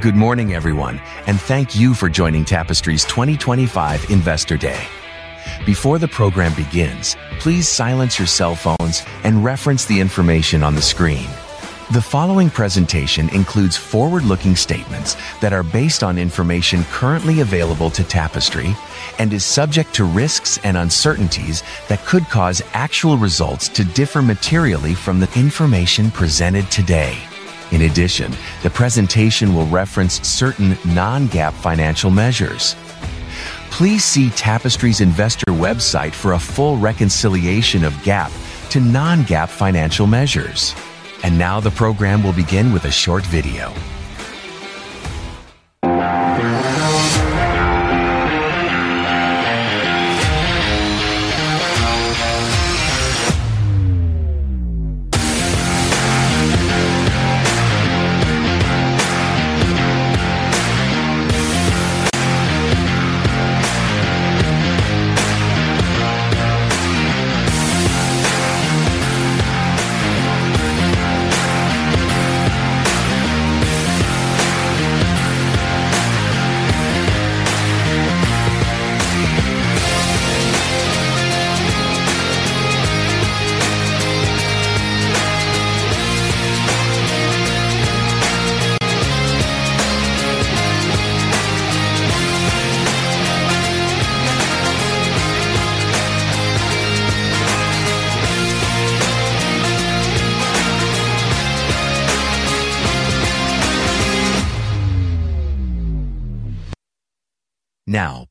Good morning, everyone, and thank you for joining Tapestry's 2025 Investor Day. Before the program begins, please silence your cell phones and reference the information on the screen. The following presentation includes forward-looking statements that are based on information currently available to Tapestry and is subject to risks and uncertainties that could cause actual results to differ materially from the information presented today. In addition, the presentation will reference certain non-GAAP financial measures. Please see Tapestry's investor website for a full reconciliation of GAAP to non-GAAP financial measures. Now, the program will begin with a short video.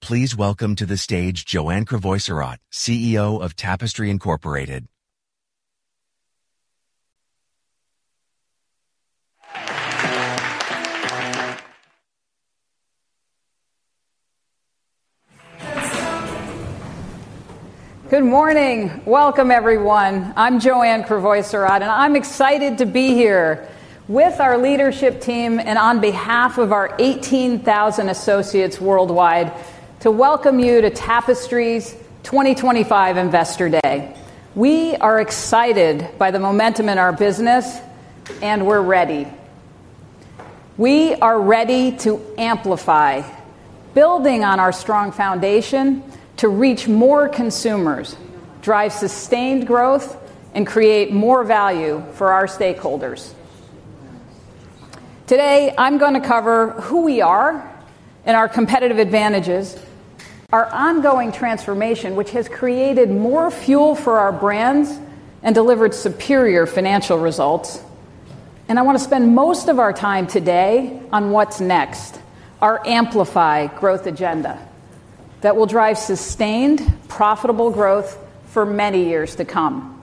Please welcome to the stage Joanne Crevoiserat, CEO of Tapestry, Inc. Good morning. Welcome, everyone. I'm Joanne Crevoiserat, and I'm excited to be here with our leadership team and on behalf of our 18,000 associates worldwide to welcome you to Tapestry's 2025 Investor Day. We are excited by the momentum in our business, and we're ready. We are ready to amplify, building on our strong foundation to reach more consumers, drive sustained growth, and create more value for our stakeholders. Today, I'm going to cover who we are and our competitive advantages, our ongoing transformation, which has created more fuel for our brands and delivered superior financial results. I want to spend most of our time today on what's next, our amplified growth agenda that will drive sustained, profitable growth for many years to come.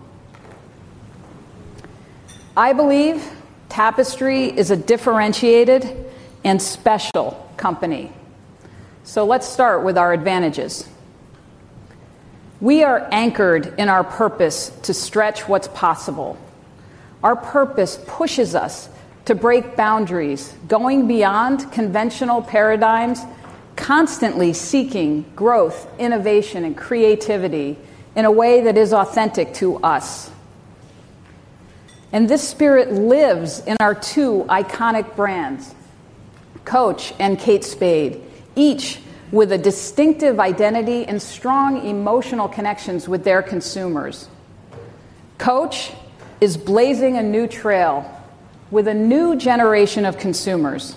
I believe Tapestry is a differentiated and special company. Let's start with our advantages. We are anchored in our purpose to stretch what's possible. Our purpose pushes us to break boundaries, going beyond conventional paradigms, constantly seeking growth, innovation, and creativity in a way that is authentic to us. This spirit lives in our two iconic brands, Coach and Kate Spade, each with a distinctive identity and strong emotional connections with their consumers. Coach is blazing a new trail with a new generation of consumers.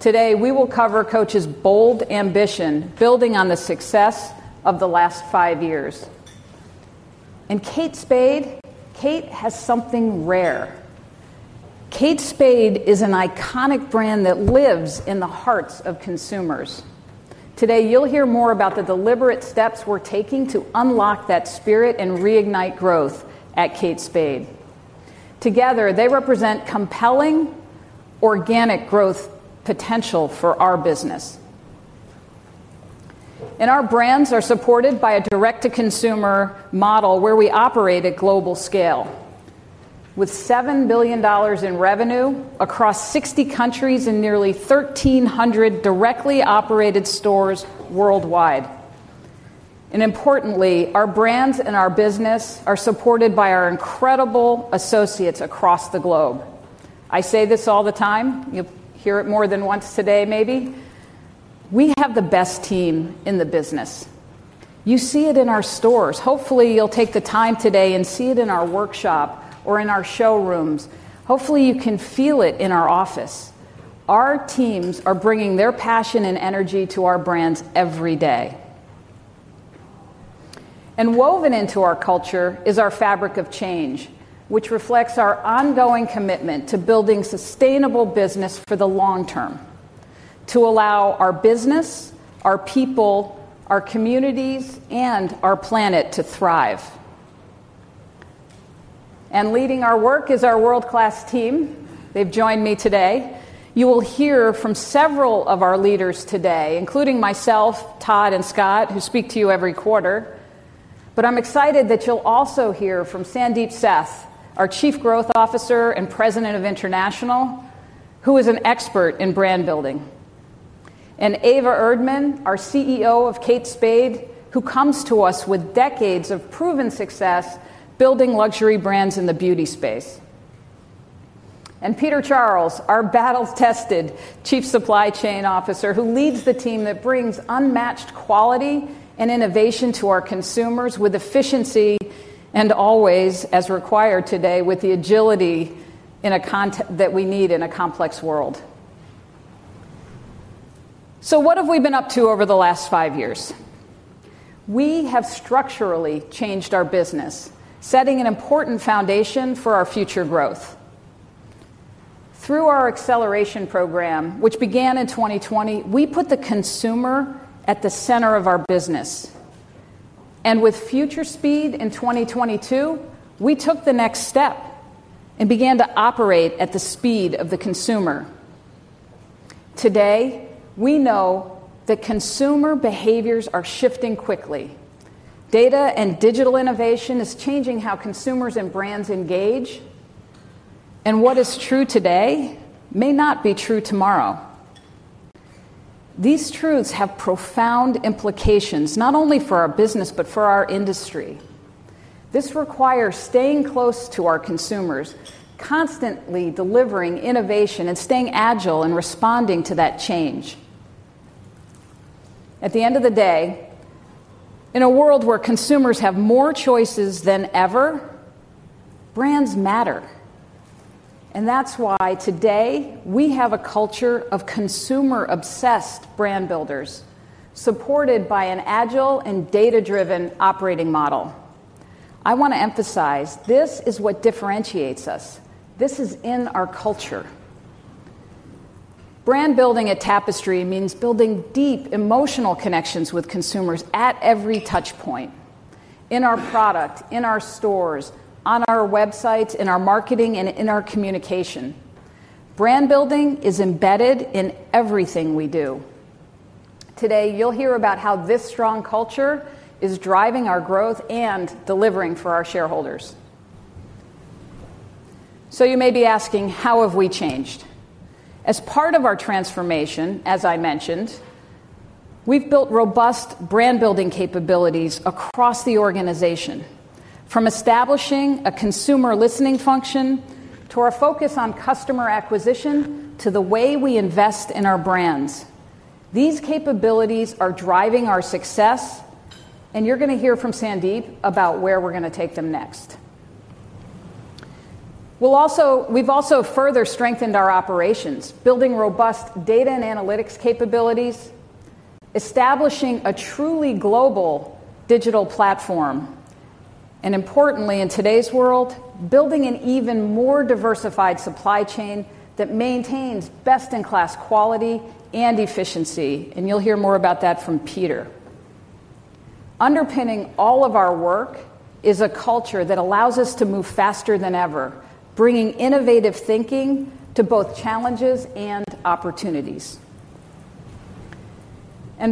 Today, we ill cover Coach's bold ambition, building on the success of the last five years. Kate Spade has something rare. Kate Spade is an iconic brand that lives in the hearts of consumers. Today, you'll hear more about the deliberate steps we're taking to unlock that spirit and reignite growth at Kate Spade. Together, they represent compelling, organic growth potential for our business. Our brands are supported by a direct-to-consumer model where we operate at global scale, with $7 billion in revenue across 60 countries and nearly 1,300 directly operated stores worldwide. Importantly, our brands and our business are supported by our incredible associates across the globe. I say this all the time. You'll hear it more than once today, maybe. We have the best team in the business. You see it in our stores. Hopefully, you'll take the time today and see it in our workshop or in our showrooms. Hopefully, you can feel it in our office. Our teams are bringing their passion and energy to our brands every day. Woven into our culture is our fabric of change, which reflects our ongoing commitment to building sustainable business for the long term, to allow our business, our people, our communities, and our planet to thrive. Leading our work is our world-class team. They've joined me today. You will hear from several of our leaders today, including myself, Todd, and Scott, who speak to you every quarter. I'm excited that you'll also hear from Sandeep Seth, our Chief Growth Officer and President of International, who is an expert in brand building, and Eva Erdmann, our CEO of Kate Spade, who comes to us with decades of proven success building luxury brands in the beauty space. Peter Charles, our battle-tested Chief Supply Chain Officer, leads the team that brings unmatched quality and innovation to our consumers with efficiency and always, as required today, with the agility that we need in a complex world. What have we been up to over the last five years? We have structurally changed our business, setting an important foundation for our future growth. Through our acceleration program, which began in 2020, we put the consumer at the center of our business. With future speed in 2022, we took the next step and began to operate at the speed of the consumer. Today, we know that consumer behaviors are shifting quickly. Data and digital innovation are changing how consumers and brands engage. What is true today may not be true tomorrow. These truths have profound implications, not only for our business but for our industry. This requires staying close to our consumers, constantly delivering innovation, and staying agile in responding to that change. At the end of the day, in a world where consumers have more choices than ever, brands matter. That's why today we have a culture of consumer-obsessed brand builders, supported by an agile and data-driven operating model. I want to emphasize this is what differentiates us. This is in our culture. Brand building at Tapestry means building deep emotional connections with consumers at every touchpoint: in our product, in our stores, on our websites, in our marketing, and in our communication. Brand building is embedded in everything we do. Today, you'll hear about how this strong culture is driving our growth and delivering for our shareholders. You may be asking, how have we changed? As part of our transformation, as I mentioned, we've built robust brand building capabilities across the organization, from establishing a consumer listening function to our focus on customer acquisition to the way we invest in our brands. These capabilities are driving our success, and you're going to hear from Sandeep about where we're going to take them next. We've also further strengthened our operations, building robust data and analytics capabilities, establishing a truly global digital platform, and, importantly, in today's world, building an even more diversified supply chain that maintains best-in-class quality and efficiency. You'll hear more about that from Peter. Underpinning all of our work is a culture that allows us to move faster than ever, bringing innovative thinking to both challenges and opportunities.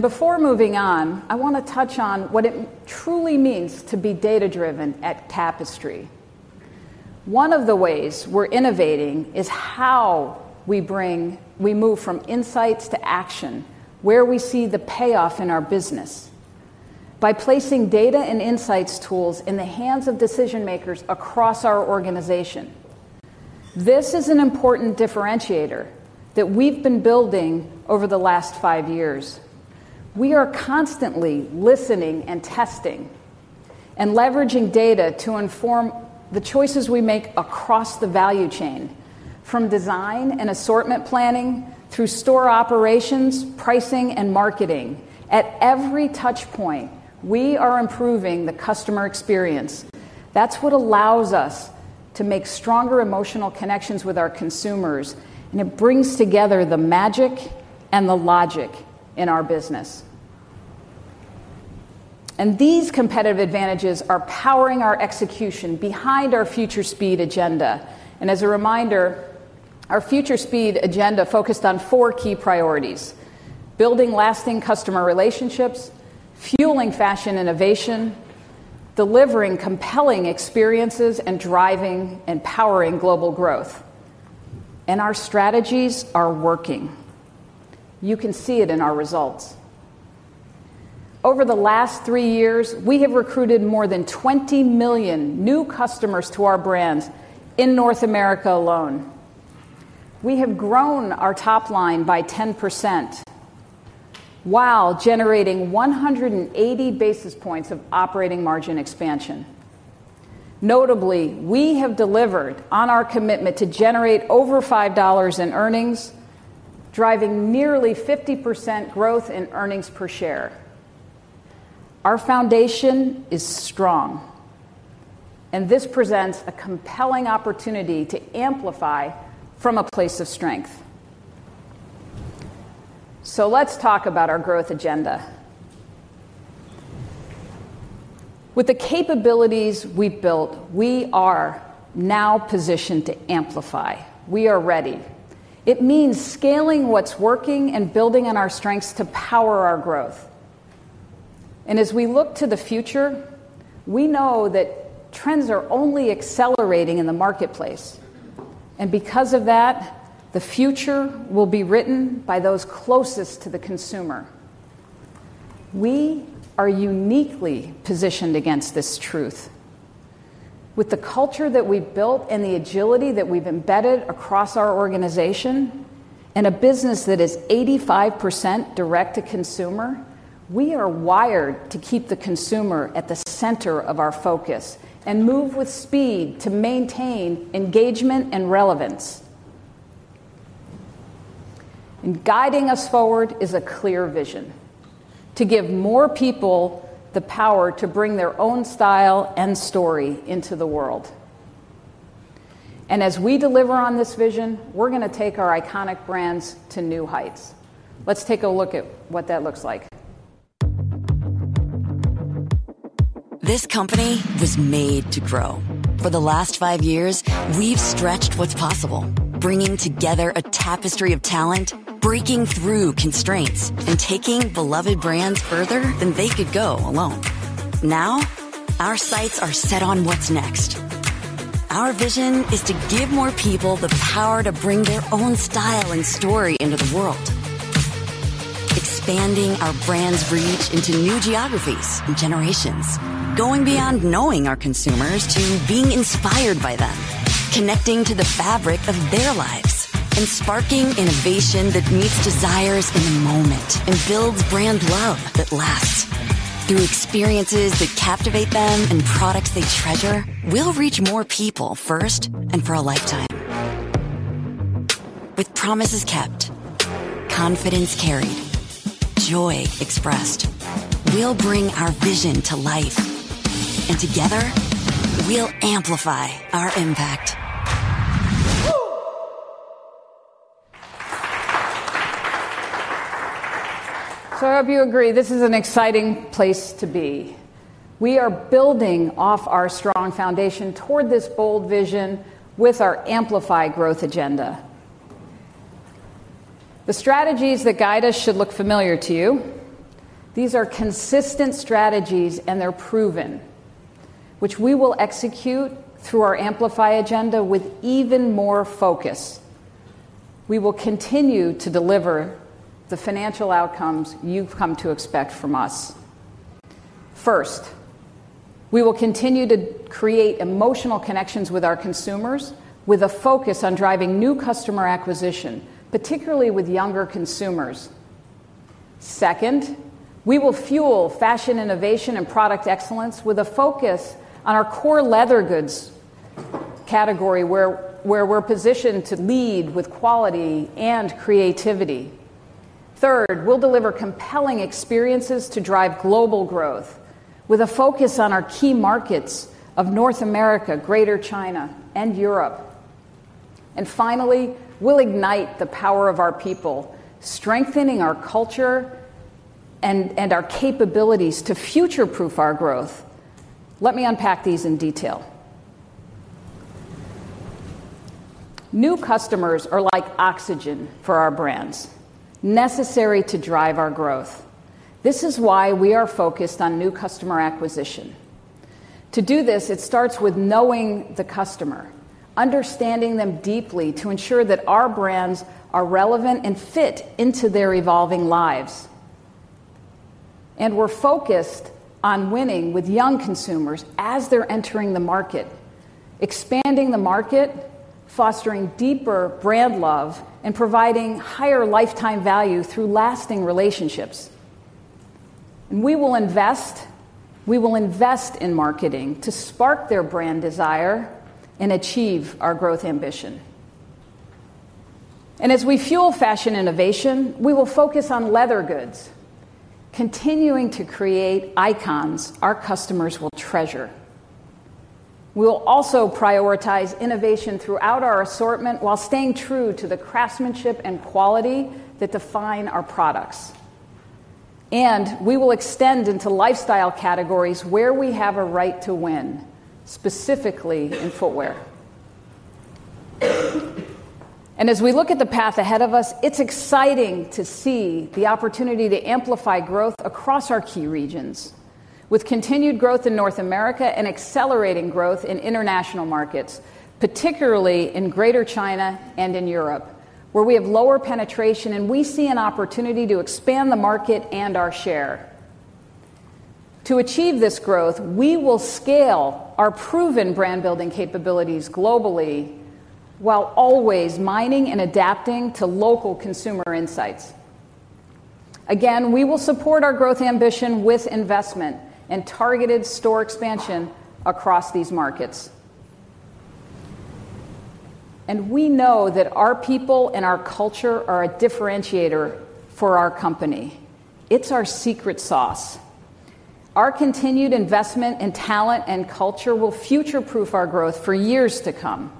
Before moving on, I want to touch on what it truly means to be data-driven at Tapestry. One of the ways we're innovating is how we move from insights to action, where we see the payoff in our business, by placing data and insights tools in the hands of decision-makers across our organization. This is an important differentiator that we've been building over the last five years. We are constantly listening and testing and leveraging data to inform the choices we make across the value chain, from design and assortment planning through store operations, pricing, and marketing. At every touchpoint, we are improving the customer experience. That's what allows us to make stronger emotional connections with our consumers, and it brings together the magic and the logic in our business. These competitive advantages are powering our execution behind our future speed agenda. As a reminder, our future speed agenda focused on four key priorities: building lasting customer relationships, fueling fashion innovation, delivering compelling experiences, and driving and powering global growth. Our strategies are working. You can see it in our results. Over the last three years, we have recruited more than 20 million new customers to our brands in North America alone. We have grown our top line by 10% while generating 180 basis points of operating margin expansion. Notably, we have delivered on our commitment to generate over $5 in earnings, driving nearly 50% growth in earnings per share. Our foundation is strong, and this presents a compelling opportunity to amplify from a place of strength. Let's talk about our growth agenda. With the capabilities we've built, we are now positioned to amplify. We are ready. It means scaling what's working and building on our strengths to power our growth. As we look to the future, we know that trends are only accelerating in the marketplace. Because of that, the future will be written by those closest to the consumer. We are uniquely positioned against this truth. With the culture that we've built and the agility that we've embedded across our organization, and a business that is 85% direct-to-consumer, we are wired to keep the consumer at the center of our focus and move with speed to maintain engagement and relevance. Guiding us forward is a clear vision: to give more people the power to bring their own style and story into the world. As we deliver on this vision, we're going to take our iconic brands to new heights. Let's take a look at what that looks like. This company was made to grow. For the last five years, we've stretched what's possible, bringing together a tapestry of talent, breaking through constraints, and taking beloved brands further than they could go alone. Now, our sights are set on what's next. Our vision is to give more people the power to bring their own style and story into the world, expanding our brand's reach into new geographies and generations, going beyond knowing our consumers to being inspired by them, connecting to the fabric of their lives, and sparking innovation that meets desires in the moment and builds brand love that lasts. Through experiences that captivate them and products they treasure, we'll reach more people first and for a lifetime. With promises kept, confidence carried, joy expressed, we'll bring our vision to life. Together, we'll amplify our impact. I hope you agree this is an exciting place to be. We are building off our strong foundation toward this bold vision with our amplified growth agenda. The strategies that guide us should look familiar to you. These are consistent strategies, and they're proven, which we will execute through our amplified agenda with even more focus. We will continue to deliver the financial outcomes you've come to expect from us. First, we will continue to create emotional connections with our consumers, with a focus on driving new customer acquisition, particularly with younger consumers. Second, we will fuel fashion innovation and product excellence with a focus on our core leather goods category, where we're positioned to lead with quality and creativity. Third, we'll deliver compelling experiences to drive global growth, with a focus on our key markets of North America, Greater China, and Europe. Finally, we'll ignite the power of our people, strengthening our culture and our capabilities to future-proof our growth. Let me unpack these in detail. New customers are like oxygen for our brands, necessary to drive our growth. This is why we are focused on new customer acquisition. To do this, it starts with knowing the customer, understanding them deeply to ensure that our brands are relevant and fit into their evolving lives. We're focused on winning with young consumers as they're entering the market, expanding the market, fostering deeper brand love, and providing higher lifetime value through lasting relationships. We will invest in marketing to spark their brand desire and achieve our growth ambition. As we fuel fashion innovation, we will focus on leather goods, continuing to create icons our customers will treasure. We'll also prioritize innovation throughout our assortment while staying true to the craftsmanship and quality that define our products. We will extend into lifestyle categories where we have a right to win, specifically in footwear. As we look at the path ahead of us, it's exciting to see the opportunity to amplify growth across our key regions, with continued growth in North America and accelerating growth in international markets, particularly in Greater China and in Europe, where we have lower penetration and we see an opportunity to expand the market and our share. To achieve this growth, we will scale our proven brand building capabilities globally while always mining and adapting to local consumer insights. Again, we will support our growth ambition with investment and targeted store expansion across these markets. We know that our people and our culture are a differentiator for our company. It's our secret sauce. Our continued investment in talent and culture will future-proof our growth for years to come.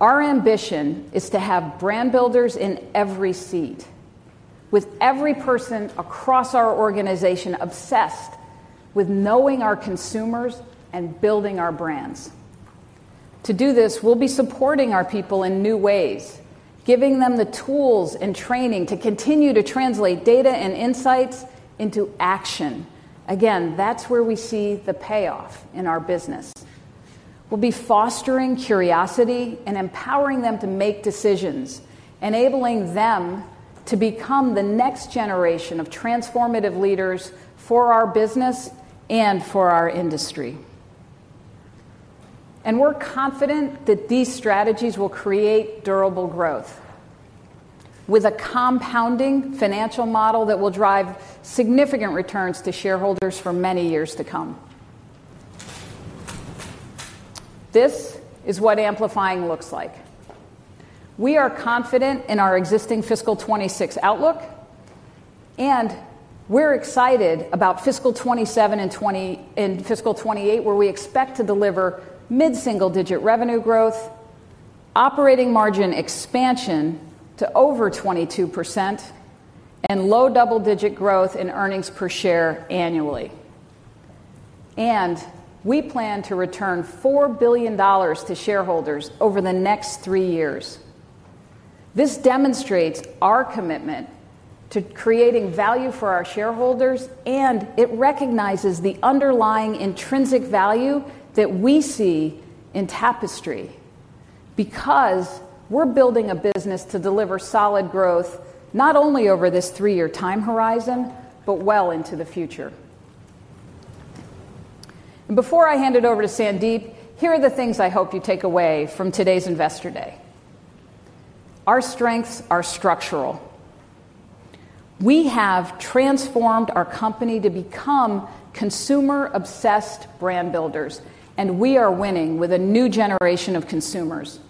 Our ambition is to have brand builders in every seat, with every person across our organization obsessed with knowing our consumers and building our brands. To do this, we'll be supporting our people in new ways, giving them the tools and training to continue to translate data and insights into action. That's where we see the payoff in our business. We'll be fostering curiosity and empowering them to make decisions, enabling them to become the next generation of transformative leaders for our business and for our industry. We're confident that these strategies will create durable growth, with a compounding financial model that will drive significant returns to shareholders for many years to come. This is what amplifying looks like. We are confident in our existing fiscal 2026 outlook, and we're excited about fiscal 2027 and fiscal 2028, where we expect to deliver mid-single-digit revenue growth, operating margin expansion to over 22%, and low double-digit growth in earnings per share annually. We plan to return $4 billion to shareholders over the next three years. This demonstrates our commitment to creating value for our shareholders, and it recognizes the underlying intrinsic value that we see in Tapestry because we're building a business to deliver solid growth, not only over this three-year time horizon but well into the future. Before I hand it over to Sandeep, here are the things I hope you take away from today's Investor Day. Our strengths are structural. We have transformed our company to become consumer-obsessed brand builders, and we are winning with a new generation of consumers.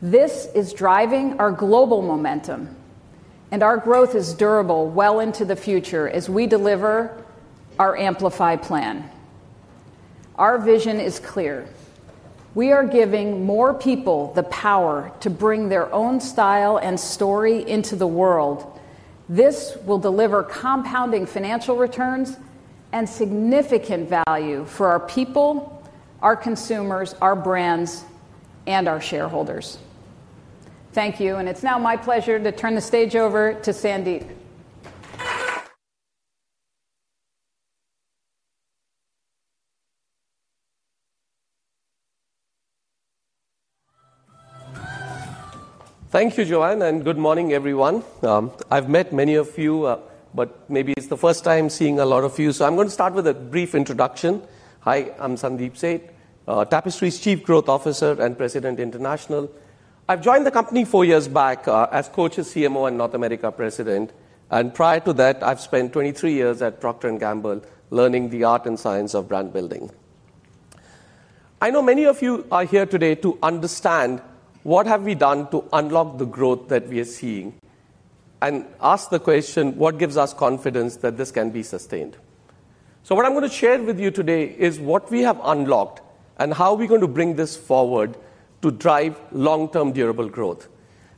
This is driving our global momentum, and our growth is durable well into the future as we deliver our amplified plan. Our vision is clear. We are giving more people the power to bring their own style and story into the world. This will deliver compounding financial returns and significant value for our people, our consumers, our brands, and our shareholders. Thank you, and it's now my pleasure to turn the stage over to Sandeep. Thank you, Joanne, and good morning, everyone. I've met many of you, but maybe it's the first time seeing a lot of you. I'm going to start with a brief introduction. Hi, I'm Sandeep Seth, Tapestry's Chief Growth Officer and President International. I've joined the company four years back as Coach's CMO and North America President. Prior to that, I've spent 23 years at Procter & Gamble learning the art and science of brand building. I know many of you are here today to understand what have we done to unlock the growth that we are seeing and ask the question, what gives us confidence that this can be sustained? What I'm going to share with you today is what we have unlocked and how we're going to bring this forward to drive long-term durable growth.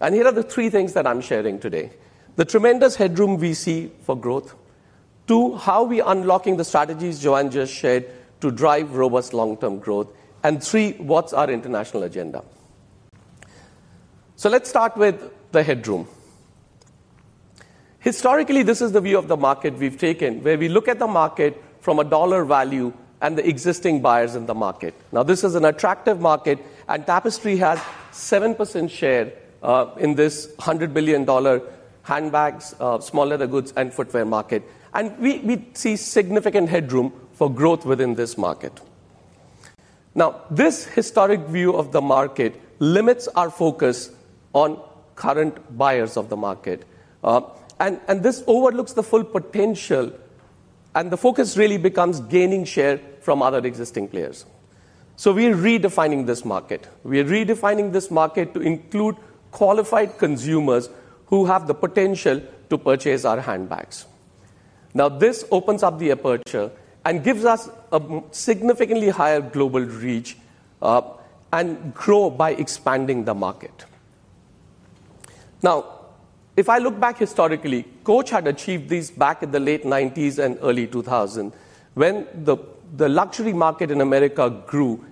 Here are the three things that I'm sharing today: the tremendous headroom we see for growth, two, how we're unlocking the strategies Joanne just shared to drive robust long-term growth, and three, what's our international agenda. Let's start with the headroom. Historically, this is the view of the market we've taken, where we look at the market from a dollar value and the existing buyers in the market. This is an attractive market, and Tapestry has a 7% share in this $100 billion handbags, small leather goods, and footwear market. We see significant headroom for growth within this market. This historic view of the market limits our focus on current buyers of the market. This overlooks the full potential, and the focus really becomes gaining share from other existing players. We're redefining this market. We're redefining this market to include qualified consumers who have the potential to purchase our handbags. This opens up the aperture and gives us a significantly higher global reach and growth by expanding the market. If I look back historically, Coach had achieved this back in the late 1990s and early 2000s when the luxury market in America grew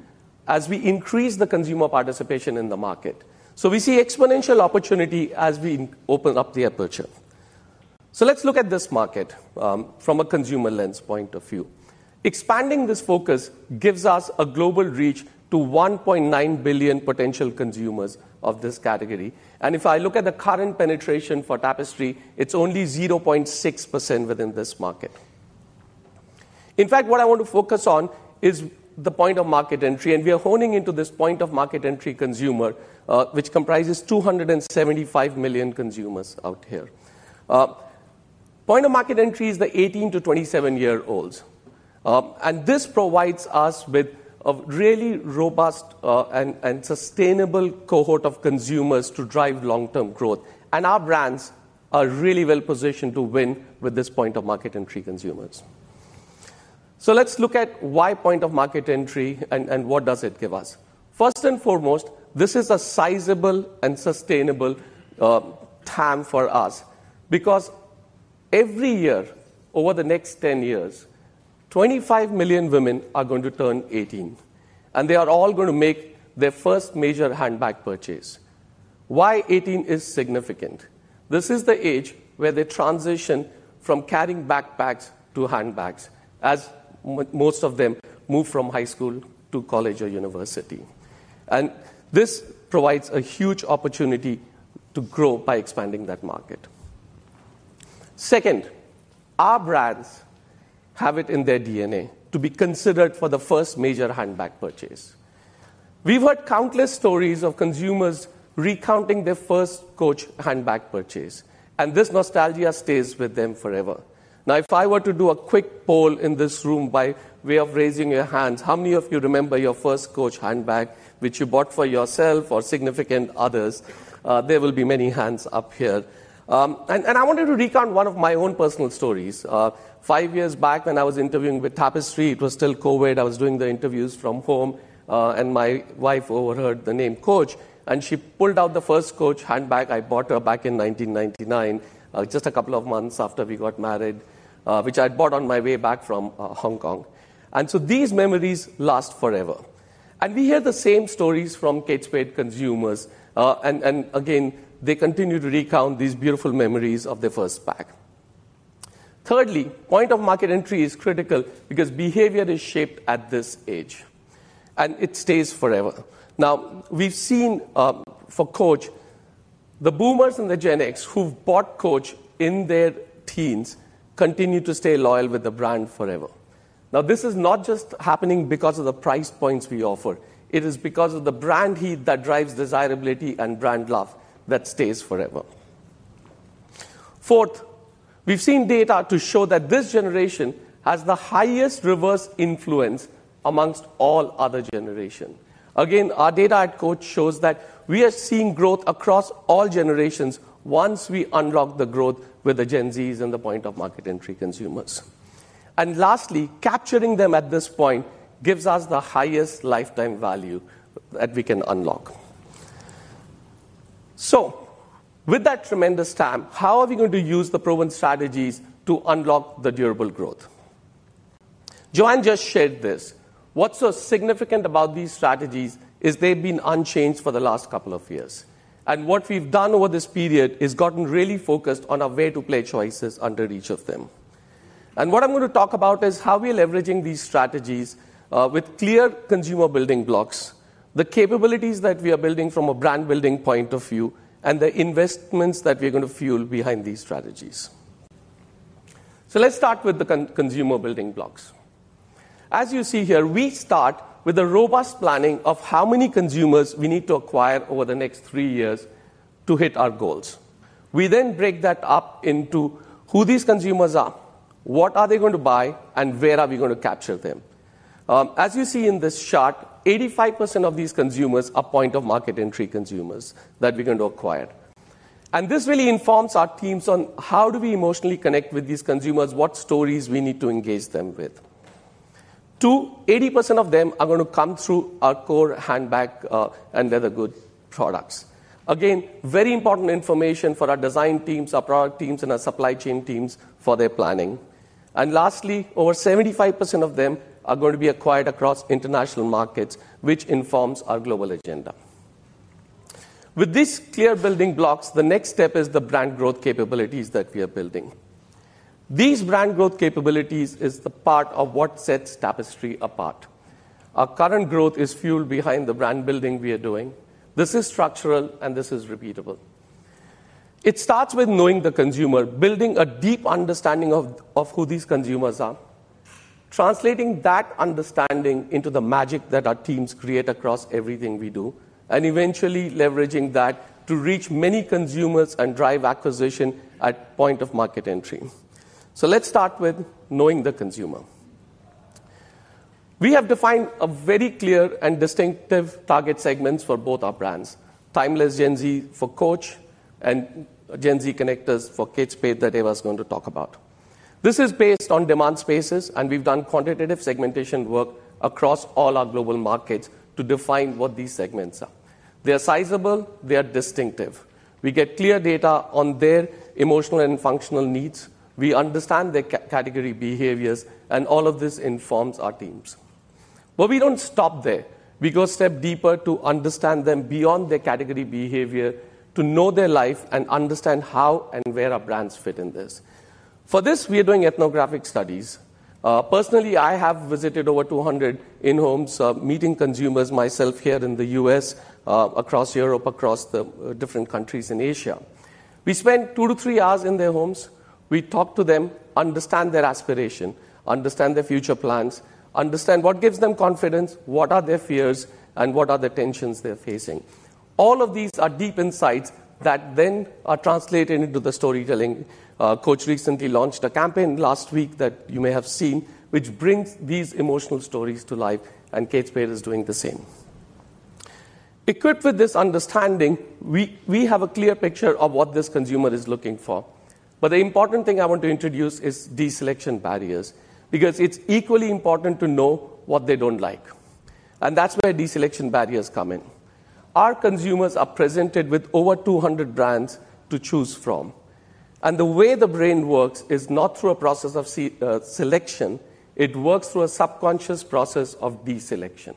as we increased the consumer participation in the market. We see exponential opportunity as we open up the aperture. Let's look at this market from a consumer lens point of view. Expanding this focus gives us a global reach to 1.9 billion potential consumers of this category. If I look at the current penetration for Tapestry, it's only 0.6% within this market. In fact, what I want to focus on is the point of market entry. We are honing into this point of market entry consumer, which comprises 275 million consumers out here. Point of market entry is the 18 to 27-year-olds. This provides us with a really robust and sustainable cohort of consumers to drive long-term growth. Our brands are really well positioned to win with this point of market entry consumers. Let's look at why point of market entry and what does it give us. First and foremost, this is a sizable and sustainable time for us because every year over the next 10 years, 25 million women are going to turn 18, and they are all going to make their first major handbag purchase. Why 18 is significant? This is the age where they transition from carrying backpacks to handbags as most of them move from high school to college or university. This provides a huge opportunity to grow by expanding that market. Second, our brands have it in their DNA to be considered for the first major handbag purchase. We've heard countless stories of consumers recounting their first Coach handbag purchase, and this nostalgia stays with them forever. If I were to do a quick poll in this room by way of raising your hands, how many of you remember your first Coach handbag, which you bought for yourself or significant others? There will be many hands up here. I wanted to recount one of my own personal stories. Five years back, when I was interviewing with Tapestry, it was still COVID. I was doing the interviews from home, and my wife overheard the name Coach, and she pulled out the first Coach handbag I bought her back in 1999, just a couple of months after we got married, which I had bought on my way back from Hong Kong. These memories last forever. We hear the same stories from Kate Spade consumers. They continue to recount these beautiful memories of the first bag. Thirdly, point of market entry is critical because behavior is shaped at this age, and it stays forever. We've seen for Coach, the Boomers and the Gen X who've bought Coach in their teens continue to stay loyal with the brand forever. This is not just happening because of the price points we offer. It is because of the brand heat that drives desirability and brand love that stays forever. Fourth, we've seen data to show that this generation has the highest reverse influence amongst all other generations. Again, our data at Coach shows that we are seeing growth across all generations once we unlock the growth with the Gen Zs and the point of market entry consumers. Lastly, capturing them at this point gives us the highest lifetime value that we can unlock. With that tremendous time, how are we going to use the proven strategies to unlock the durable growth? Joanne just shared this. What's so significant about these strategies is they've been unchanged for the last couple of years. What we've done over this period has gotten really focused on our way to play choices under each of them. What I'm going to talk about is how we are leveraging these strategies with clear consumer building blocks, the capabilities that we are building from a brand building point of view, and the investments that we're going to fuel behind these strategies. Let's start with the consumer building blocks. As you see here, we start with a robust planning of how many consumers we need to acquire over the next three years to hit our goals. We then break that up into who these consumers are, what are they going to buy, and where are we going to capture them. As you see in this chart, 85% of these consumers are point of market entry consumers that we're going to acquire. This really informs our teams on how do we emotionally connect with these consumers, what stories we need to engage them with. Two, 80% of them are going to come through our core handbag and leather goods products. This is very important information for our design teams, our product teams, and our supply chain teams for their planning. Lastly, over 75% of them are going to be acquired across international markets, which informs our global agenda. With these clear building blocks, the next step is the brand growth capabilities that we are building. These brand growth capabilities are the part of what sets Tapestry apart. Our current growth is fueled behind the brand building we are doing. This is structural, and this is repeatable. It starts with knowing the consumer, building a deep understanding of who these consumers are, translating that understanding into the magic that our teams create across everything we do, and eventually leveraging that to reach many consumers and drive acquisition at point of market entry. Let's start with knowing the consumer. We have defined very clear and distinctive target segments for both our brands: timeless Gen Z for Coach and Gen Z connectors for Kate Spade that Eva is going to talk about. This is based on demand spaces, and we've done quantitative segmentation work across all our global markets to define what these segments are. They are sizable. They are distinctive. We get clear data on their emotional and functional needs. We understand their category behaviors, and all of this informs our teams. We don't stop there. We go a step deeper to understand them beyond their category behavior, to know their life, and understand how and where our brands fit in this. For this, we are doing ethnographic studies. Personally, I have visited over 200 in-homes, meeting consumers myself here in the U.S., across Europe, across the different countries in Asia. We spend two to three hours in their homes. We talk to them, understand their aspiration, understand their future plans, understand what gives them confidence, what are their fears, and what are the tensions they're facing. All of these are deep insights that then are translated into the storytelling. Coach recently launched a campaign last week that you may have seen, which brings these emotional stories to life, and Kate Spade is doing the same. Equipped with this understanding, we have a clear picture of what this consumer is looking for. The important thing I want to introduce is deselection barriers because it's equally important to know what they don't like. That's where deselection barriers come in. Our consumers are presented with over 200 brands to choose from. The way the brain works is not through a process of selection. It works through a subconscious process of deselection.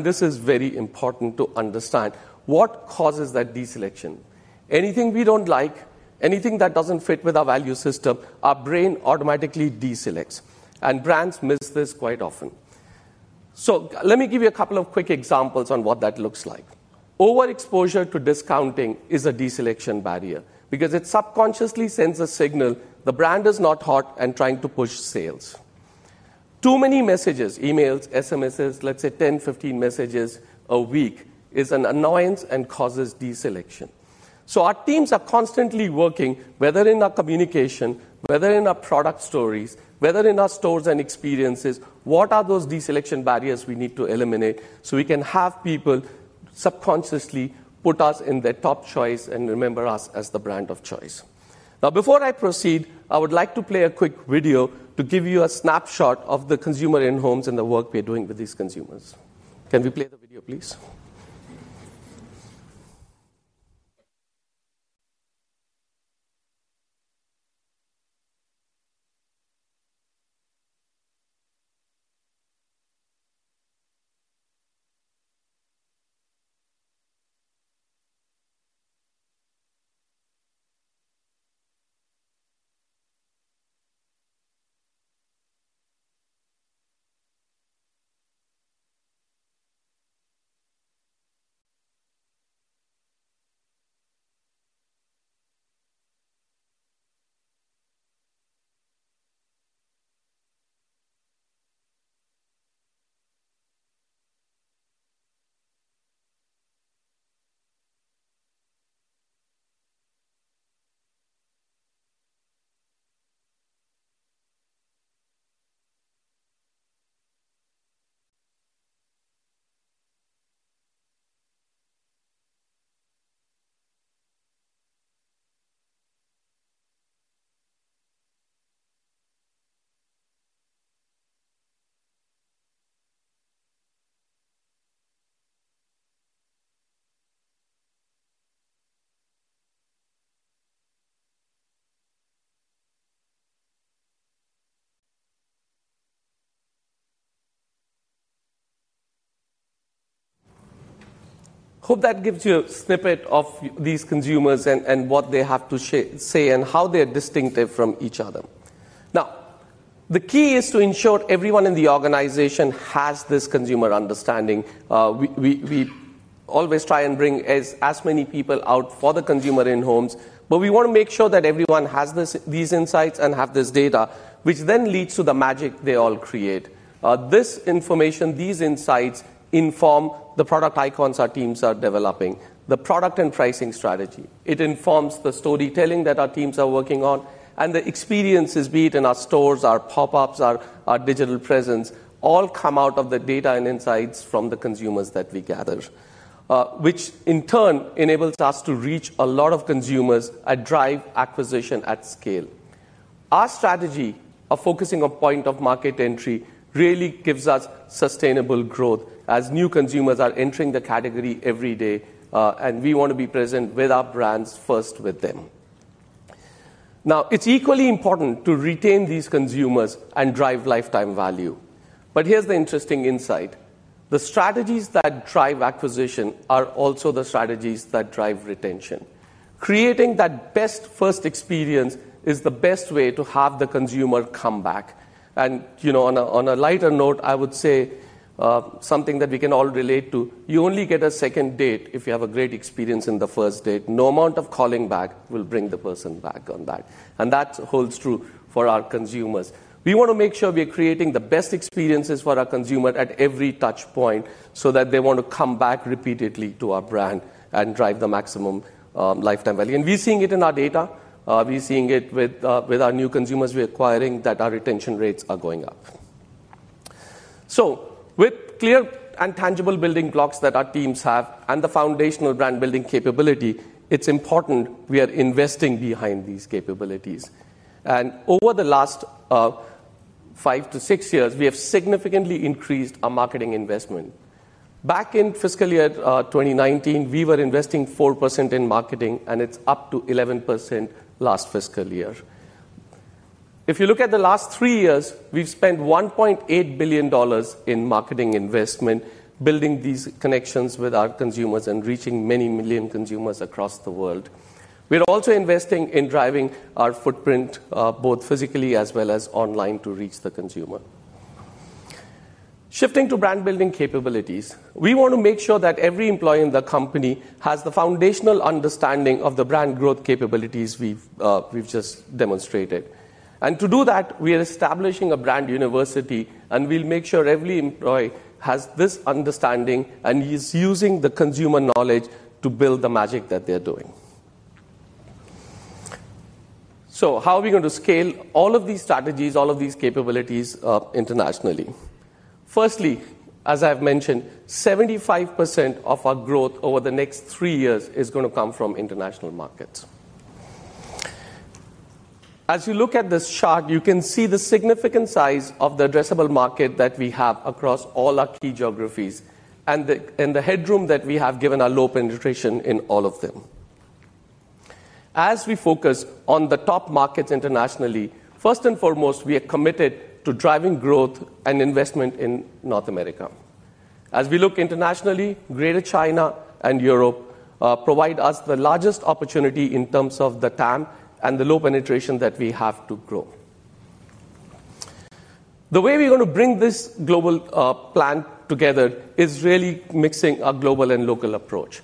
This is very important to understand what causes that deselection. Anything we don't like, anything that doesn't fit with our value system, our brain automatically deselects. Brands miss this quite often. Let me give you a couple of quick examples on what that looks like. Overexposure to discounting is a deselection barrier because it subconsciously sends a signal the brand is not hot and trying to push sales. Too many messages, emails, SMSs, let's say 10, 15 messages a week, are an annoyance and cause deselection. Our teams are constantly working, whether in our communication, whether in our product stories, whether in our stores and experiences, to identify those deselection barriers we need to eliminate so we can have people subconsciously put us in their top choice and remember us as the brand of choice. Before I proceed, I would like to play a quick video to give you a snapshot of the consumer in-homes and the work we're doing with these consumers. Can we play the video, please? Hope that gives you a snippet of these consumers and what they have to say and how they're distinctive from each other. The key is to ensure everyone in the organization has this consumer understanding. We always try and bring as many people out for the consumer in-homes, but we want to make sure that everyone has these insights and has this data, which then leads to the magic they all create. This information, these insights inform the product icons our teams are developing, the product and pricing strategy. It informs the storytelling that our teams are working on, and the experiences, be it in our stores, our pop-ups, our digital presence, all come out of the data and insights from the consumers that we gather, which in turn enables us to reach a lot of consumers and drive acquisition at scale. Our strategy of focusing on point of market entry really gives us sustainable growth as new consumers are entering the category every day, and we want to be present with our brands first with them. It's equally important to retain these consumers and drive lifetime value. Here's the interesting insight: the strategies that drive acquisition are also the strategies that drive retention. Creating that best first experience is the best way to have the consumer come back. On a lighter note, I would say something that we can all relate to: you only get a second date if you have a great experience in the first date. No amount of calling back will bring the person back on that. That holds true for our consumers. We want to make sure we are creating the best experiences for our consumer at every touchpoint so that they want to come back repeatedly to our brand and drive the maximum lifetime value. We're seeing it in our data. We're seeing it with our new consumers we're acquiring that our retention rates are going up. With clear and tangible building blocks that our teams have and the foundational brand building capability, it's important we are investing behind these capabilities. Over the last five to six years, we have significantly increased our marketing investment. Back in fiscal year 2019, we were investing 4% in marketing, and it's up to 11% last fiscal year. If you look at the last three years, we've spent $1.8 billion in marketing investment, building these connections with our consumers and reaching many million consumers across the world. We're also investing in driving our footprint both physically as well as online to reach the consumer. Shifting to brand building capabilities, we want to make sure that every employee in the company has the foundational understanding of the brand growth capabilities we've just demonstrated. To do that, we are establishing a brand university, and we'll make sure every employee has this understanding and is using the consumer knowledge to build the magic that they're doing. How are we going to scale all of these strategies, all of these capabilities internationally? Firstly, as I've mentioned, 75% of our growth over the next three years is going to come from international markets. As you look at this chart, you can see the significant size of the addressable market that we have across all our key geographies and the headroom that we have given our low penetration in all of them. As we focus on the top markets internationally, first and foremost, we are committed to driving growth and investment in North America. As we look internationally, Greater China and Europe provide us the largest opportunity in terms of the time and the low penetration that we have to grow. The way we're going to bring this global plan together is really mixing a global and local approach.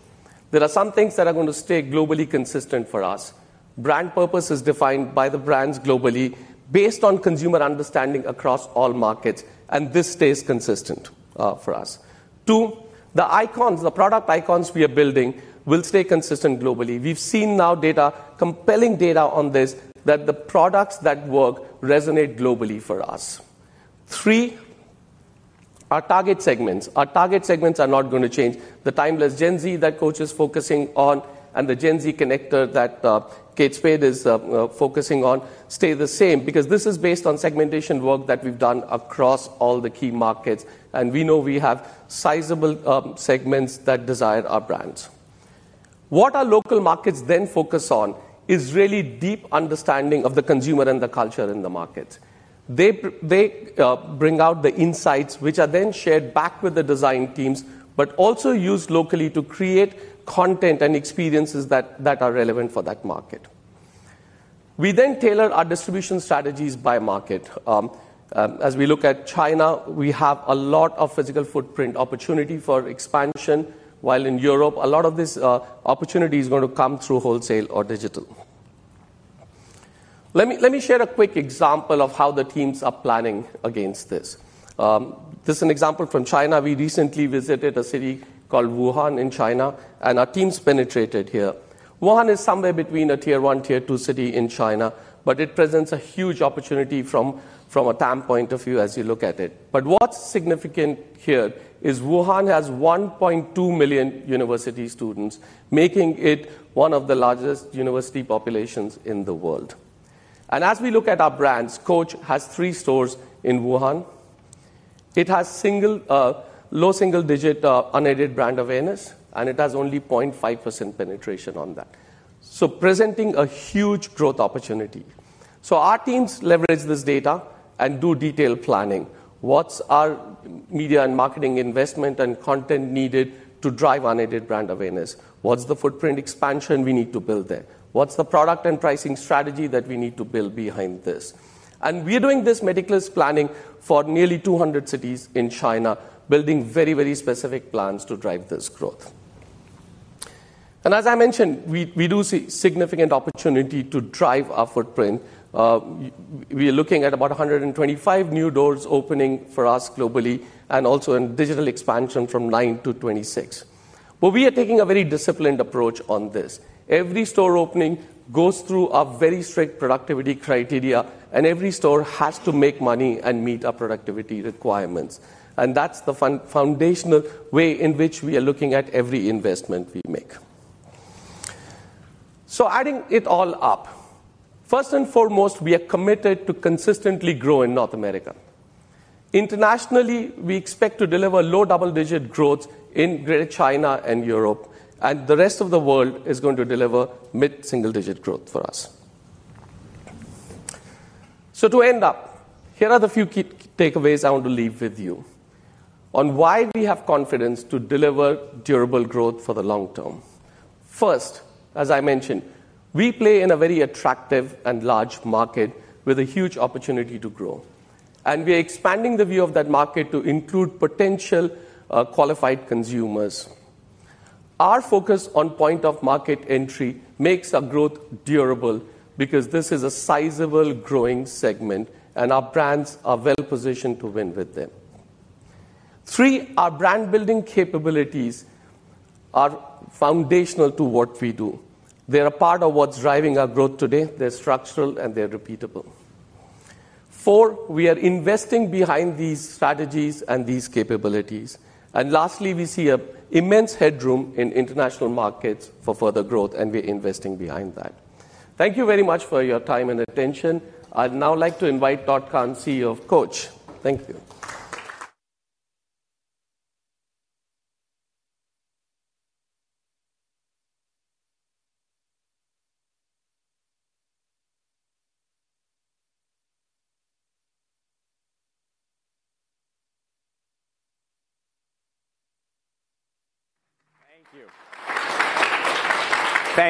There are some things that are going to stay globally consistent for us. Brand purpose is defined by the brands globally based on consumer understanding across all markets, and this stays consistent for us. The product icons we are building will stay consistent globally. We've seen now data, compelling data on this, that the products that work resonate globally for us. Our target segments are not going to change. The timeless Gen Z that Coach is focusing on and the Gen Z connector that Kate Spade is focusing on stay the same because this is based on segmentation work that we've done across all the key markets. We know we have sizable segments that desire our brands. What our local markets then focus on is really deep understanding of the consumer and the culture in the markets. They bring out the insights, which are then shared back with the design teams, but also used locally to create content and experiences that are relevant for that market. We then tailor our distribution strategies by market. As we look at China, we have a lot of physical footprint opportunity for expansion, while in Europe, a lot of this opportunity is going to come through wholesale or digital. Let me share a quick example of how the teams are planning gainst this. This is an example from China. We recently visited a city called Wuhan in China, and our teams penetrated here. Wuhan is somewhere between a tier one, tier two city in China, but it presents a huge opportunity from a time point of view as you look at it. What's significant here is Wuhan has 1.2 million university students, making it one of the largest university populations in the world. As we look at our brands, Coach has three stores in Wuhan. It has low single-digit unaided brand awareness, and it has only 0.5% penetration on that, presenting a huge growth opportunity. Our teams leverage this data and do detailed planning. What's our media and marketing investment and content needed to drive unaided brand awareness? What's the footprint expansion we need to build there? What's the product and pricing strategy that we need to build behind this? We're doing this meticulous planning for nearly 200 cities in China, building very, very specific plans to drive this growth. As I mentioned, we do see significant opportunity to drive our footprint. We are looking at about 125 new doors opening for us globally and also in digital expansion from 9 to 26. We are taking a very disciplined approach on this. Every store opening goes through our very strict productivity criteria, and every store has to make money and meet our productivity requirements. That's the foundational way in which we are looking at every investment we make. Adding it all up, first and foremost, we are committed to consistently grow in North America. Internationally, we expect to deliver low double-digit growth in Greater China and Europe, and the rest of the world is going to deliver mid-single-digit growth for us. To end up, here are the few key takeaways I want to leave with you on why we have confidence to deliver durable growth for the long term. First, as I mentioned, we play in a very attractive and large market with a huge opportunity to grow, and we are expanding the view of that market to include potential qualified consumers. Our focus on point of market entry makes our growth durable because this is a sizable growing segment, and our brands are well positioned to win with them. Three, our brand building capabilities are foundational to what we do. They're a part of what's driving our growth today. They're structural, and they're repeatable. Four, we are investing behind these strategies and these capabilities. Lastly, we see an immense headroom in international markets for further growth, and we're investing behind that. Thank you very much for your time and attention. I'd now like to invite Todd Kahn, CEO of Coach. Thank you. Thank you.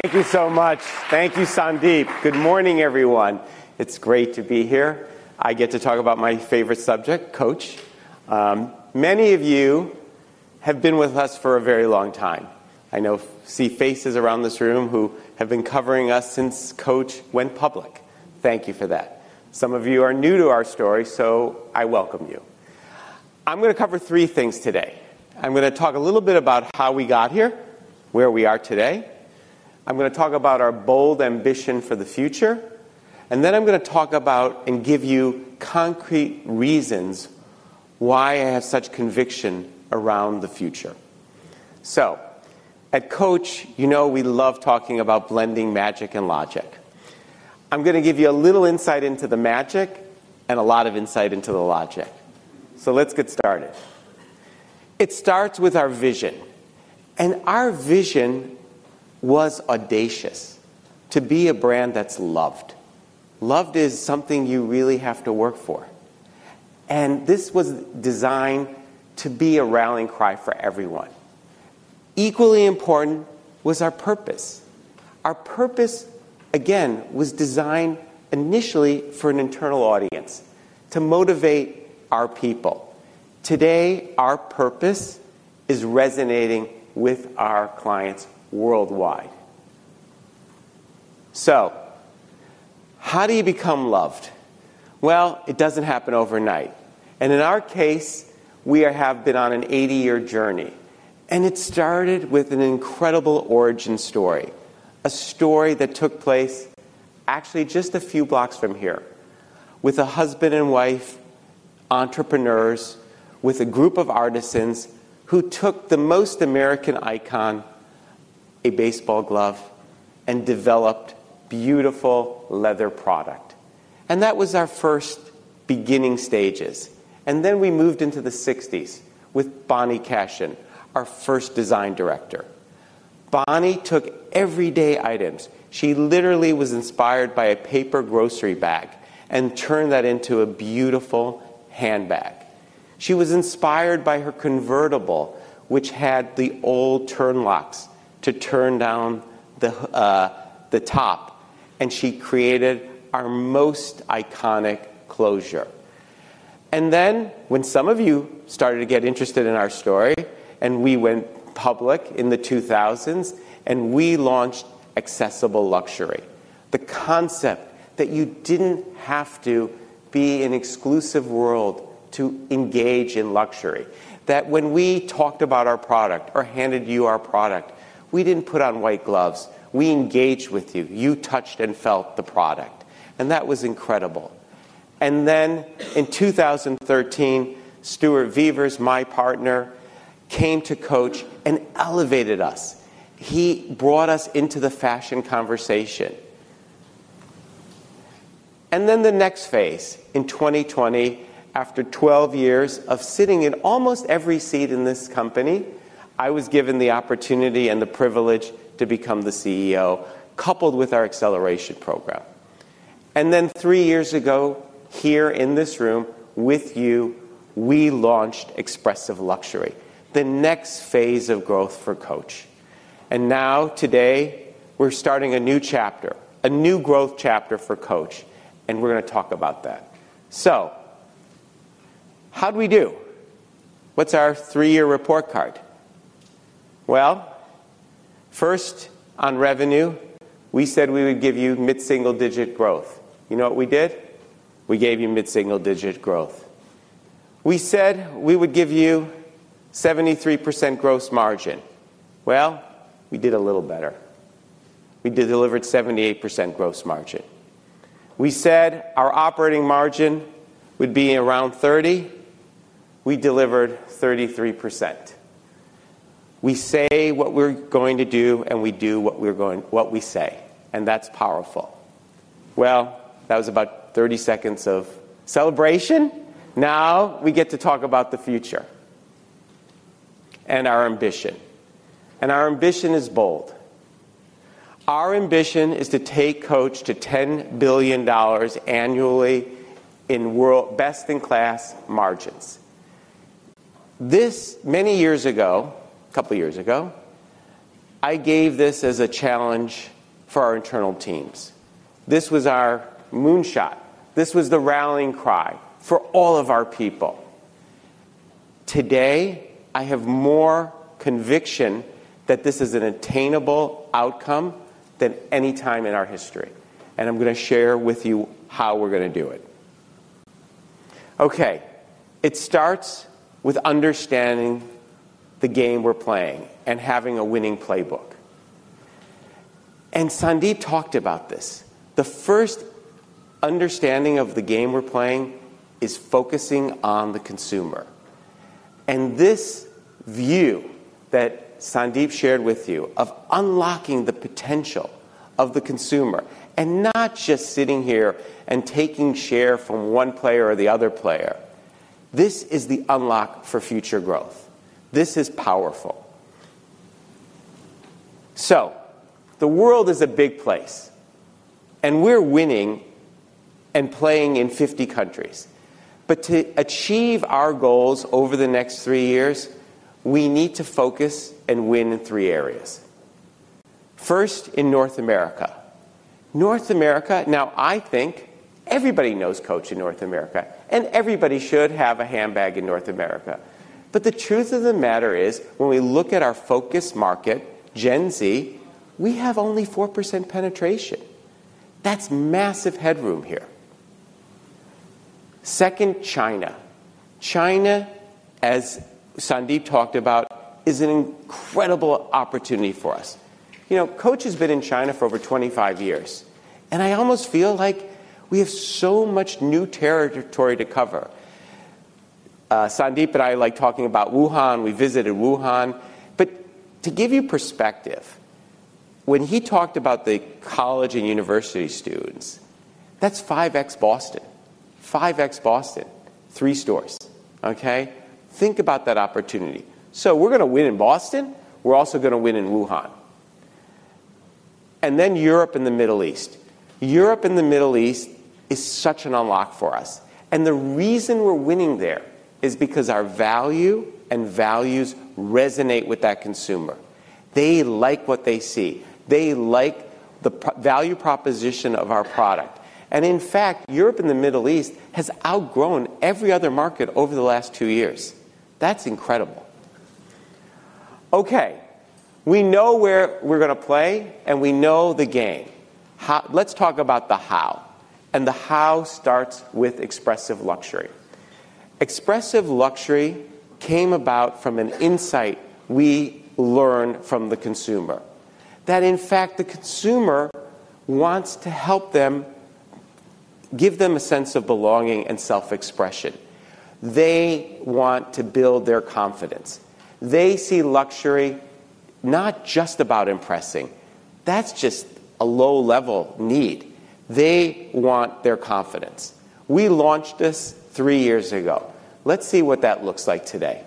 Thank you so much. Thank you, Sandeep. Good morning, everyone. It's great to be here. I get to talk about my favorite subject, Coach. Many of you have been with us for a very long time. I know I see faces around this room who have been covering us since Coach went public. Thank you for that. Some of you are new to our story, so I welcome you. I'm going to cover three things today. I'm going to talk a little bit about how we got here, where we are today. I'm going to talk about our bold ambition for the future. Then I'm going to talk about and give you concrete reasons why I have such conviction around the future. At Coach, you know we love talking about blending magic and logic. I'm going to give you a little insight into the magic and a lot of insight into the logic. Let's get started. It starts with our vision. Our vision was audacious to be a brand that's loved. Loved is something you really have to work for. This was designed to be a rallying cry for everyone. Equally important was our purpose. Our purpose, again, was designed initially for an internal audience to motivate our people. Today, our purpose is resonating with our clients worldwide. How do you become loved? It doesn't happen overnight. In our case, we have been on an 80-year journey. It started with an incredible origin story, a story that took place actually just a few blocks from here with a husband and wife, entrepreneurs, with a group of artisans who took the most American icon, a baseball glove, and developed a beautiful leather product. That was our first beginning stages. We moved into the 1960s with Bonnie Cashin, our first design director. Bonnie took everyday items. She literally was inspired by a paper grocery bag and turned that into a beautiful handbag. She was inspired by her convertible, which had the old turn locks to turn down the top. She created our most iconic closure. When some of you started to get interested in our story, we went public in the 2000s, and we launched Accessible Luxury, the concept that you didn't have to be in an exclusive world to engage in luxury, that when we talked about our product or handed you our product, we didn't put on white gloves. We engaged with you. You touched and felt the product. That was incredible. In 2013, Stuart Vevers, my partner, came to Coach and elevated us. He brought us into the fashion conversation. Then the next phase in 2020, after 12 years of sitting in almost every seat in this company, I was given the opportunity and the privilege to become the CEO, coupled with our acceleration program. Three years ago, here in this room with you, we launched Expressive Luxury, the next phase of growth for Coach. Now today, we're starting a new chapter, a new growth chapter for Coach, and we're going to talk about that. How did we do? What's our three-year report card? First, on revenue, we said we would give you mid-single-digit growth. You know what we did? We gave you mid-single-digit growth. We said we would give you 73% gross margin. We did a little better. We delivered 78% gross margin. We said our operating margin would be around 30%. We delivered 33%. We say what we're going to do, and we do what we're going to say. That's powerful. That was about 30 seconds of celebration. Now we get to talk about the future and our ambition. Our ambition is bold. Our ambition is to take Coach to $10 billion annually in world best-in-class margins. A couple of years ago, I gave this as a challenge for our internal teams. This was our moonshot. This was the rallying cry for all of our people. Today, I have more conviction that this is an attainable outcome than any time in our history, and I'm going to share with you how we're going to do it. It starts with understanding the game we're playing and having a winning playbook. Sandeep talked about this. The first understanding of the game we're playing is focusing on the consumer. This view that Sandeep shared with you of unlocking the potential of the consumer and not just sitting here and taking share from one player or the other player, this is the unlock for future growth. This is powerful. The world is a big place, and we're winning and playing in 50 countries. To achieve our goals over the next three years, we need to focus and win in three areas. First, in North America. North America, now I think everybody knows Coach in North America, and everybody should have a handbag in North America. The truth of the matter is, when we look at our focus market, Gen Z, we have only 4% penetration. That's massive headroom here. Second, China. China, as Sandeep talked about, is an incredible opportunity for us. Coach has been in China for over 25 years, and I almost feel like we have so much new territory to cover. Sandeep and I like talking about Wuhan. We visited Wuhan. To give you perspective, when he talked about the college and university students, that's 5X Boston. 5X Boston, three stores. OK, think about that opportunity. We are going to win in Boston. We are also going to win in Wuhan. Europe and the Middle East. Europe and the Middle East is such an unlock for us. The reason we're winning there is because our value and values resonate with that consumer. They like what they see. They like the value proposition of our product. In fact, Europe and the Middle East have outgrown every other market over the last two years. That's incredible. We know where we're going to play, and we know the game. Let's talk about the how. The how starts with Expressive Luxury. Expressive Luxury came about from an insight we learned from the consumer, that in fact, the consumer wants to help them give them a sense of belonging and self-expression. They want to build their confidence. They see luxury not just about impressing. That's just a low-level need. They want their confidence. We launched this three years ago. Let's see what that looks like today.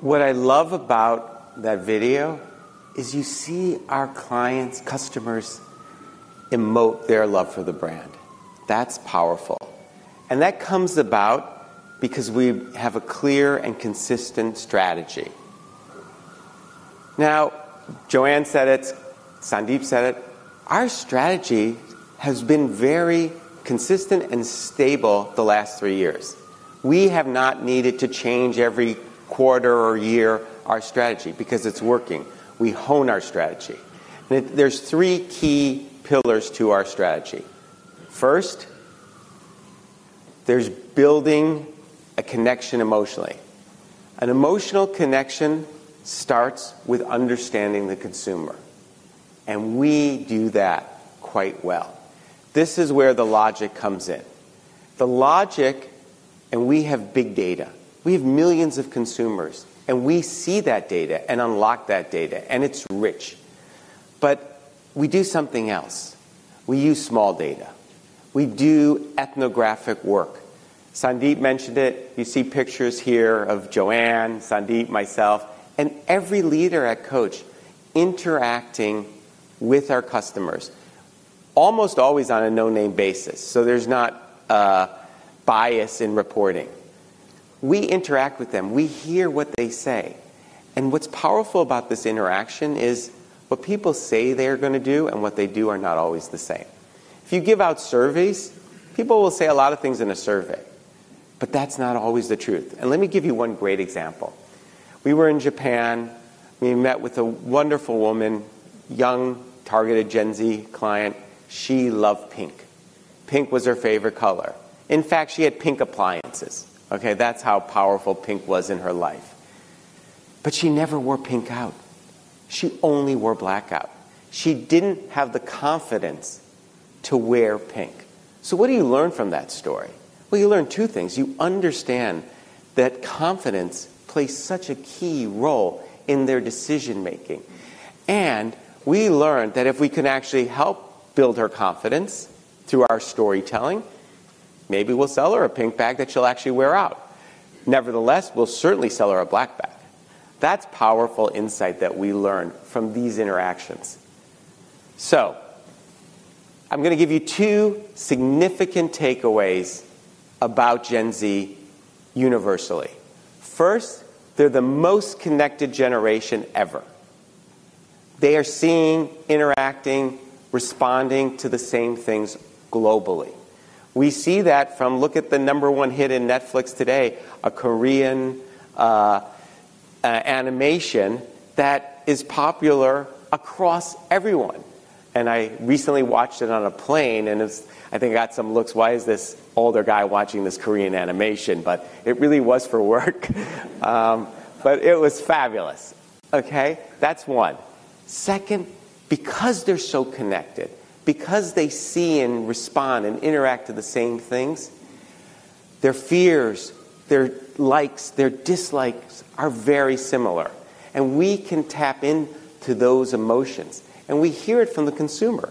What I love about that video is you see our clients, customers emote their love for the brand. That's powerful. That comes about because we have a clear and consistent strategy. Now, Joanne said it. Sandeep said it. Our strategy has been very consistent and stable the last three years. We have not needed to change every quarter or year our strategy because it's working. We hone our strategy. There are three key pillars to our strategy. First, there's building a connection emotionally. An emotional connection starts with understanding the consumer. We do that quite well. This is where the logic comes in. The logic, and we have big data. We have millions of consumers, and we see that data and unlock that data, and it's rich. We do something else. We use small data. We do ethnographic work. Sandeep mentioned it. You see pictures here of Joanne, Sandeep, myself, and every leader at Coach interacting with our customers, almost always on a no-name basis. There is not a bias in reporting. We interact with them. We hear what they say. What's powerful about this interaction is what people say they're going to do and what they do are not always the same. If you give out surveys, people will say a lot of things in a survey. That's not always the truth. Let me give you one great example. We were in Japan. We met with a wonderful woman, young, targeted Gen Z client. She loved pink. Pink was her favorite color. In fact, she had pink appliances. That's how powerful pink was in her life. She never wore pink out. She only wore black out. She didn't have the confidence to wear pink. What do you learn from that story? You learn two things. You understand that confidence plays such a key role in their decision-making. We learned that if we can actually help build her confidence through our storytelling, maybe we'll sell her a pink bag that she'll actually wear out. Nevertheless, we'll certainly sell her a black bag. That's powerful insight that we learn from these interactions. I'm going to give you two significant takeaways about Gen Z universally. First, they're the most connected generation ever. They are seeing, interacting, responding to the same things globally. We see that from, look at the number one hit in Netflix today, a Korean animation that is popular across everyone. I recently watched it on a plane, and I think I got some looks. Why is this older guy watching this Korean animation? It really was for work. It was fabulous. That's one. Second, because they're so connected, because they see and respond and interact to the same things, their fears, their likes, their dislikes are very similar. We can tap into those emotions. We hear it from the consumer.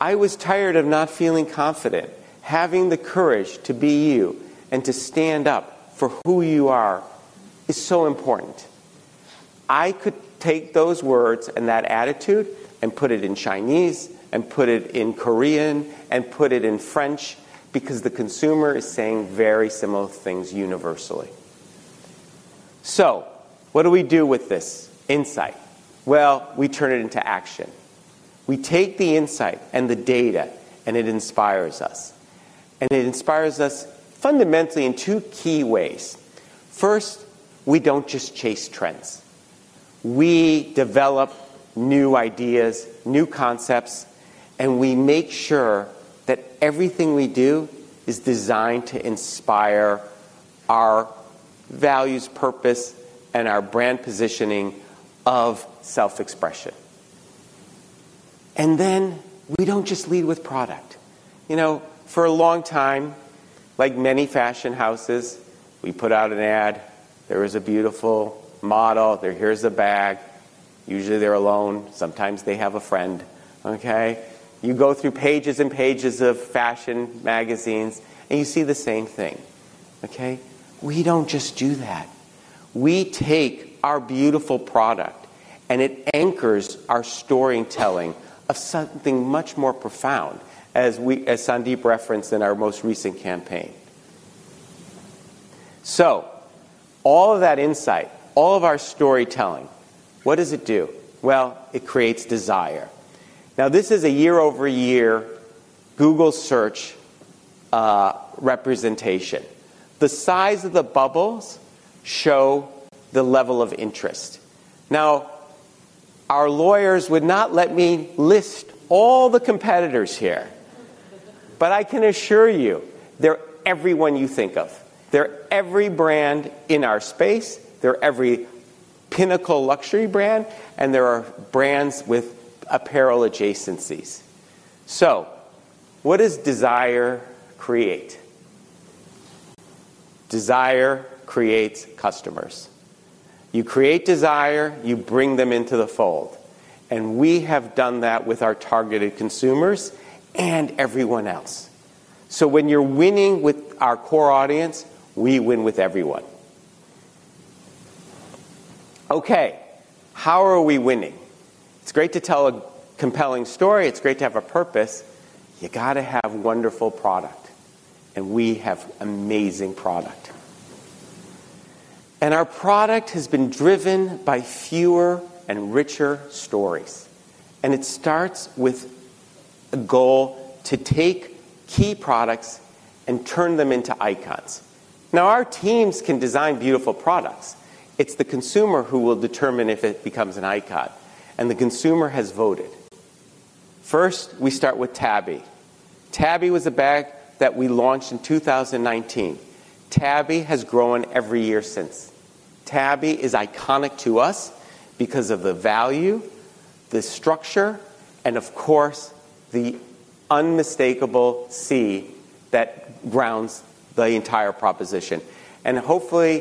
I was tired of not feeling confident. Having the courage to be you and to stand up for who you are is so important. I could take those words and that attitude and put it in Chinese and put it in Korean and put it in French because the consumer is saying very similar things universally. What do we do with this insight? We turn it into action. We take the insight and the data, and it inspires us. It inspires us fundamentally in two key ways. First, we don't just chase trends. We develop new ideas, new concepts, and we make sure that everything we do is designed to inspire our values, purpose, and our brand positioning of self-expression. Then we don't just lead with product. You know, for a long time, like many fashion houses, we put out an ad. There is a beautiful model. There here's a bag. Usually, they're alone. Sometimes they have a friend. You go through pages and pages of fashion magazines, and you see the same thing. We don't just do that. We take our beautiful product, and it anchors our storytelling of something much more profound, as Sandeep referenced in our most recent campaign. All of that insight, all of our storytelling, what does it do? It creates desire. This is a year-over-year Google search representation. The size of the bubbles shows the level of interest. Our lawyers would not let me list all the competitors here. I can assure you, they're everyone you think of. They're every brand in our space. They're every pinnacle luxury brand. There are brands with apparel adjacencies. What does desire create? Desire creates customers. You create desire. You bring them into the fold. We have done that with our targeted consumers and everyone else. When you're winning with our core audience, we win with everyone. How are we winning? It's great to tell a compelling story. It's great to have a purpose. You got to have a wonderful product. We have an amazing product. Our product has been driven by fewer and richer stories. It starts with a goal to take key products and turn them into icons. Our teams can design beautiful products. It's the consumer who will determine if it becomes an icon. The consumer has voted. First, we start with Tabby. Tabby was a bag that we launched in 2019. Tabby has grown every year since. Tabby is iconic to us because of the value, the structure, and of course, the unmistakable C that rounds the entire proposition. Hopefully,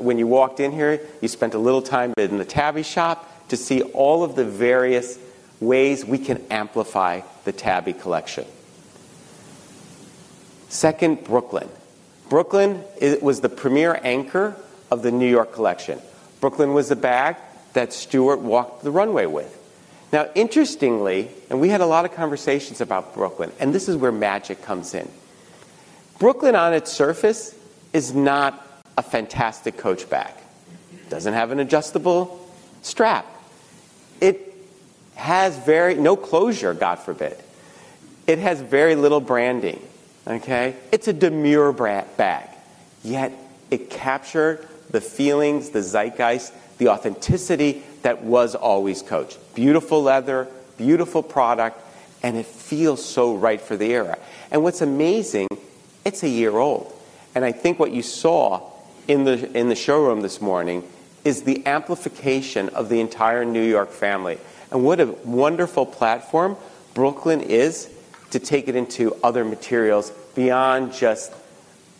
when you walked in here, you spent a little time in the Tabby shop to see all of the various ways we can amplify the Tabby Collection. Second, Brooklyn. Brooklyn was the premier anchor of the New York collection. Brooklyn was the bag that Stuart walked the runway with. Interestingly, we had a lot of conversations about Brooklyn, and this is where magic comes in. Brooklyn, on its surface, is not a fantastic Coach bag. It doesn't have an adjustable strap. It has very no closure, God forbid. It has very little branding. It's a demure bag. Yet it captured the feelings, the zeitgeist, the authenticity that was always Coach. Beautiful leather, beautiful product, and it feels so right for the era. What's amazing, it's a year old. I think what you saw in the showroom this morning is the amplification of the entire New York family. What a wonderful platform Brooklyn is to take it into other materials beyond just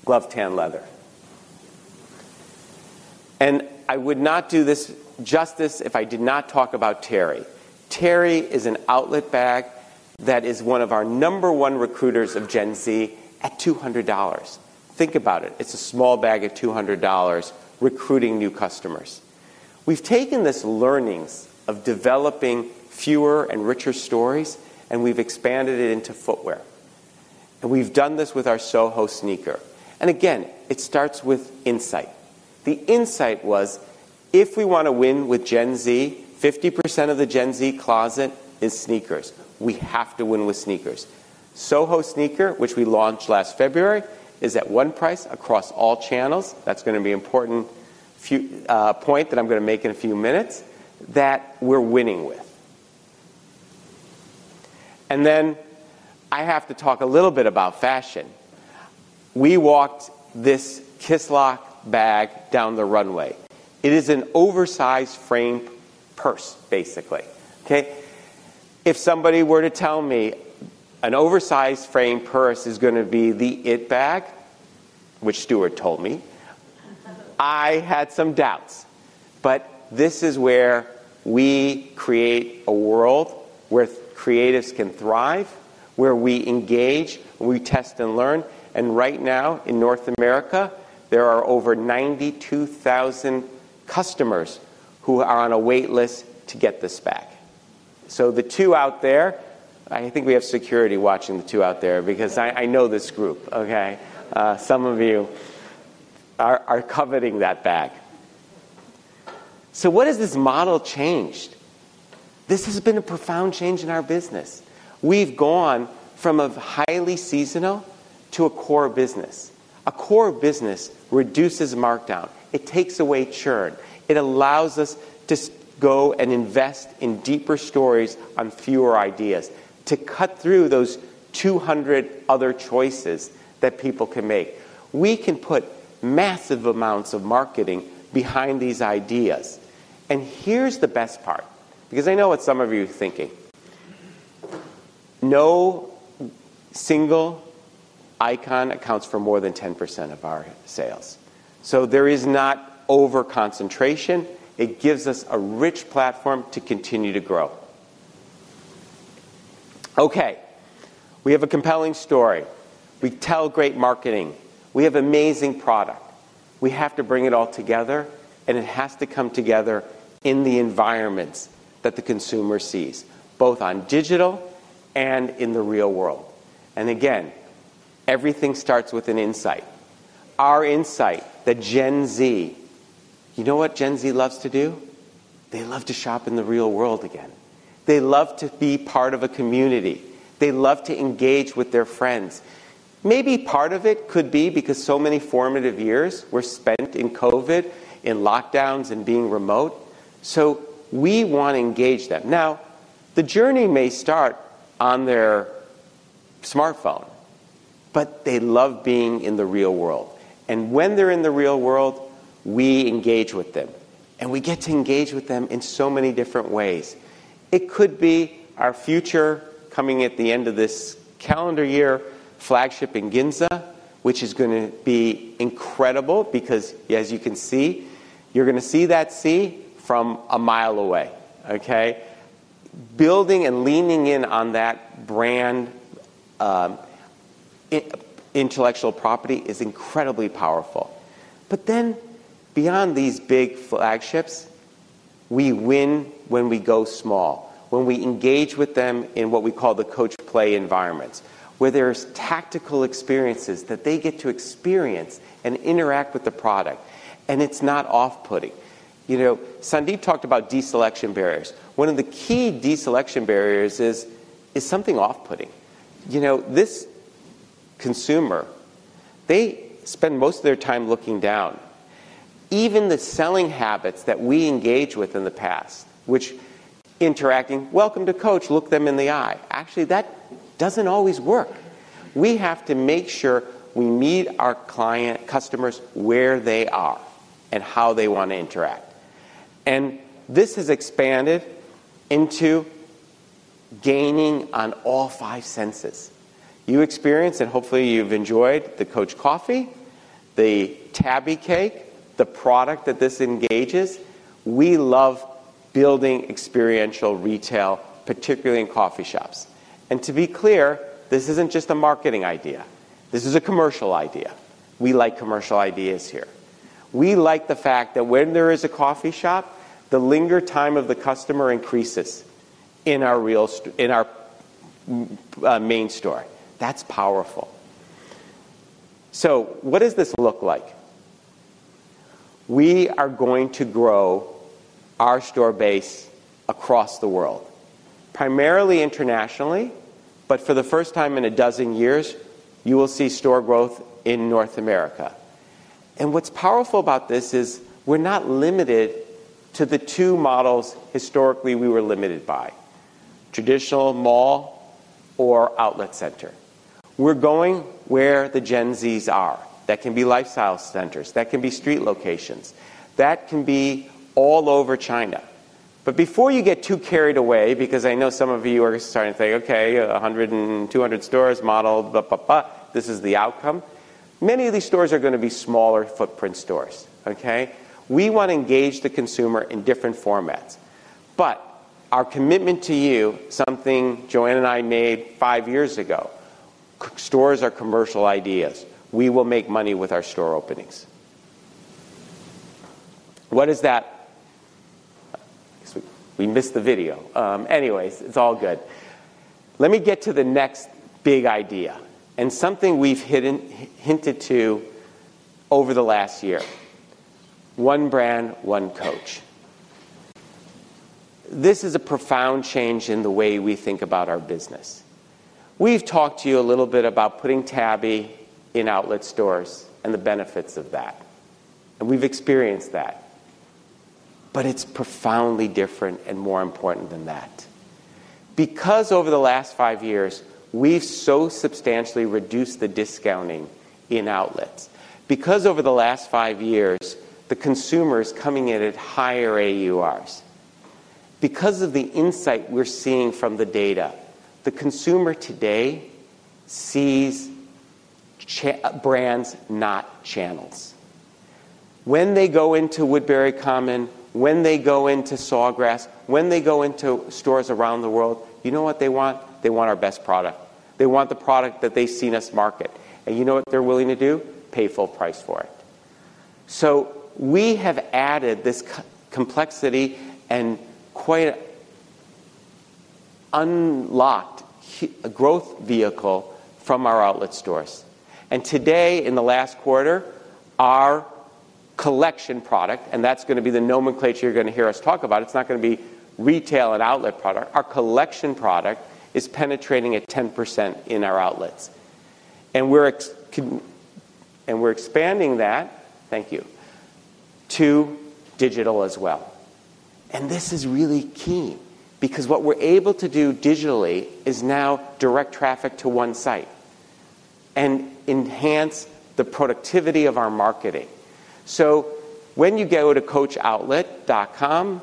glove-tanned leather. I would not do this justice if I did not talk about Teri Teri is an outlet bag that is one of our number one recruiters of Gen Z at $200. Think about it. It's a small bag at $200 recruiting new customers. We've taken this learning of developing fewer and richer stories, and we've expanded it into footwear. We've done this with our Soho sneaker. It starts with insight. The insight was, if we want to win with Gen Z, 50% of the Gen Z closet is sneakers. We have to win with sneakers. Soho sneaker, which we launched last February, is at one price across all channels. That is going to be an important point that I'm going to make in a few minutes that we're winning with. I have to talk a little bit about fashion. We walked this Kisslock bag down the runway. It is an oversized frame purse, basically. If somebody were to tell me an oversized frame purse is going to be the it bag, which Stuart told me, I had some doubts. This is where we create a world where creatives can thrive, where we engage, and we test and learn. Right now, in North America, there are over 92,000 customers who are on a waitlist to get this bag. The two out there, I think we have security watching the two out there because I know this group. Some of you are coveting that bag. What has this model changed? This has been a profound change in our business. We've gone from a highly seasonal to a core business. A core business reduces markdown. It takes away churn. It allows us to go and invest in deeper stories on fewer ideas to cut through those 200 other choices that people can make. We can put massive amounts of marketing behind these ideas. Here is the best part, because I know what some of you are thinking. No single icon accounts for more than 10% of our sales. There is not overconcentration. It gives us a rich platform to continue to grow. Have a compelling story. We tell great marketing. We have amazing product. We have to bring it all together, and it has to come together in the environments that the consumer sees, both on digital and in the real world. Everything starts with an insight. Our insight that Gen Z, you know what Gen Z loves to do? They love to shop in the real world again. They love to be part of a community. They love to engage with their friends. Maybe part of it could be because so many formative years were spent in COVID, in lockdowns, and being remote. We want to engage them. Now, the journey may start on their smartphone, but they love being in the real world. When they're in the real world, we engage with them. We get to engage with them in so many different ways. It could be our future coming at the end of this calendar year, flagship in Ginza, which is going to be incredible because, as you can see, you're going to see that sea from a mile away. Building and leaning in on that brand intellectual property is incredibly powerful. Beyond these big flagships, we win when we go small, when we engage with them in what we call the Coach Play environments, where there are tactical experiences that they get to experience and interact with the product. It's not off-putting. Sandeep talked about deselection barriers. One of the key deselection barriers is something off-putting. This consumer, they spend most of their time looking down. Even the selling habits that we engage with in the past, which interacting, welcome to Coach, look them in the eye. Actually, that doesn't always work. We have to make sure we meet our client customers where they are and how they want to interact. This has expanded into gaining on all five senses. You experienced, and hopefully you've enjoyed, the Coach coffee, the Tabby cake, the product that this engages. We love building experiential retail, particularly in coffee shops. To be clear, this isn't just a marketing idea. This is a commercial idea. We like commercial ideas here. We like the fact that when there is a coffee shop, the linger time of the customer increases in our main store. That's powerful. What does this look like? We are going to grow our store base across the world, primarily internationally, but for the first time in a dozen years, you will see store growth in North America. What's powerful about this is we're not limited to the two models historically we were limited by: traditional mall or outlet center. We're going where the Gen Zs are. That can be lifestyle centers. That can be street locations. That can be all over China. Before you get too carried away, because I know some of you are starting to think, okay, 100 and 200 stores model, blah, blah, blah, this is the outcome. Many of these stores are going to be smaller footprint stores. We want to engage the consumer in different formats. Our commitment to you, something Joanne and I made five years ago, stores are commercial ideas. We will make money with our store openings. What is that? We missed the video. Anyways, it's all good. Let me get to the next big idea and something we've hinted to over the last year. One brand, one Coach. This is a profound change in the way we think about our business. We've talked to you a little bit about putting Tabby in outlet stores and the benefits of that. We've experienced that. It's profoundly different and more important than that. Over the last five years, we've so substantially reduced the discounting in outlets. Over the last five years, the consumer is coming in at higher AURs. Because of the insight we're seeing from the data, the consumer today sees brands, not channels. When they go into Woodbury Common, when they go into Sawgrass, when they go into stores around the world, you know what they want? They want our best product. They want the product that they've seen us market. You know what they're willing to do? Pay full price for it. We have added this complexity and quite unlocked a growth vehicle from our outlet stores. In the last quarter, our collection product, and that's going to be the nomenclature you're going to hear us talk about, it's not going to be retail and outlet product. Our collection product is penetrating at 10% in our outlets. We're expanding that, thank you, to digital as well. This is really key because what we're able to do digitally is now direct traffic to one site and enhance the productivity of our marketing. When you go to coachoutlet.com,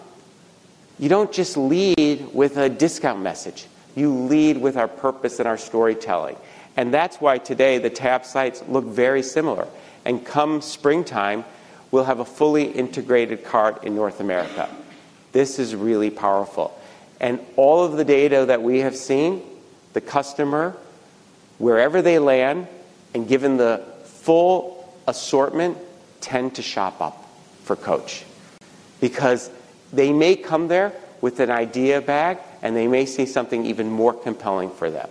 you don't just lead with a discount message. You lead with our purpose and our storytelling. That's why today the tab sites look very similar. Come springtime, we'll have a fully integrated cart in North America. This is really powerful. All of the data that we have seen, the customer, wherever they land, and given the full assortment, tend to shop up for Coach because they may come there with an idea bag and they may see something even more compelling for them.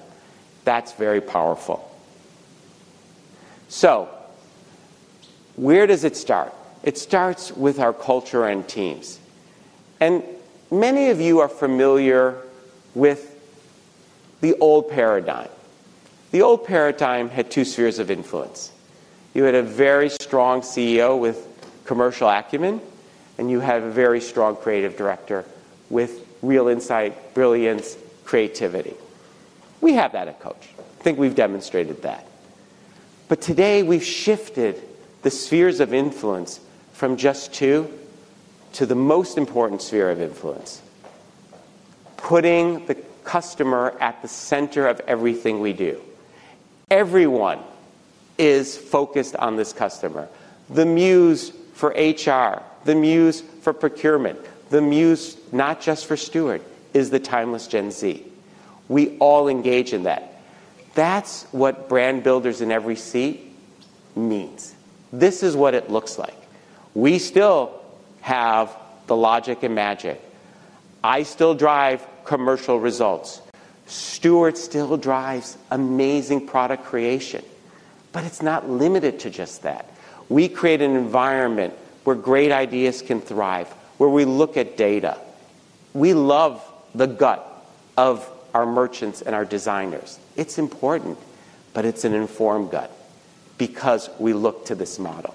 That's very powerful. Where does it start? It starts with our culture and teams. Many of you are familiar with the old paradigm. The old paradigm had two spheres of influence. You had a very strong CEO with commercial acumen, and you had a very strong Creative Director with real insight, brilliance, creativity. We have that at Coach. I think we've demonstrated that. Today, we've shifted the spheres of influence from just two to the most important sphere of influence, putting the customer at the center of everything we do. Everyone is focused on this customer. The muse for HR, the muse for procurement, the muse not just for Stuart, is the timeless Gen Z. We all engage in that. That's what brand builders in every seat means. This is what it looks like. We still have the logic and magic. I still drive commercial results. Stuart still drives amazing product creation. It's not limited to just that. We create an environment where great ideas can thrive, where we look at data. We love the gut of our merchants and our designers. It's important, but it's an informed gut because we look to this model.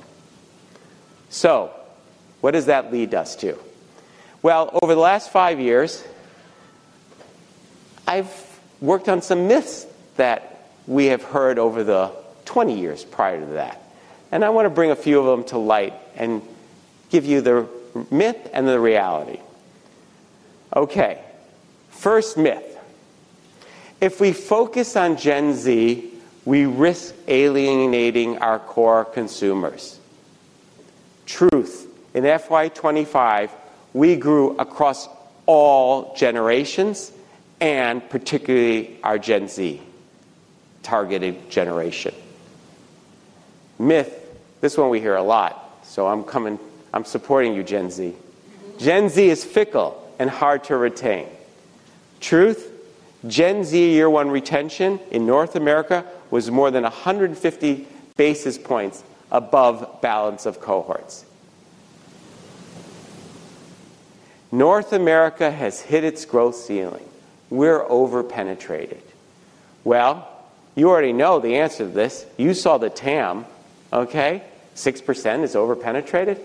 What does that lead us to? Over the last five years, I've worked on some myths that we have heard over the 20 years prior to that. I want to bring a few of them to light and give you the myth and the reality. First myth. If we focus on Gen Z, we risk alienating our core consumers. Truth, in FY25, we grew across all generations and particularly our Gen Z targeted generation. Myth, this one we hear a lot. I'm supporting you, Gen Z. Gen Z is fickle and hard to retain. Truth, Gen Z year one retention in North America was more than 150 basis points above balance of cohorts. North America has hit its growth ceiling. We're overpenetrated. You already know the answer to this. You saw the TAM, 6% is overpenetrated.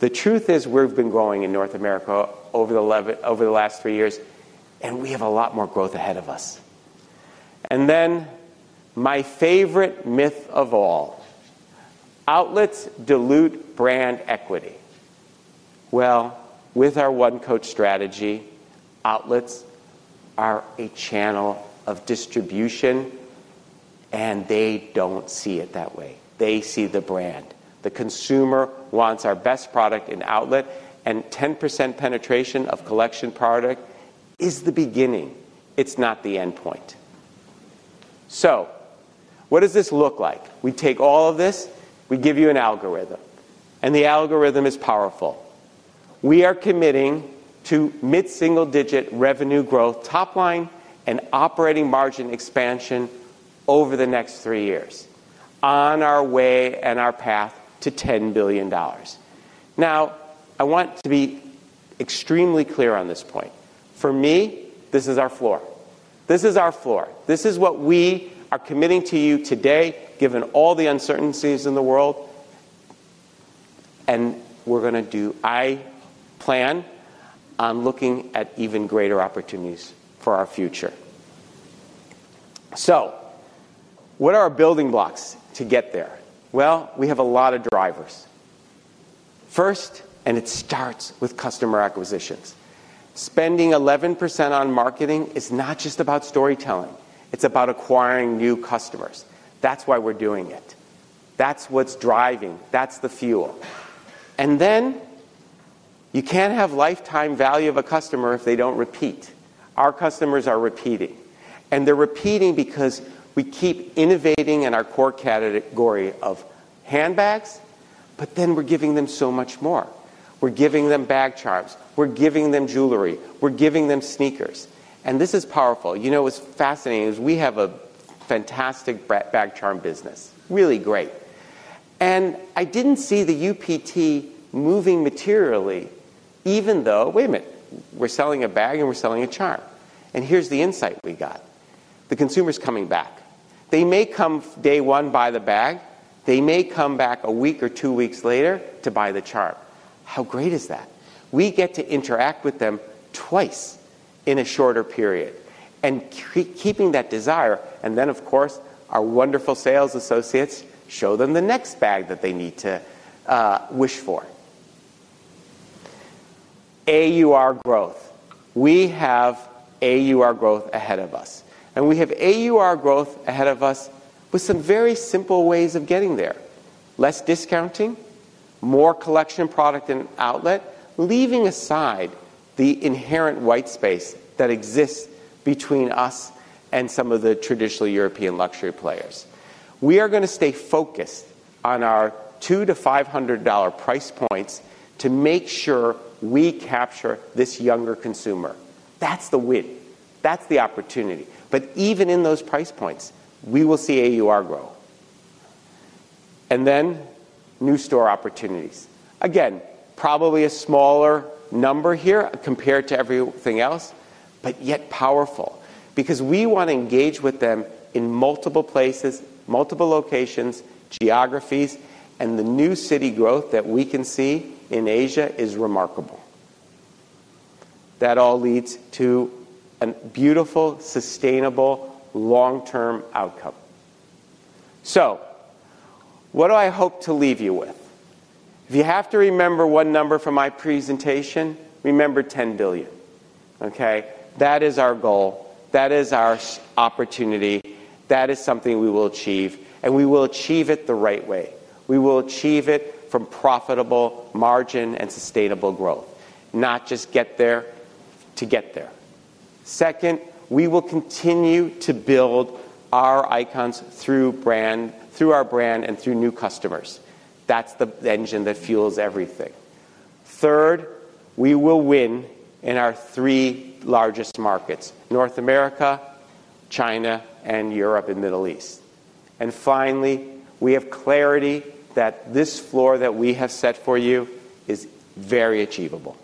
The truth is we've been growing in North America over the last three years, and we have a lot more growth ahead of us. My favorite myth of all, outlets dilute brand equity. With our One Coach strategy, outlets are a channel of distribution, and they don't see it that way. They see the brand. The consumer wants our best product in outlet, and 10% penetration of collection product is the beginning. It's not the endpoint. What does this look like? We take all of this, we give you an algorithm, and the algorithm is powerful. We are committing to mid-single-digit revenue growth, top line, and operating margin expansion over the next three years on our way and our path to $10 billion. I want to be extremely clear on this point. For me, this is our floor. This is our floor. This is what we are committing to you today, given all the uncertainties in the world. We're going to do, I plan on looking at even greater opportunities for our future. What are our building blocks to get there? We have a lot of drivers. First, it starts with customer acquisitions. Spending 11% on marketing is not just about storytelling. It's about acquiring new customers. That's why we're doing it. That's what's driving. That's the fuel. You can't have lifetime value of a customer if they don't repeat. Our customers are repeating. They're repeating because we keep innovating in our core category of handbags, but then we're giving them so much more. We're giving them bag charms. We're giving them jewelry. We're giving them sneakers. This is powerful. You know, it's fascinating. We have a fantastic bag charm business. Really great. I didn't see the UPT moving materially, even though, wait a minute, we're selling a bag and we're selling a charm. Here's the insight we got. The consumer's coming back. They may come day one, buy the bag. They may come back a week or two weeks later to buy the charm. How great is that? We get to interact with them twice in a shorter period and keeping that desire. Of course, our wonderful sales associates show them the next bag that they need to wish for. AUR growth. We have AUR growth ahead of us. We have AUR growth ahead of us with some very simple ways of getting there. Less discounting, more collection product in outlet, leaving aside the inherent white space that exists between us and some of the traditional European luxury players. We are going to stay focused on our $200 to $500 price points to make sure we capture this younger consumer. That's the win. That's the opportunity. Even in those price points, we will see AUR grow. New store opportunities. Again, probably a smaller number here compared to everything else, yet powerful because we want to engage with them in multiple places, multiple locations, geographies, and the new city growth that we can see in Asia is remarkable. That all leads to a beautiful, sustainable, long-term outcome. What do I hope to leave you with? If you have to remember one number for my presentation, remember $10 billion. That is our goal. That is our opportunity. That is something we will achieve, and we will achieve it the right way. We will achieve it from profitable margin and sustainable growth, not just get there to get there. We will continue to build our icons through our brand and through new customers. That's the engine that fuels everything. We will win in our three largest markets: North America, Greater China, and Europe and the Middle East. We have clarity that this floor that we have set for you is very achievable.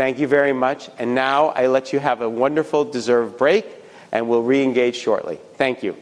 Thank you very much. Now I let you have a wonderful dessert break, and we'll re-engage shortly. Thank you.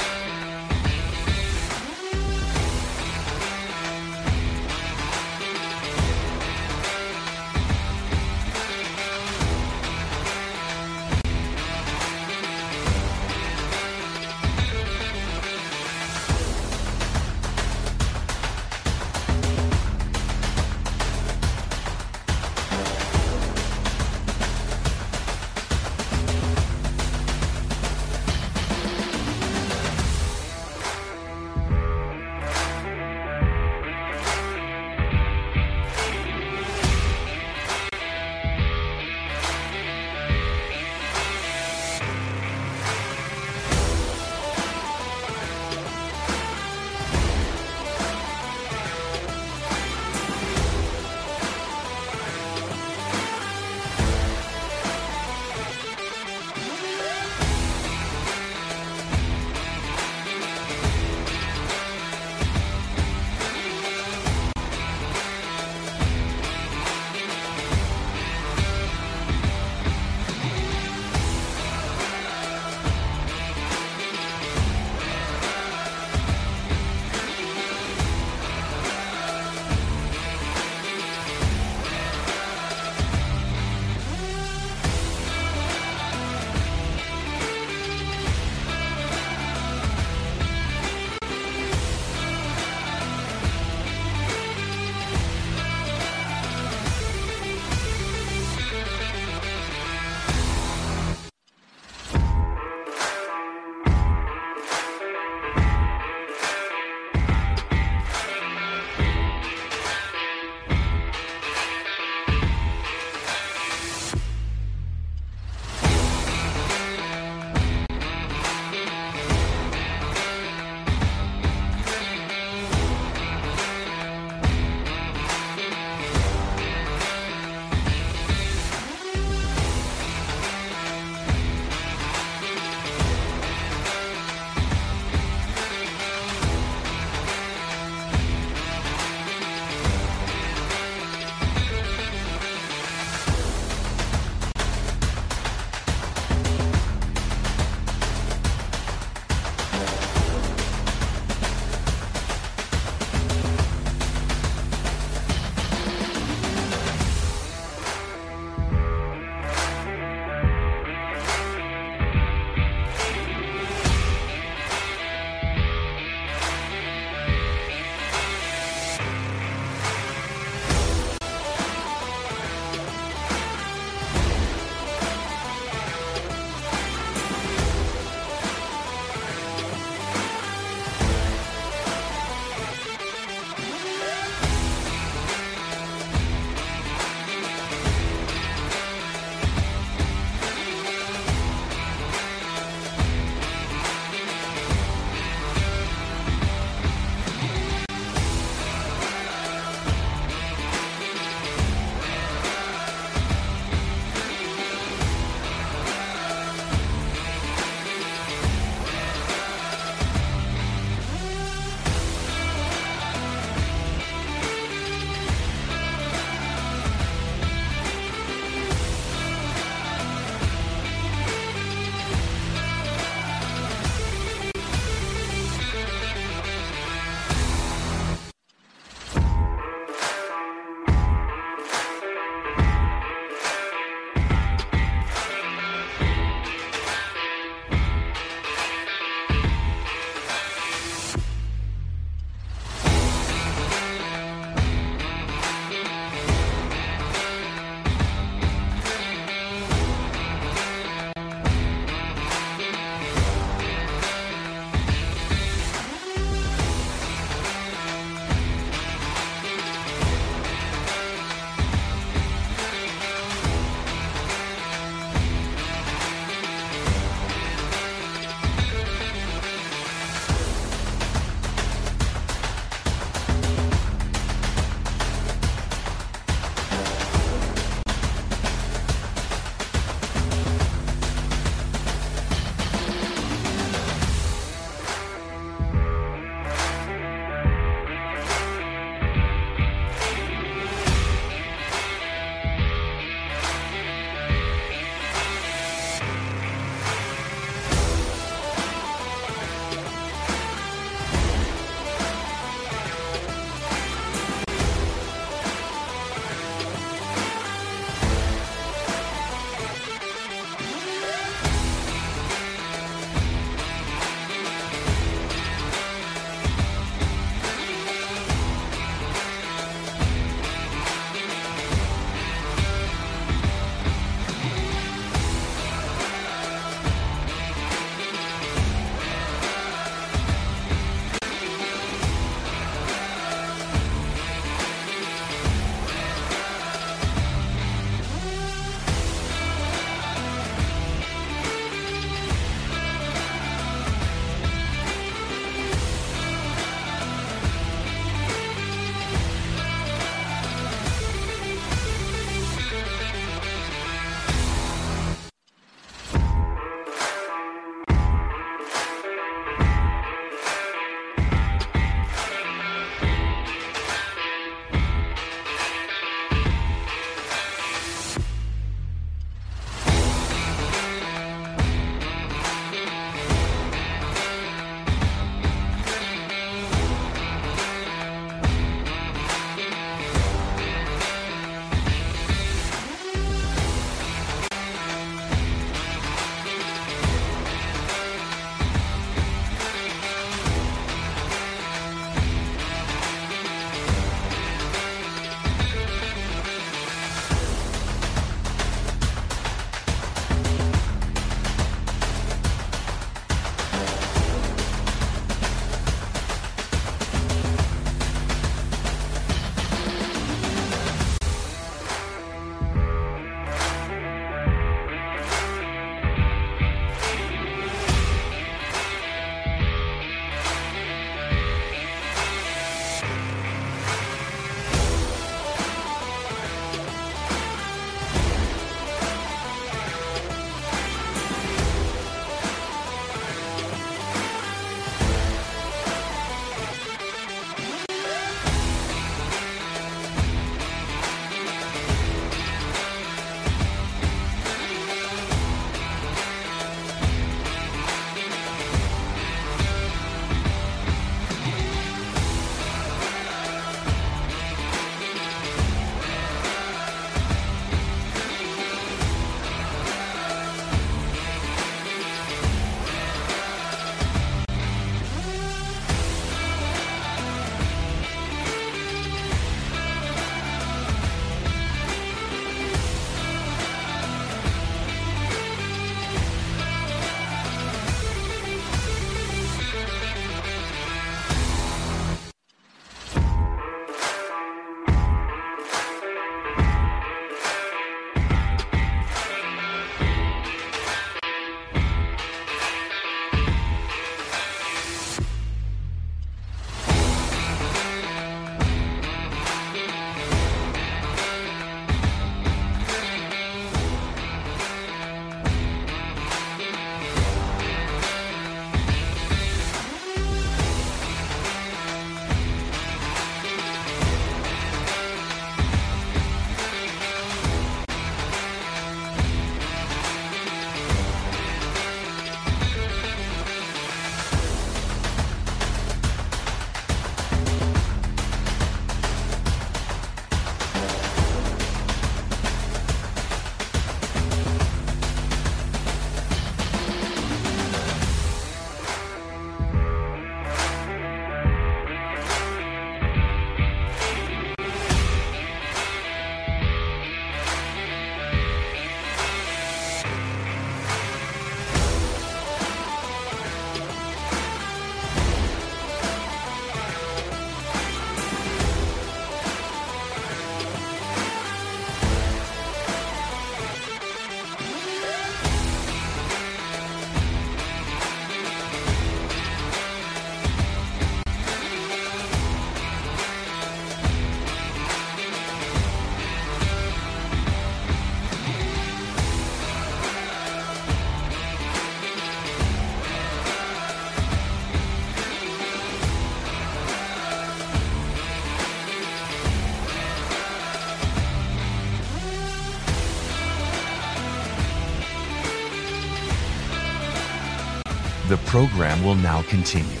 The program will now continue.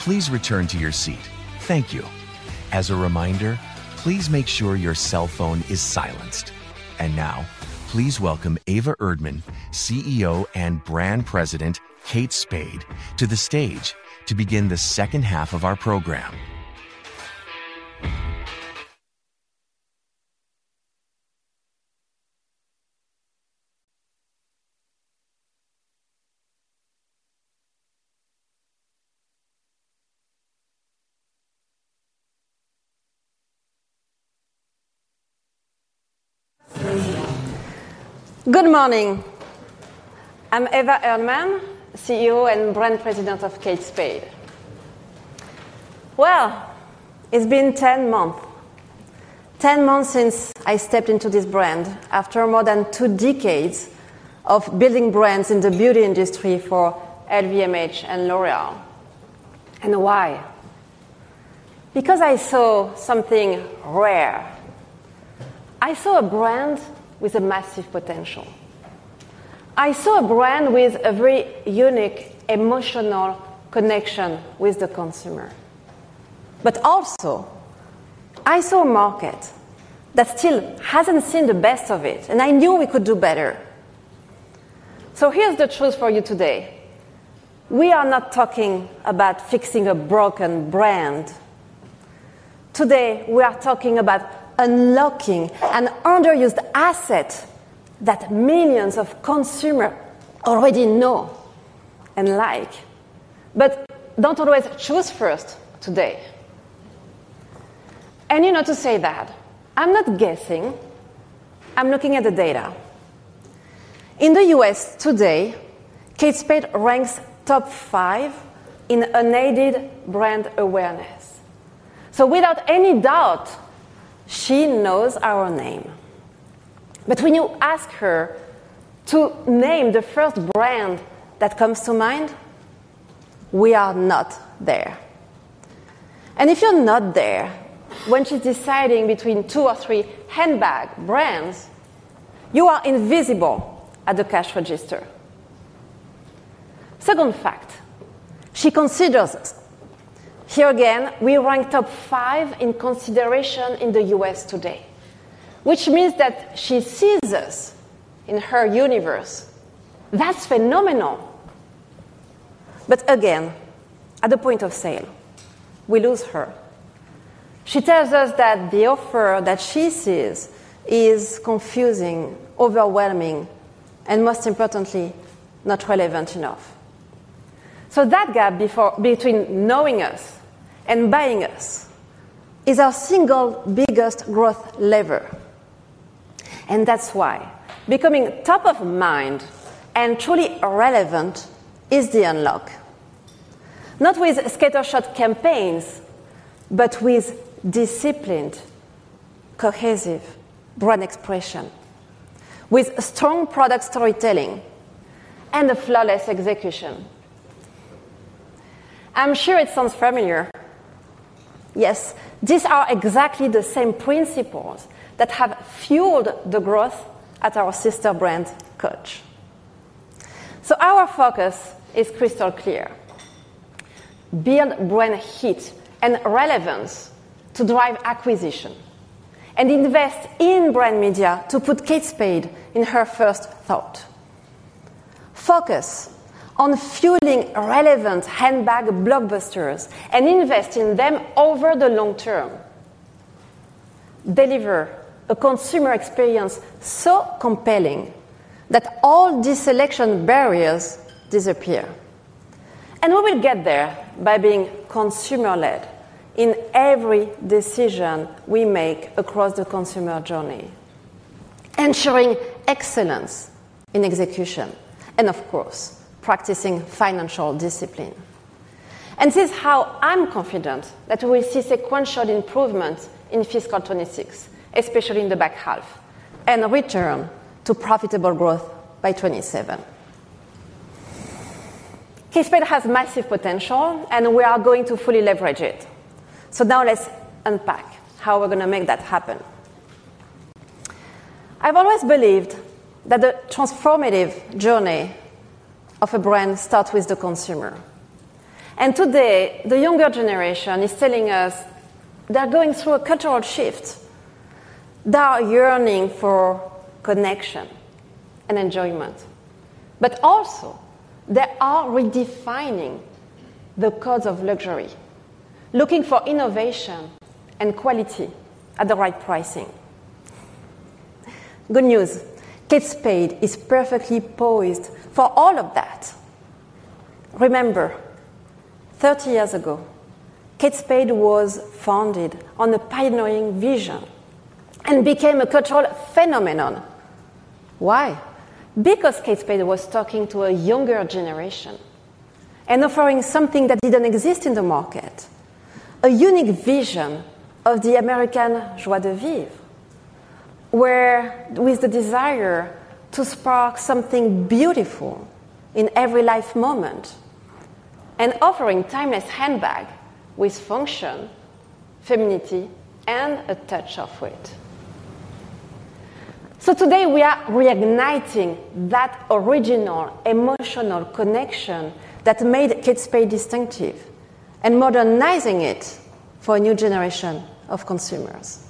Please return to your seat. Thank you. As a reminder, please make sure your cell phone is silenced. Now, please welcome Eva Erdmann, CEO and Brand President, Kate Spade, to the stage to begin the second half of our program. Good morning. I'm Eva Erdmann, CEO and Brand President of Kate Spade. It's been 10 months. Ten months since I stepped into this brand after more than two decades of building brands in the beauty industry for LVMH and L'Oréal. I saw something rare. I saw a brand with massive potential. I saw a brand with a very unique emotional connection with the consumer. I saw a market that still hasn't seen the best of it, and I knew we could do better. Here's the truth for you today. We are not talking about fixing a broken brand. Today, we are talking about unlocking an underused asset that millions of consumers already know and like, but don't always choose first today. To say that, I'm not guessing. I'm looking at the data. In the U.S. today, Kate Spade ranks top five in unaided brand awareness. Without any doubt, she knows our name. When you ask her to name the first brand that comes to mind, we are not there. If you're not there when she's deciding between two or three handbag brands, you are invisible at the cash register. Second fact, she considers us. Here again, we rank top five in consideration in the U.S. today, which means that she sees us in her universe. That's phenomenal. At the point of sale, we lose her. She tells us that the offer that she sees is confusing, overwhelming, and most importantly, not relevant enough. That gap between knowing us and buying us is our single biggest growth lever. That's why becoming top of mind and truly relevant is the unlock. Not with scattershot campaigns, but with disciplined, cohesive brand expression, with strong product storytelling, and flawless execution. I'm sure it sounds familiar. These are exactly the same principles that have fueled the growth at our sister brand, Coach. Our focus is crystal clear. Build brand heat and relevance to drive acquisition and invest in brand media to put Kate Spade in her first thought. Focus on fueling relevant handbag blockbusters and invest in them over the long term. Deliver a consumer experience so compelling that all these selection barriers disappear. We will get there by being consumer-led in every decision we make across the consumer journey, ensuring excellence in execution, and of course, practicing financial discipline. This is how I'm confident that we will see sequential improvements in fiscal 2026, especially in the back half, and return to profitable growth by 2027. Kate Spade has massive potential, and we are going to fully leverage it. Now let's unpack how we're going to make that happen. I've always believed that the transformative journey of a brand starts with the consumer. Today, the younger generation is telling us they're going through a cultural shift. They are yearning for connection and enjoyment. They are also redefining the cause of luxury, looking for innovation and quality at the right pricing. Good news, Kate Spade is perfectly poised for all of that. Remember, 30 years ago, Kate Spade was founded on a pioneering vision and became a cultural phenomenon. Why? Because Kate Spade was talking to a younger generation and offering something that didn't exist in the market, a unique vision of the American joie de vivre, with the desire to spark something beautiful in every life moment, and offering timeless handbags with function, femininity, and a touch of wit. Today, we are reigniting that original emotional connection that made Kate Spade distinctive and modernizing it for a new generation of consumers.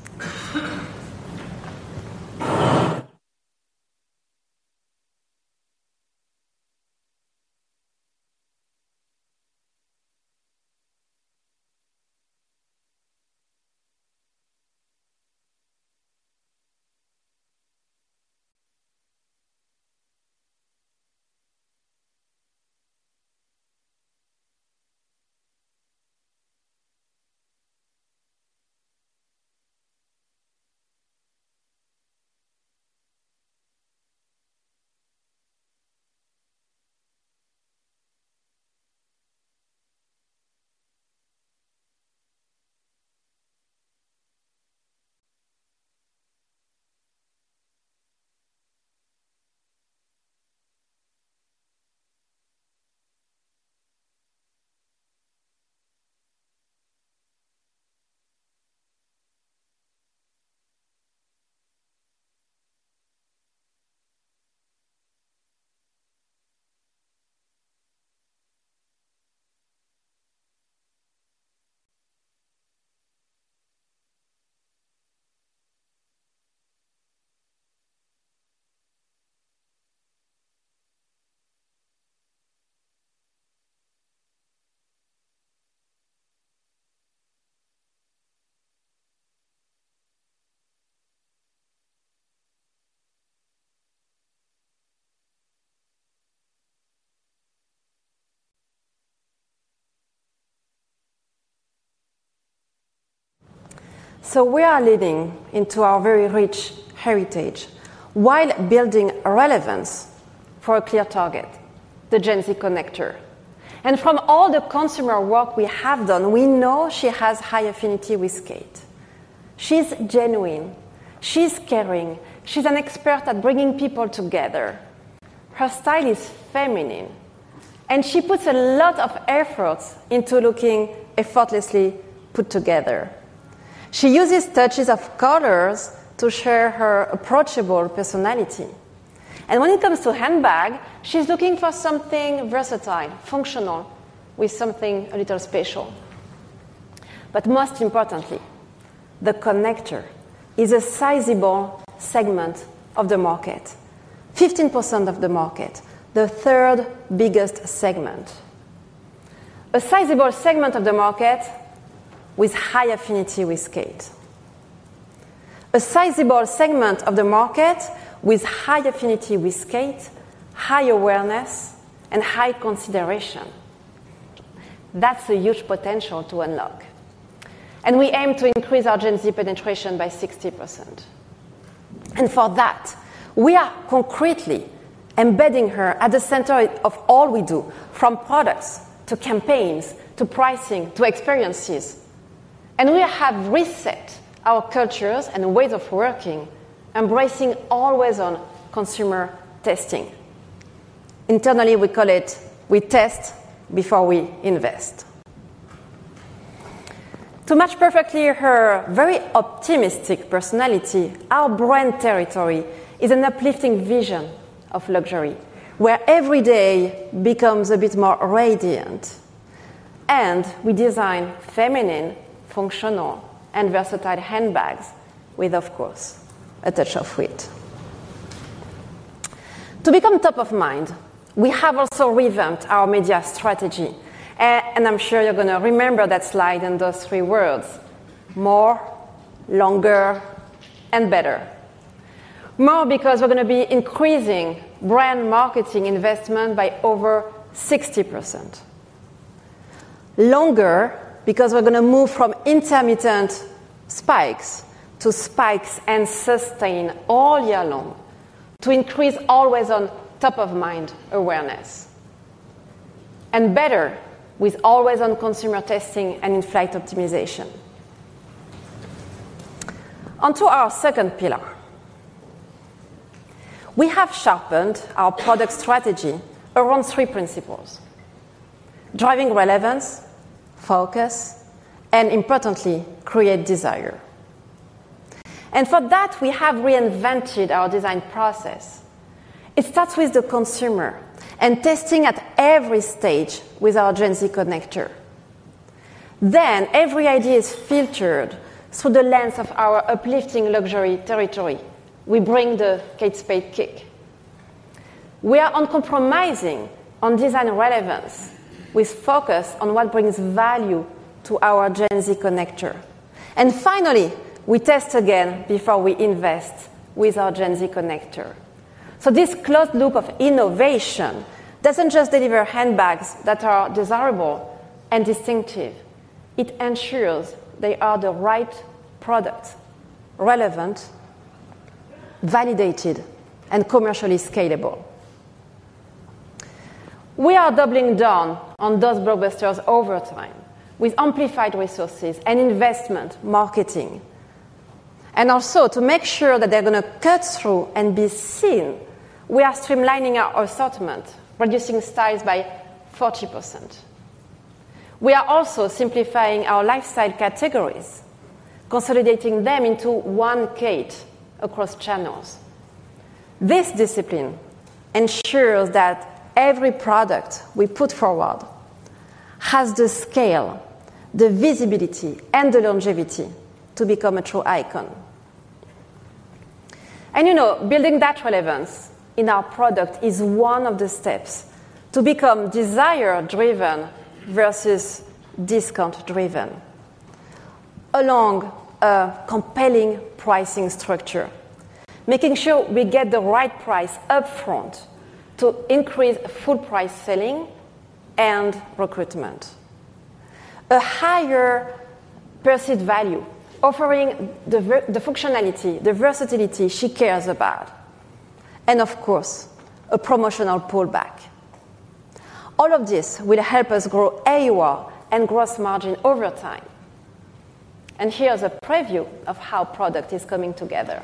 We are living into our very rich heritage while building relevance for a clear target, the Gen Z connector. From all the consumer work we have done, we know she has high affinity with Kate. She's genuine. She's caring. She's an expert at bringing people together. Her style is feminine, and she puts a lot of effort into looking effortlessly put together. She uses touches of colors to share her approachable personality. When it comes to handbags, she's looking for something versatile, functional, with something a little special. Most importantly, the connector is a sizable segment of the market, 15% of the market, the third biggest segment. A sizable segment of the market with high affinity with Kate. A sizable segment of the market with high affinity with Kate, high awareness, and high consideration. That's a huge potential to unlock. We aim to increase our Gen Z penetration by 60%. For that, we are concretely embedding her at the center of all we do, from products to campaigns to pricing to experiences. We have reset our cultures and ways of working, embracing always-on consumer testing. Internally, we call it, we test before we invest. To match perfectly her very optimistic personality, our brand territory is an uplifting vision of luxury, where every day becomes a bit more radiant. We design feminine, functional, and versatile handbags with, of course, a touch of wit. To become top of mind, we have also revamped our media strategy. I'm sure you're going to remember that slide and those three words: more, longer, and better. More because we're going to be increasing brand marketing investment by over 60%. Longer because we're going to move from intermittent spikes to spikes and sustain all year long to increase always-on top-of-mind awareness. Better with always-on consumer testing and inflight optimization. Onto our second pillar. We have sharpened our product strategy around three principles: driving relevance, focus, and importantly, create desire. For that, we have reinvented our design process. It starts with the consumer and testing at every stage with our Gen Z connector. Every idea is filtered through the lens of our uplifting luxury territory. We bring the Kate Spade kick. We are uncompromising on design relevance with focus on what brings value to our Gen Z connector. Finally, we test again before we invest with our Gen Z connector. This closed loop of innovation doesn't just deliver handbags that are desirable and distinctive. It ensures they are the right product: relevant, validated, and commercially scalable. We are doubling down on those blockbusters over time with amplified resources and investment marketing. Also, to make sure that they're going to cut through and be seen, we are streamlining our assortment, reducing styles by 40%. We are also simplifying our lifestyle categories, consolidating them into one Kate across channels. This discipline ensures that every product we put forward has the scale, the visibility, and the longevity to become a true icon. Building that relevance in our product is one of the steps to become desire-driven versus discount-driven. Along a compelling pricing structure, making sure we get the right price upfront to increase full price selling and recruitment. A higher perceived value, offering the functionality, the versatility she cares about. Of course, a promotional pullback. All of this will help us grow AUR and gross margin over time. Here's a preview of how product is coming together.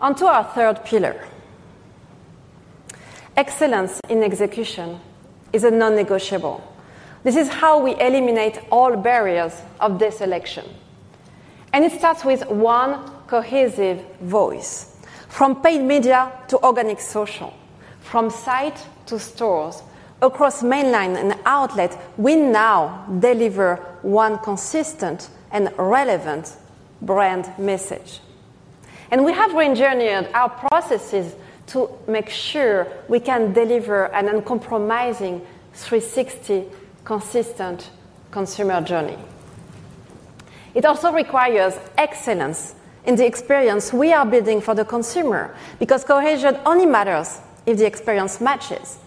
Onto our third pillar. Excellence in execution is a non-negotiable. This is how we eliminate all barriers of this election. It starts with one cohesive voice. From paid media to organic social, from site to stores, across mainline and outlet, we now deliver one consistent and relevant brand message. We have re-engineered our processes to make sure we can deliver an uncompromising 360 consistent consumer journey. It also requires excellence in the experience we are building for the consumer because cohesion only matters if the experience matches.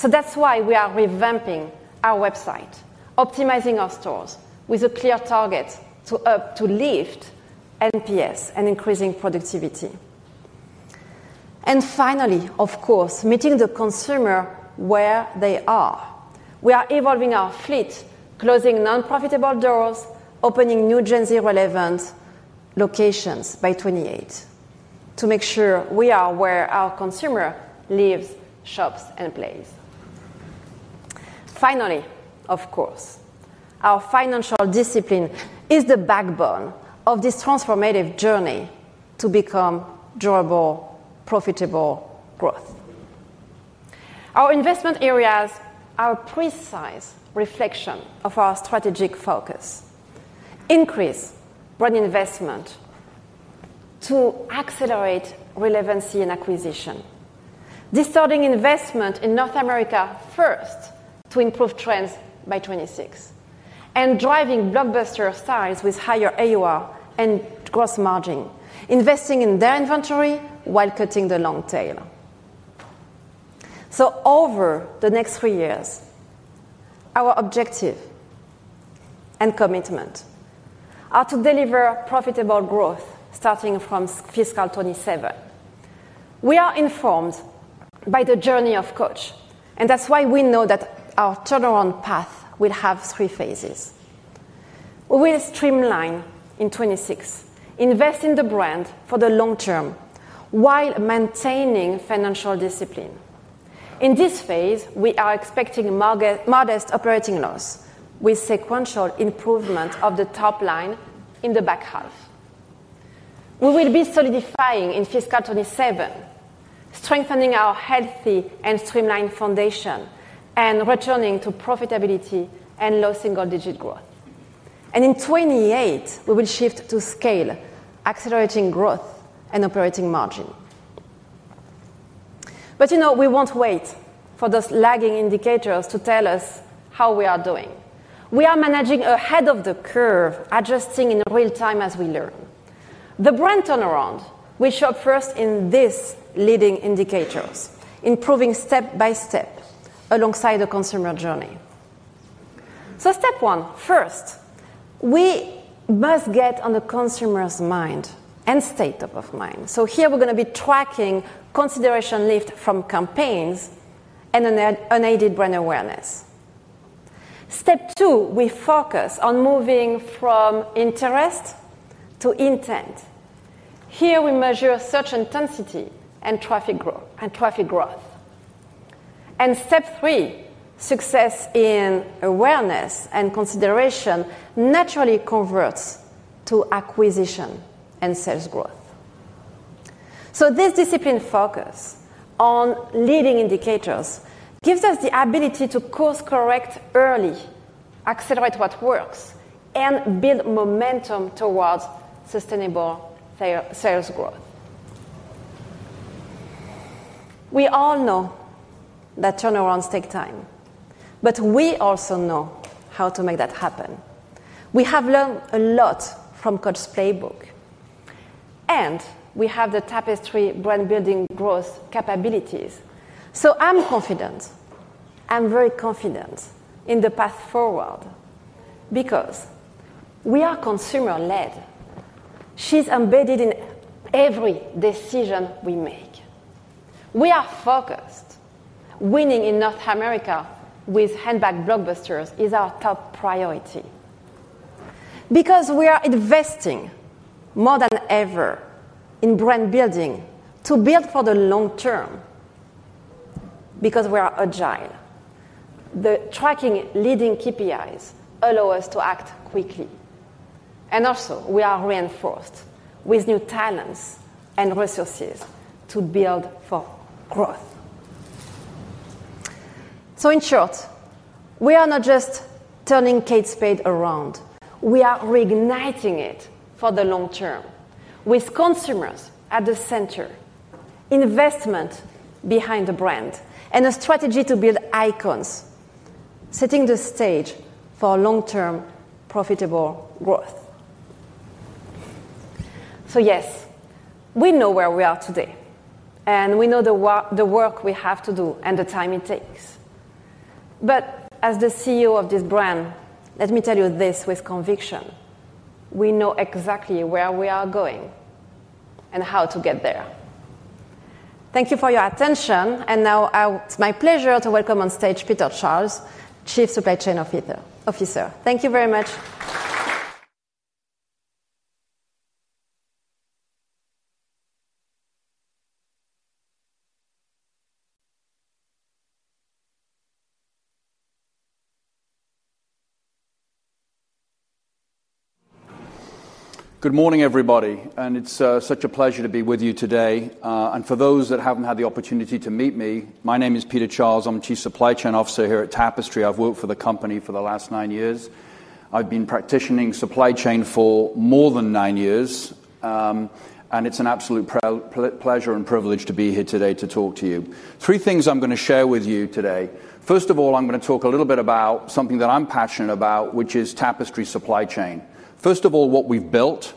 That is why we are revamping our website, optimizing our stores with a clear target to uplift NPS and increasing productivity. Finally, of course, meeting the consumer where they are. We are evolving our fleet, closing non-profitable doors, opening new Gen Z relevant locations by 2028 to make sure we are where our consumer lives, shops, and plays. Finally, of course, our financial discipline is the backbone of this transformative journey to become durable, profitable growth. Our investment areas are a precise reflection of our strategic focus: increase brand investment to accelerate relevancy and acquisition, distorting investment in North America first to improve trends by 2026, and driving blockbuster styles with higher AUR and gross margin, investing in their inventory while cutting the long tail. Over the next three years, our objective and commitment are to deliver profitable growth starting from fiscal 2027. We are informed by the journey of Coach, and that is why we know that our turnaround path will have three phases. We will streamline in 2026, invest in the brand for the long term while maintaining financial discipline. In this phase, we are expecting modest operating loss with sequential improvement of the top line in the back half. We will be solidifying in fiscal 2027, strengthening our healthy and streamlined foundation, and returning to profitability and low single-digit growth. In 2028, we will shift to scale, accelerating growth and operating margin. We will not wait for those lagging indicators to tell us how we are doing. We are managing ahead of the curve, adjusting in real time as we learn. The brand turnaround will show up first in these leading indicators, improving step by step alongside the consumer journey. Step one, first, we must get on the consumer's mind and stay top of mind. Here we are going to be tracking consideration lift from campaigns and unaided brand awareness. Step two, we focus on moving from interest to intent. Here we measure search intensity and traffic growth. Step three, success in awareness and consideration naturally converts to acquisition and sales growth. This disciplined focus on leading indicators gives us the ability to course-correct early, accelerate what works, and build momentum towards sustainable sales growth. We all know that turnarounds take time, but we also know how to make that happen. We have learned a lot from Coach's playbook, and we have the Tapestry brand building growth capabilities. I'm confident, I'm very confident in the path forward because we are consumer-led. She's embedded in every decision we make. We are focused. Winning in North America with handbag blockbusters is our top priority because we are investing more than ever in brand building to build for the long term. We are agile. The tracking leading KPIs allow us to act quickly. We are reinforced with new talents and resources to build for growth. In short, we are not just turning Kate Spade around. We are reigniting it for the long term with consumers at the center, investment behind the brand, and a strategy to build icons, setting the stage for long-term profitable growth. Yes, we know where we are today, and we know the work we have to do and the time it takes. As the CEO of this brand, let me tell you this with conviction, we know exactly where we are going and how to get there. Thank you for your attention. Now, it's my pleasure to welcome on stage Peter Charles, Chief Supply Chain Officer. Thank you very much. Good morning, everybody. It's such a pleasure to be with you today. For those that haven't had the opportunity to meet me, my name is Peter Charles. I'm Chief Supply Chain Officer here at Tapestry. I've worked for the company for the last nine years. I've been practitioning supply chain for more than nine years. It's an absolute pleasure and privilege to be here today to talk to you. Three things I'm going to share with you today. First of all, I'm going to talk a little bit about something that I'm passionate about, which is Tapestry Supply Chain. First of all, what we've built.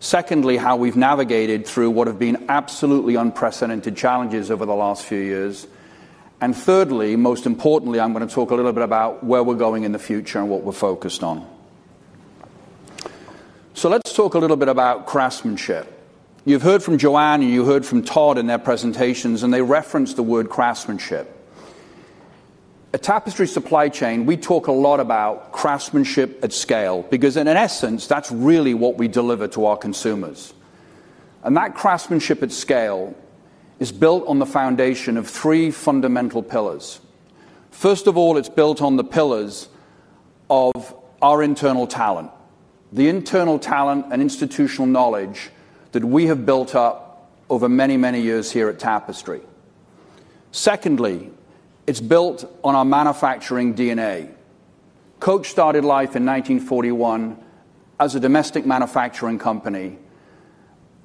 Secondly, how we've navigated through what have been absolutely unprecedented challenges over the last few years. Thirdly, most importantly, I'm going to talk a little bit about where we're going in the future and what we're focused on. Let's talk a little bit about craftsmanship. You've heard from Joanne, and you heard from Todd in their presentations, and they referenced the word craftsmanship. At Tapestry Supply Chain, we talk a lot about craftsmanship at scale because in essence, that's really what we deliver to our consumers. That craftsmanship at scale is built on the foundation of three fundamental pillars. First of all, it's built on the pillars of our internal talent, the internal talent and institutional knowledge that we have built up over many, many years here at Tapestry. Secondly, it's built on our manufacturing DNA. Coach started life in 1941 as a domestic manufacturing company,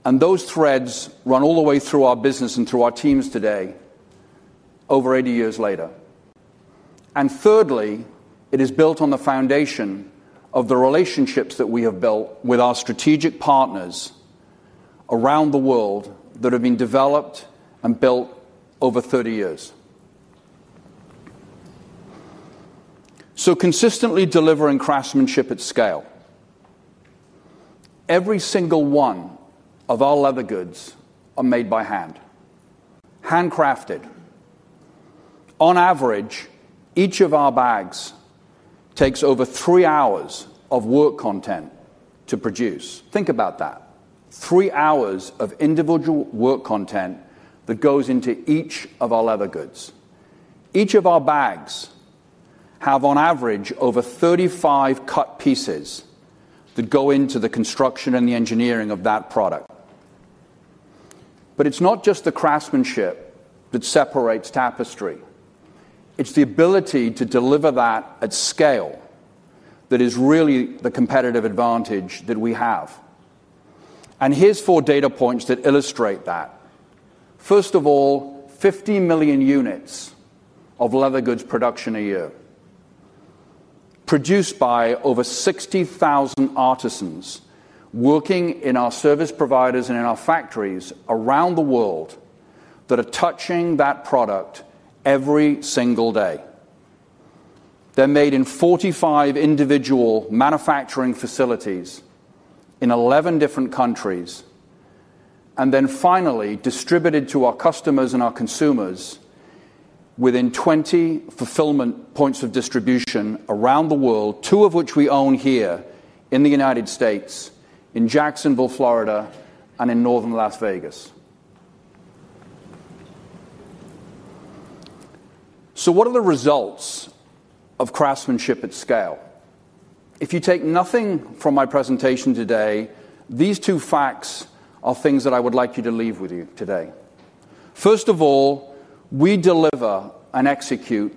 and those threads run all the way through our business and through our teams today, over 80 years later. Thirdly, it is built on the foundation of the relationships that we have built with our strategic partners around the world that have been developed and built over 30 years. Consistently delivering craftsmanship at scale. Every single one of our leather goods are made by hand, handcrafted. On average, each of our bags takes over three hours of work content to produce. Think about that. Three hours of individual work content that goes into each of our leather goods. Each of our bags has, on average, over 35 cut pieces that go into the construction and the engineering of that product. It's not just the craftsmanship that separates Tapestry. It's the ability to deliver that at scale that is really the competitive advantage that we have. Here are four data points that illustrate that. First of all, 50 million units of leather goods production a year, produced by over 60,000 artisans working in our service providers and in our factories around the world that are touching that product every single day. They're made in 45 individual manufacturing facilities in 11 different countries, and then finally distributed to our customers and our consumers within 20 fulfillment points of distribution around the world, two of which we own here in the United States, in Jacksonville, Florida, and in northern Las Vegas. What are the results of craftsmanship at scale? If you take nothing from my presentation today, these two facts are things that I would like you to leave with you today. First of all, we deliver and execute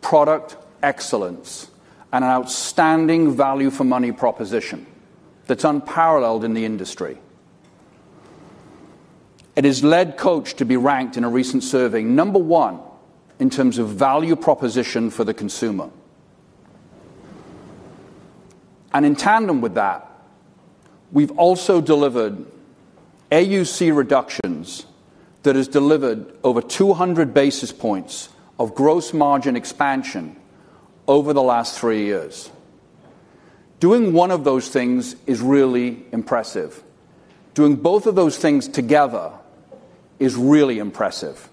product excellence and an outstanding value for money proposition that's unparalleled in the industry. It has led Coach to be ranked in a recent survey number one in terms of value proposition for the consumer. In tandem with that, we've also delivered AUC reductions that have delivered over 200 basis points of gross margin expansion over the last three years. Doing one of those things is really impressive. Doing both of those things together is really impressive.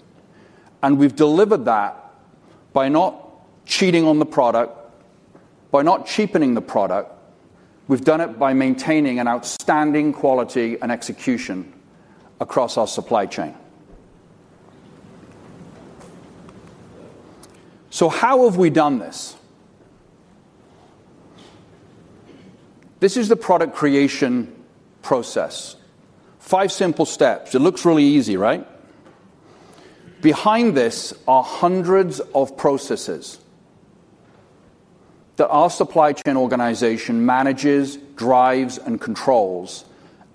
We've delivered that by not cheating on the product, by not cheapening the product. We've done it by maintaining an outstanding quality and execution across our supply chain. How have we done this? This is the product creation process. Five simple steps. It looks really easy, right? Behind this are hundreds of processes that our supply chain organization manages, drives, and controls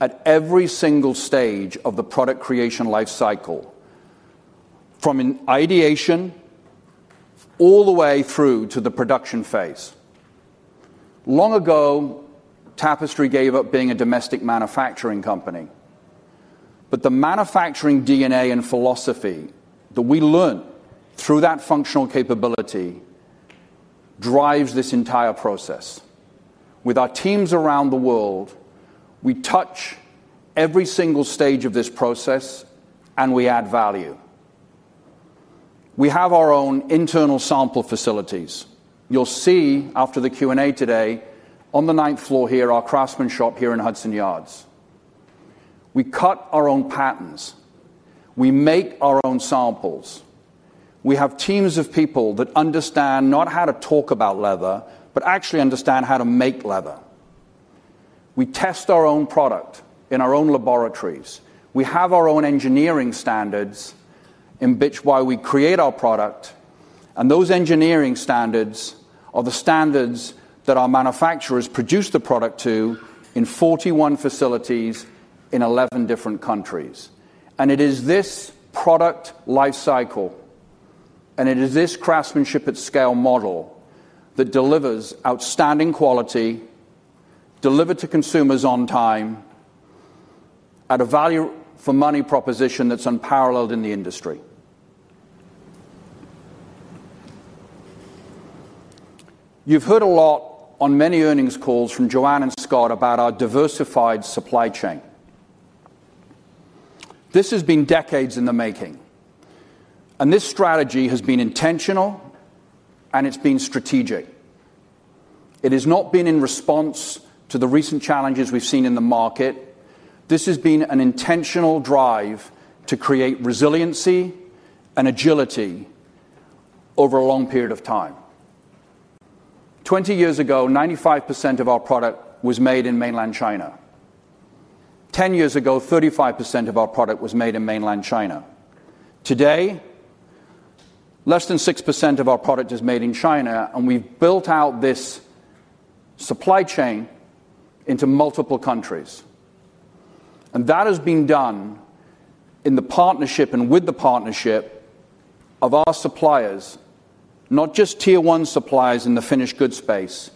at every single stage of the product creation lifecycle, from ideation all the way through to the production phase. Long ago, Tapestry gave up being a domestic manufacturing company. The manufacturing DNA and philosophy that we learn through that functional capability drives this entire process. With our teams around the world, we touch every single stage of this process, and we add value. We have our own internal sample facilities. You'll see after the Q&A today, on the ninth floor here, our craftsman shop here in Hudson Yards. We cut our own patterns. We make our own samples. We have teams of people that understand not how to talk about leather, but actually understand how to make leather. We test our own product in our own laboratories. We have our own engineering standards in which we create our product. Those engineering standards are the standards that our manufacturers produce the product to in 41 facilities in 11 different countries. It is this product lifecycle, and it is this craftsmanship at scale model that delivers outstanding quality, delivered to consumers on time, at a value for money proposition that's unparalleled in the industry. You've heard a lot on many earnings calls from Joanne and Scott about our diversified supply chain. This has been decades in the making. This strategy has been intentional, and it's been strategic. It has not been in response to the recent challenges we've seen in the market. This has been an intentional drive to create resiliency and agility over a long period of time. Twenty years ago, 95% of our product was made in mainland China. Ten years ago, 35% of our product was made in mainland China. Today, less than 6% of our product is made in China, and we've built out this supply chain into multiple countries. That has been done in the partnership and with the partnership of our suppliers, not just tier one suppliers in the finished goods space,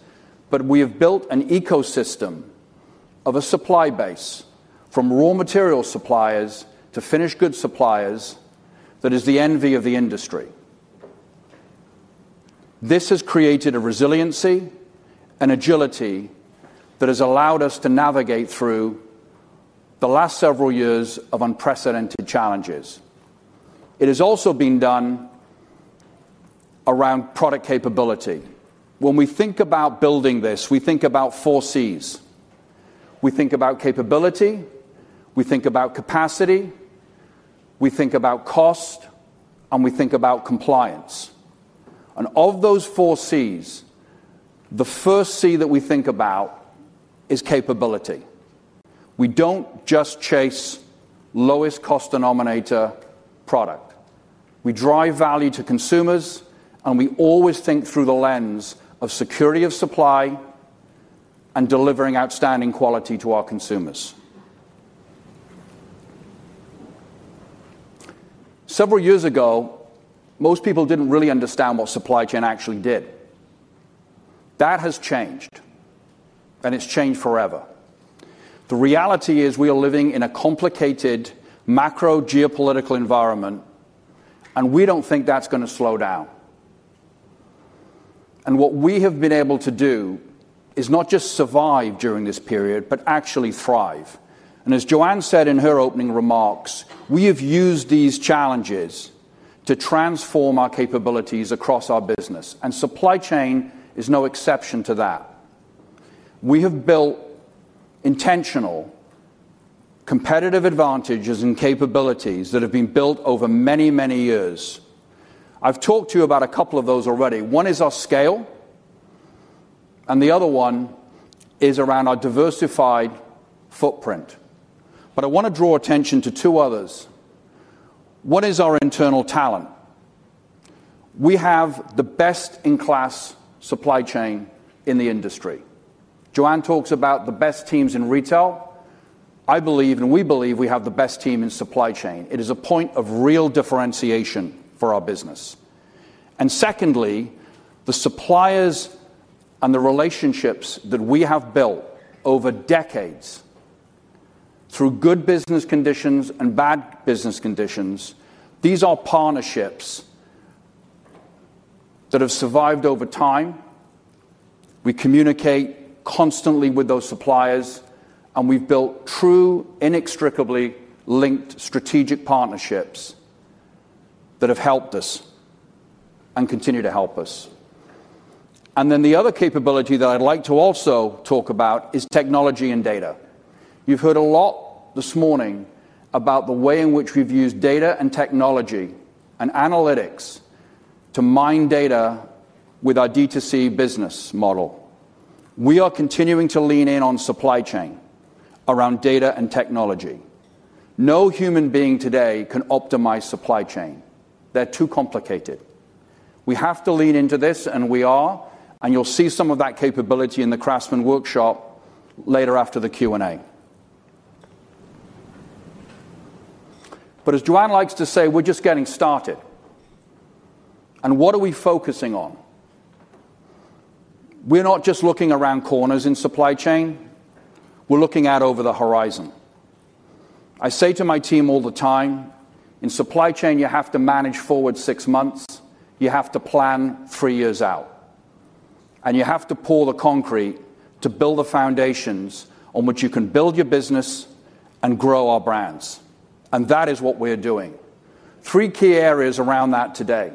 but we have built an ecosystem of a supply base, from raw materials suppliers to finished goods suppliers that is the envy of the industry. This has created a resiliency and agility that has allowed us to navigate through the last several years of unprecedented challenges. It has also been done around product capability. When we think about building this, we think about four Cs. We think about capability, we think about capacity, we think about cost, and we think about compliance. Of those four Cs, the first C that we think about is capability. We don't just chase lowest cost denominator product. We drive value to consumers, and we always think through the lens of security of supply and delivering outstanding quality to our consumers. Several years ago, most people didn't really understand what supply chain actually did. That has changed, and it's changed forever. The reality is we are living in a complicated macro geopolitical environment, and we don't think that's going to slow down. What we have been able to do is not just survive during this period, but actually thrive. As Joanne said in her opening remarks, we have used these challenges to transform our capabilities across our business, and supply chain is no exception to that. We have built intentional competitive advantages and capabilities that have been built over many, many years. I've talked to you about a couple of those already. One is our scale, and the other one is around our diversified footprint. I want to draw attention to two others. One is our internal talent. We have the best in class supply chain in the industry. Joanne talks about the best teams in retail. I believe, and we believe, we have the best team in supply chain. It is a point of real differentiation for our business. Secondly, the suppliers and the relationships that we have built over decades, through good business conditions and bad business conditions, these are partnerships that have survived over time. We communicate constantly with those suppliers, and we've built true, inextricably linked strategic partnerships that have helped us and continue to help us. The other capability that I'd like to also talk about is technology and data. You've heard a lot this morning about the way in which we've used data and technology and analytics to mine data with our direct-to-consumer model. We are continuing to lean in on supply chain around data and technology. No human being today can optimize supply chain. They're too complicated. We have to lean into this, and we are, and you'll see some of that capability in the Craftsman workshop later after the Q&A. As Joanne likes to say, we're just getting started. What are we focusing on? We're not just looking around corners in supply chain. We're looking out over the horizon. I say to my team all the time, in supply chain, you have to manage forward six months. You have to plan three years out. You have to pour the concrete to build the foundations on which you can build your business and grow our brands. That is what we're doing. Three key areas around that today.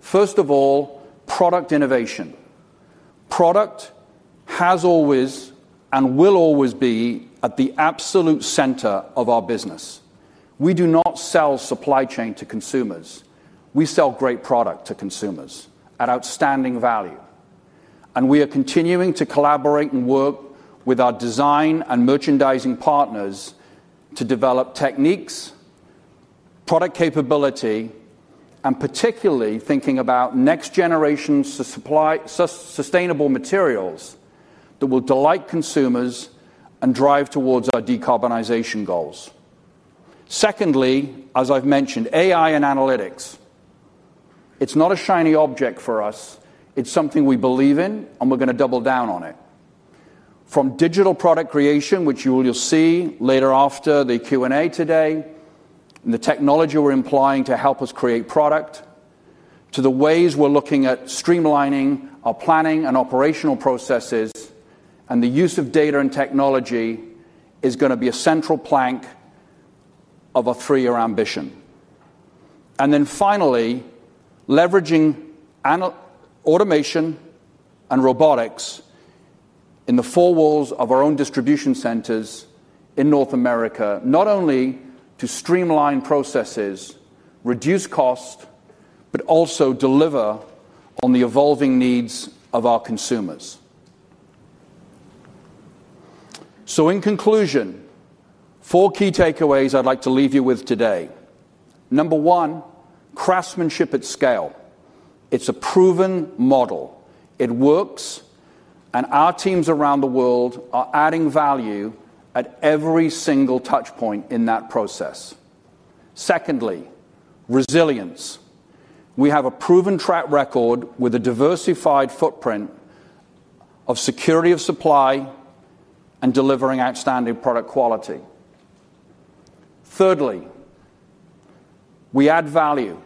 First of all, product innovation. Product has always and will always be at the absolute center of our business. We do not sell supply chain to consumers. We sell great product to consumers at outstanding value. We are continuing to collaborate and work with our design and merchandising partners to develop techniques, product capability, and particularly thinking about next generation sustainable materials that will delight consumers and drive towards our decarbonization goals. Secondly, as I've mentioned, AI and analytics. It's not a shiny object for us. It's something we believe in, and we're going to double down on it. From digital product creation, which you will see later after the Q&A today, and the technology we're employing to help us create product, to the ways we're looking at streamlining our planning and operational processes, and the use of data and technology is going to be a central plank of a three-year ambition. Finally, leveraging automation and robotics in the four walls of our own distribution centers in North America, not only to streamline processes, reduce costs, but also deliver on the evolving needs of our consumers. In conclusion, four key takeaways I'd like to leave you with today. Number one, craftsmanship at scale. It's a proven model. It works, and our teams around the world are adding value at every single touchpoint in that process. Secondly, resilience. We have a proven track record with a diversified footprint of security of supply and delivering outstanding product quality. Thirdly, we add value.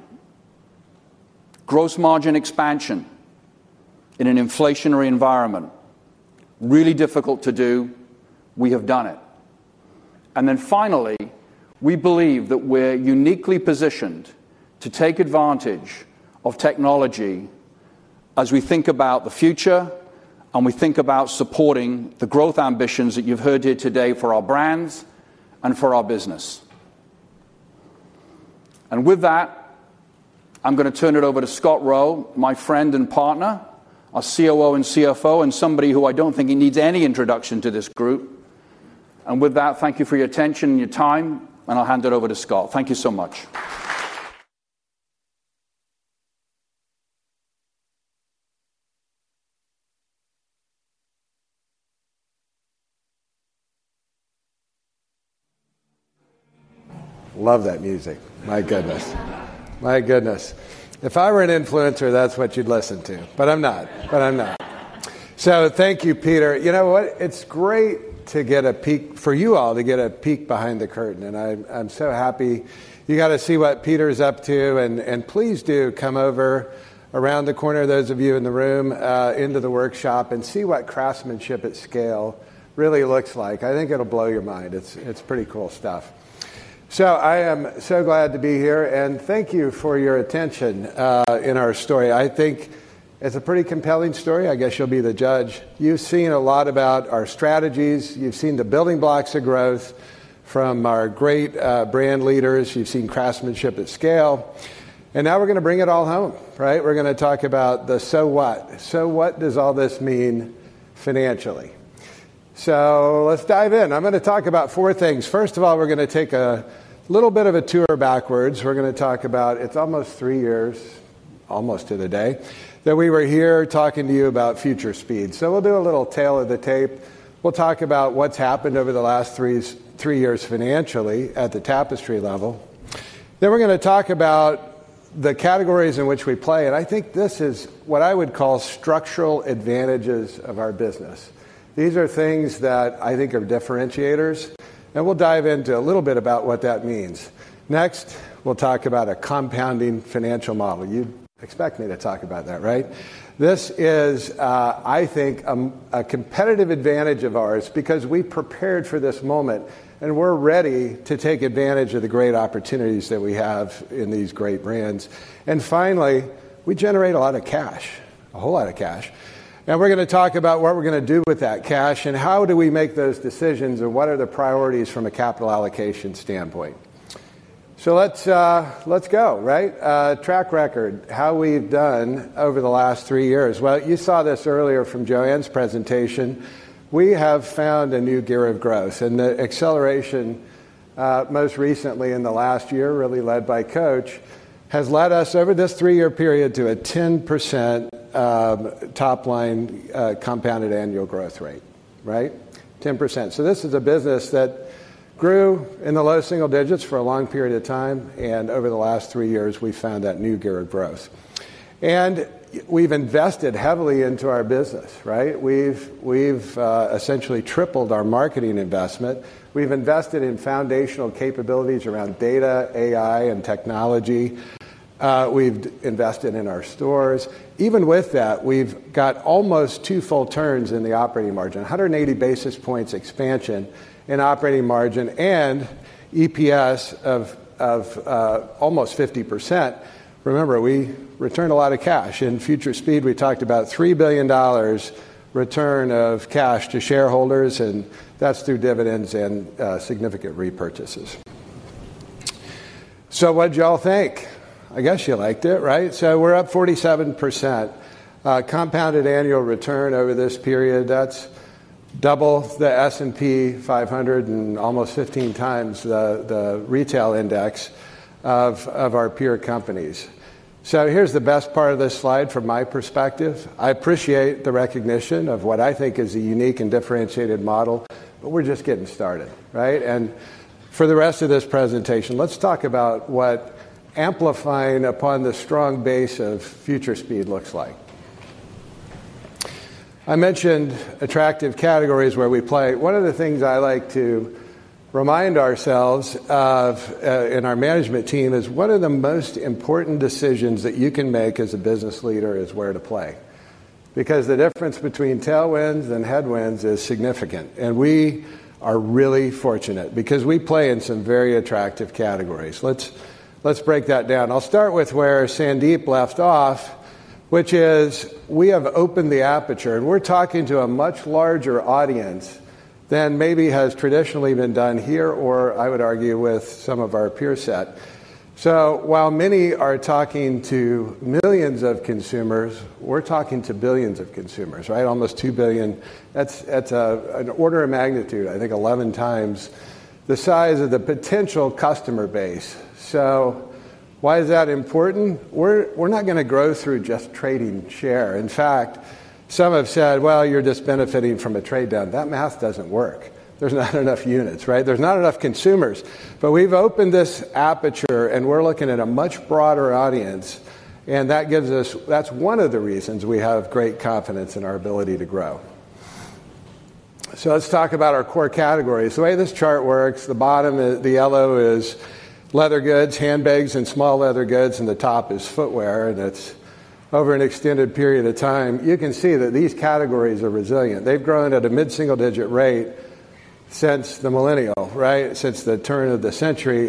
Gross margin expansion in an inflationary environment, really difficult to do. We have done it. Finally, we believe that we're uniquely positioned to take advantage of technology as we think about the future, and we think about supporting the growth ambitions that you've heard here today for our brands and for our business. With that, I'm going to turn it over to Scott Roe, my friend and partner, our COO and CFO, and somebody who I don't think he needs any introduction to this group. With that, thank you for your attention and your time, and I'll hand it over to Scott. Thank you so much. Love that music. My goodness. My goodness. If I were an influencer, that's what you'd listen to. I'm not. Thank you, Peter. You know what? It's great to get a peek for you all to get a peek behind the curtain. I'm so happy you got to see what Peter's up to. Please do come over around the corner, those of you in the room, into the workshop and see what craftsmanship at scale really looks like. I think it'll blow your mind. It's pretty cool stuff. I am so glad to be here. Thank you for your attention in our story. I think it's a pretty compelling story. I guess you'll be the judge. You've seen a lot about our strategies. You've seen the building blocks of growth from our great brand leaders. You've seen craftsmanship at scale. Now we're going to bring it all home, right? We're going to talk about the so what. What does all this mean financially? Let's dive in. I'm going to talk about four things. First of all, we're going to take a little bit of a tour backwards. We're going to talk about it's almost three years, almost to the day, that we were here talking to you about future speed. We'll do a little tale of the tape. We'll talk about what's happened over the last three years financially at the Tapestry level. Next, we're going to talk about the categories in which we play. I think this is what I would call structural advantages of our business. These are things that I think are differentiators. We'll dive into a little bit about what that means. Next, we'll talk about a compounding financial model. You expect me to talk about that, right? This is, I think, a competitive advantage of ours because we prepared for this moment, and we're ready to take advantage of the great opportunities that we have in these great brands. Finally, we generate a lot of cash, a whole lot of cash. We're going to talk about what we're going to do with that cash and how do we make those decisions and what are the priorities from a capital allocation standpoint. Let's go, right? Track record, how we've done over the last three years. You saw this earlier from Joanne's presentation. We have found a new gear of growth. The acceleration most recently in the last year, really led by Coach, has led us over this three-year period to a 10% top-line compounded annual growth rate, right? 10%. This is a business that grew in the low single digits for a long period of time. Over the last three years, we found that new gear of growth. We've invested heavily into our business, right? We've essentially tripled our marketing investment. We've invested in foundational capabilities around data, AI, and technology. We've invested in our stores. Even with that, we've got almost two full turns in the operating margin, 180 basis points expansion in operating margin and EPS of almost 50%. Remember, we returned a lot of cash. In future speed, we talked about $3 billion return of cash to shareholders, and that's through dividends and significant repurchases. What'd y'all think? I guess you liked it, right? We're up 47%. Compounded annual return over this period, that's double the S&P 500 and almost 15 times the retail index of our peer companies. Here's the best part of this slide from my perspective. I appreciate the recognition of what I think is a unique and differentiated model, but we're just getting started, right? For the rest of this presentation, let's talk about what amplifying upon the strong base of future speed looks like. I mentioned attractive categories where we play. One of the things I like to remind ourselves of in our management team is what are the most important decisions that you can make as a business leader is where to play. The difference between tailwinds and headwinds is significant. We are really fortunate because we play in some very attractive categories. Let's break that down. I'll start with where Sandeep left off, which is we have opened the aperture, and we're talking to a much larger audience than maybe has traditionally been done here, or I would argue with some of our peer set. While many are talking to millions of consumers, we're talking to billions of consumers, right? Almost 2 billion. That's an order of magnitude, I think 11 times the size of the potential customer base. Why is that important? We're not going to grow through just trading share. In fact, some have said, you're just benefiting from a trade down. That math doesn't work. There's not enough units, right? There's not enough consumers. We've opened this aperture, and we're looking at a much broader audience. That gives us, that's one of the reasons we have great confidence in our ability to grow. Let's talk about our core categories. The way this chart works, the bottom, the yellow is leather goods, handbags, and small leather goods, and the top is footwear. It's over an extended period of time. You can see that these categories are resilient. They've grown at a mid-single-digit rate since the millennial, right? Since the turn of the century.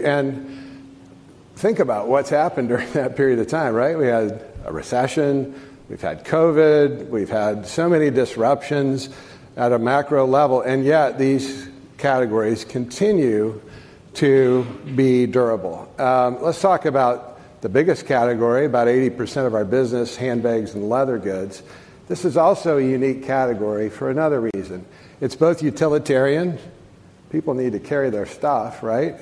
Think about what's happened during that period of time, right? We had a recession. We've had COVID. We've had so many disruptions at a macro level. Yet these categories continue to be durable. Let's talk about the biggest category, about 80% of our business, handbags and leather goods. This is also a unique category for another reason. It's both utilitarian. People need to carry their stuff, right?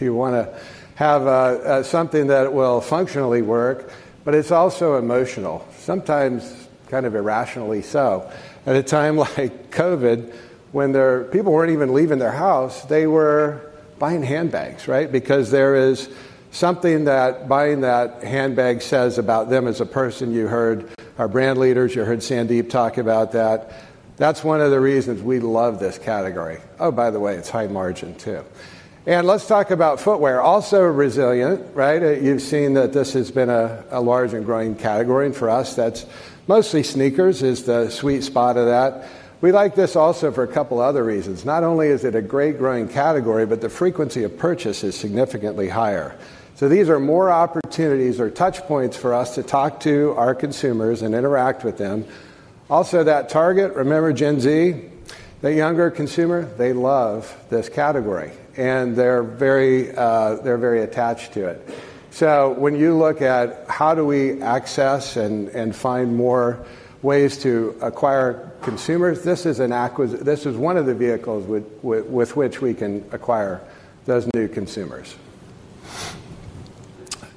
You want to have something that will functionally work, but it's also emotional, sometimes kind of irrationally so. At a time like COVID, when people weren't even leaving their house, they were buying handbags, right? Because there is something that buying that handbag says about them as a person. You heard our brand leaders. You heard Sandeep talk about that. That's one of the reasons we love this category. By the way, it's high margin too. Let's talk about footwear. Also resilient, right? You've seen that this has been a large and growing category. For us, that's mostly sneakers, which is the sweet spot of that. We like this also for a couple of other reasons. Not only is it a great growing category, but the frequency of purchase is significantly higher. These are more opportunities or touch points for us to talk to our consumers and interact with them. Also, that target, remember Gen Z, the younger consumer, they love this category. They're very attached to it. When you look at how do we access and find more ways to acquire consumers, this is an acquisition. This is one of the vehicles with which we can acquire those new consumers.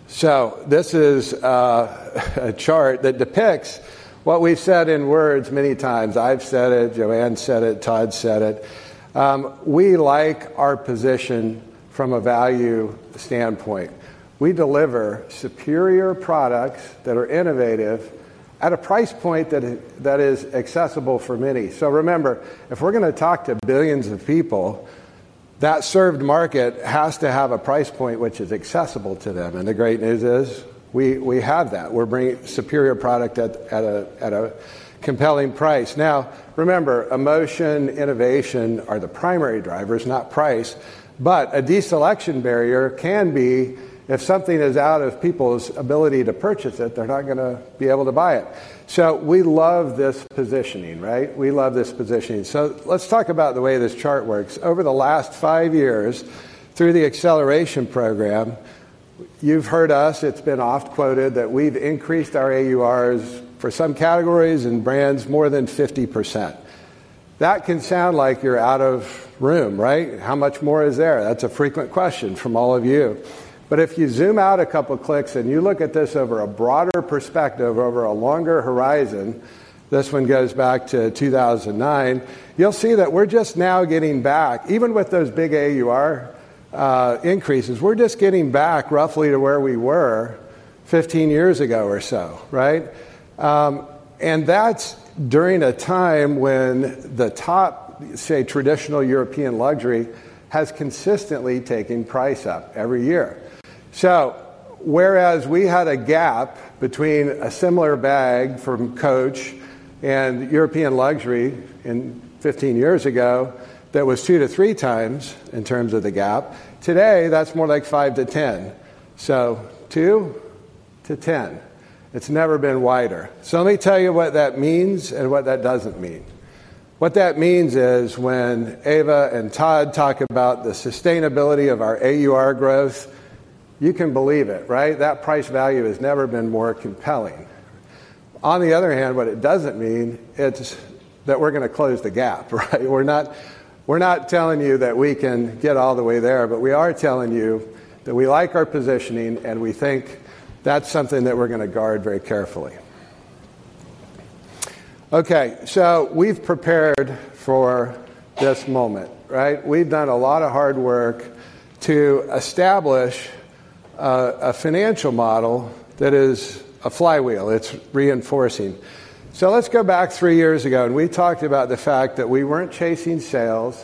This is a chart that depicts what we've said in words many times. I've said it. Joanne said it. Todd said it. We like our position from a value standpoint. We deliver superior products that are innovative at a price point that is accessible for many. Remember, if we're going to talk to billions of people, that served market has to have a price point which is accessible to them. The great news is we have that. We're bringing superior product at a compelling price. Remember, emotion and innovation are the primary drivers, not price. A deselection barrier can be if something is out of people's ability to purchase it, they're not going to be able to buy it. We love this positioning, right? We love this positioning. Let's talk about the way this chart works. Over the last five years, through the acceleration program, you've heard us, it's been oft quoted that we've increased our AURs for some categories and brands more than 50%. That can sound like you're out of room, right? How much more is there? That's a frequent question from all of you. If you zoom out a couple of clicks and you look at this over a broader perspective, over a longer horizon, this one goes back to 2009, you'll see that we're just now getting back, even with those big AUR increases, we're just getting back roughly to where we were 15 years ago or so, right? That's during a time when the top, say, traditional European luxury has consistently taken price up every year. Whereas we had a gap between a similar bag from Coach and the European luxury 15 years ago that was two to three times in terms of the gap, today that's more like five to ten. Two to ten. It's never been wider. Let me tell you what that means and what that doesn't mean. What that means is when Eva and Todd talk about the sustainability of our AUR growth, you can believe it, right? That price value has never been more compelling. On the other hand, what it doesn't mean is that we're going to close the gap, right? We're not telling you that we can get all the way there, but we are telling you that we like our positioning and we think that's something that we're going to guard very carefully. We've prepared for this moment, right? We've done a lot of hard work to establish a financial model that is a flywheel. It's reinforcing. Let's go back three years ago and we talked about the fact that we weren't chasing sales.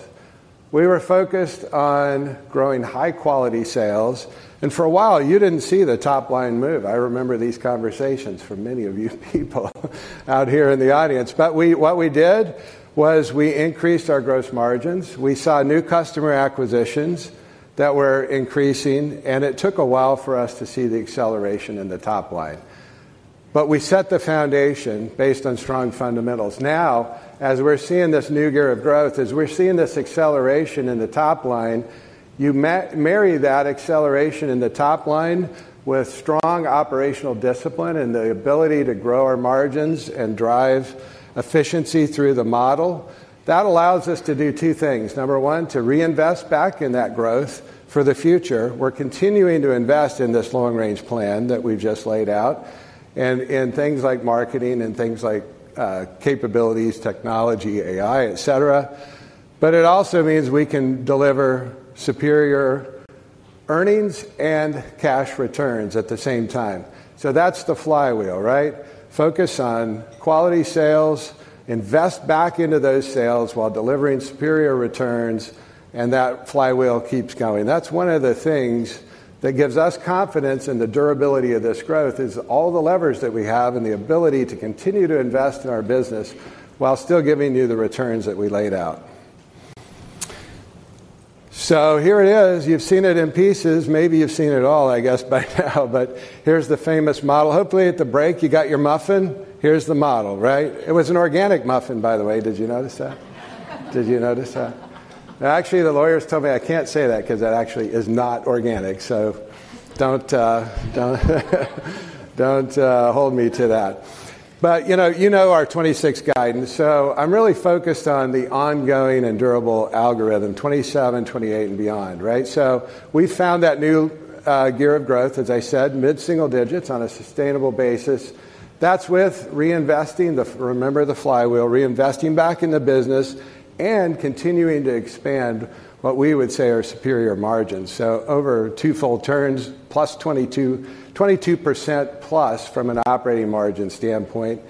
We were focused on growing high-quality sales. For a while, you didn't see the top line move. I remember these conversations from many of you people out here in the audience. What we did was we increased our gross margins. We saw new customer acquisitions that were increasing, and it took a while for us to see the acceleration in the top line. We set the foundation based on strong fundamentals. Now, as we're seeing this new gear of growth, as we're seeing this acceleration in the top line, you marry that acceleration in the top line with strong operational discipline and the ability to grow our margins and drive efficiency through the model. That allows us to do two things. Number one, to reinvest back in that growth for the future. We're continuing to invest in this long-range plan that we've just laid out and in things like marketing and things like capabilities, technology, AI, et cetera. It also means we can deliver superior earnings and cash returns at the same time. That's the flywheel, right? Focus on quality sales, invest back into those sales while delivering superior returns, and that flywheel keeps going. That's one of the things that gives us confidence in the durability of this growth is all the levers that we have and the ability to continue to invest in our business while still giving you the returns that we laid out. Here it is. You've seen it in pieces. Maybe you've seen it all, I guess, by now. Here's the famous model. Hopefully, at the break, you got your muffin. Here's the model, right? It was an organic muffin, by the way. Did you notice that? Did you notice that? Actually, the lawyers told me I can't say that because that actually is not organic. Don't hold me to that. You know our 2026 guidance. I'm really focused on the ongoing and durable algorithm, 2027, 2028, and beyond, right? We found that new gear of growth, as I said, mid-single digits on a sustainable basis. That's with reinvesting, remember the flywheel, reinvesting back in the business and continuing to expand what we would say are superior margins. Over two full turns, plus 22% plus from an operating margin standpoint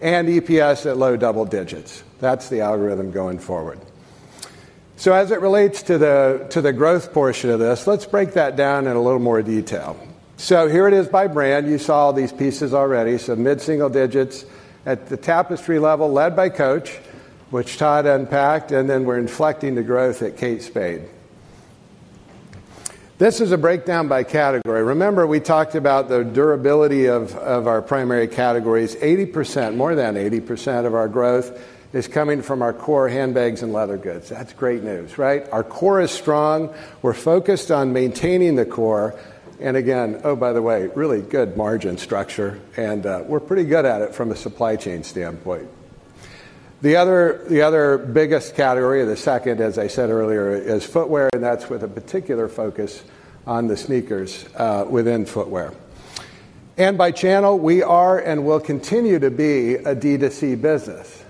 and EPS at low double digits. That's the algorithm going forward. As it relates to the growth portion of this, let's break that down in a little more detail. Here it is by brand. You saw all these pieces already. Mid-single digits at the Tapestry level led by Coach, which Todd unpacked, and then we're inflecting the growth at Kate Spade. This is a breakdown by category. Remember, we talked about the durability of our primary categories. 80%, more than 80% of our growth is coming from our core handbags and leather goods. That's great news, right? Our core is strong. We're focused on maintaining the core. Again, oh, by the way, really good margin structure. We're pretty good at it from a supply chain standpoint. The other biggest category, the second, as I said earlier, is footwear, and that's with a particular focus on the sneakers within footwear. By channel, we are and will continue to be a direct-to-consumer business.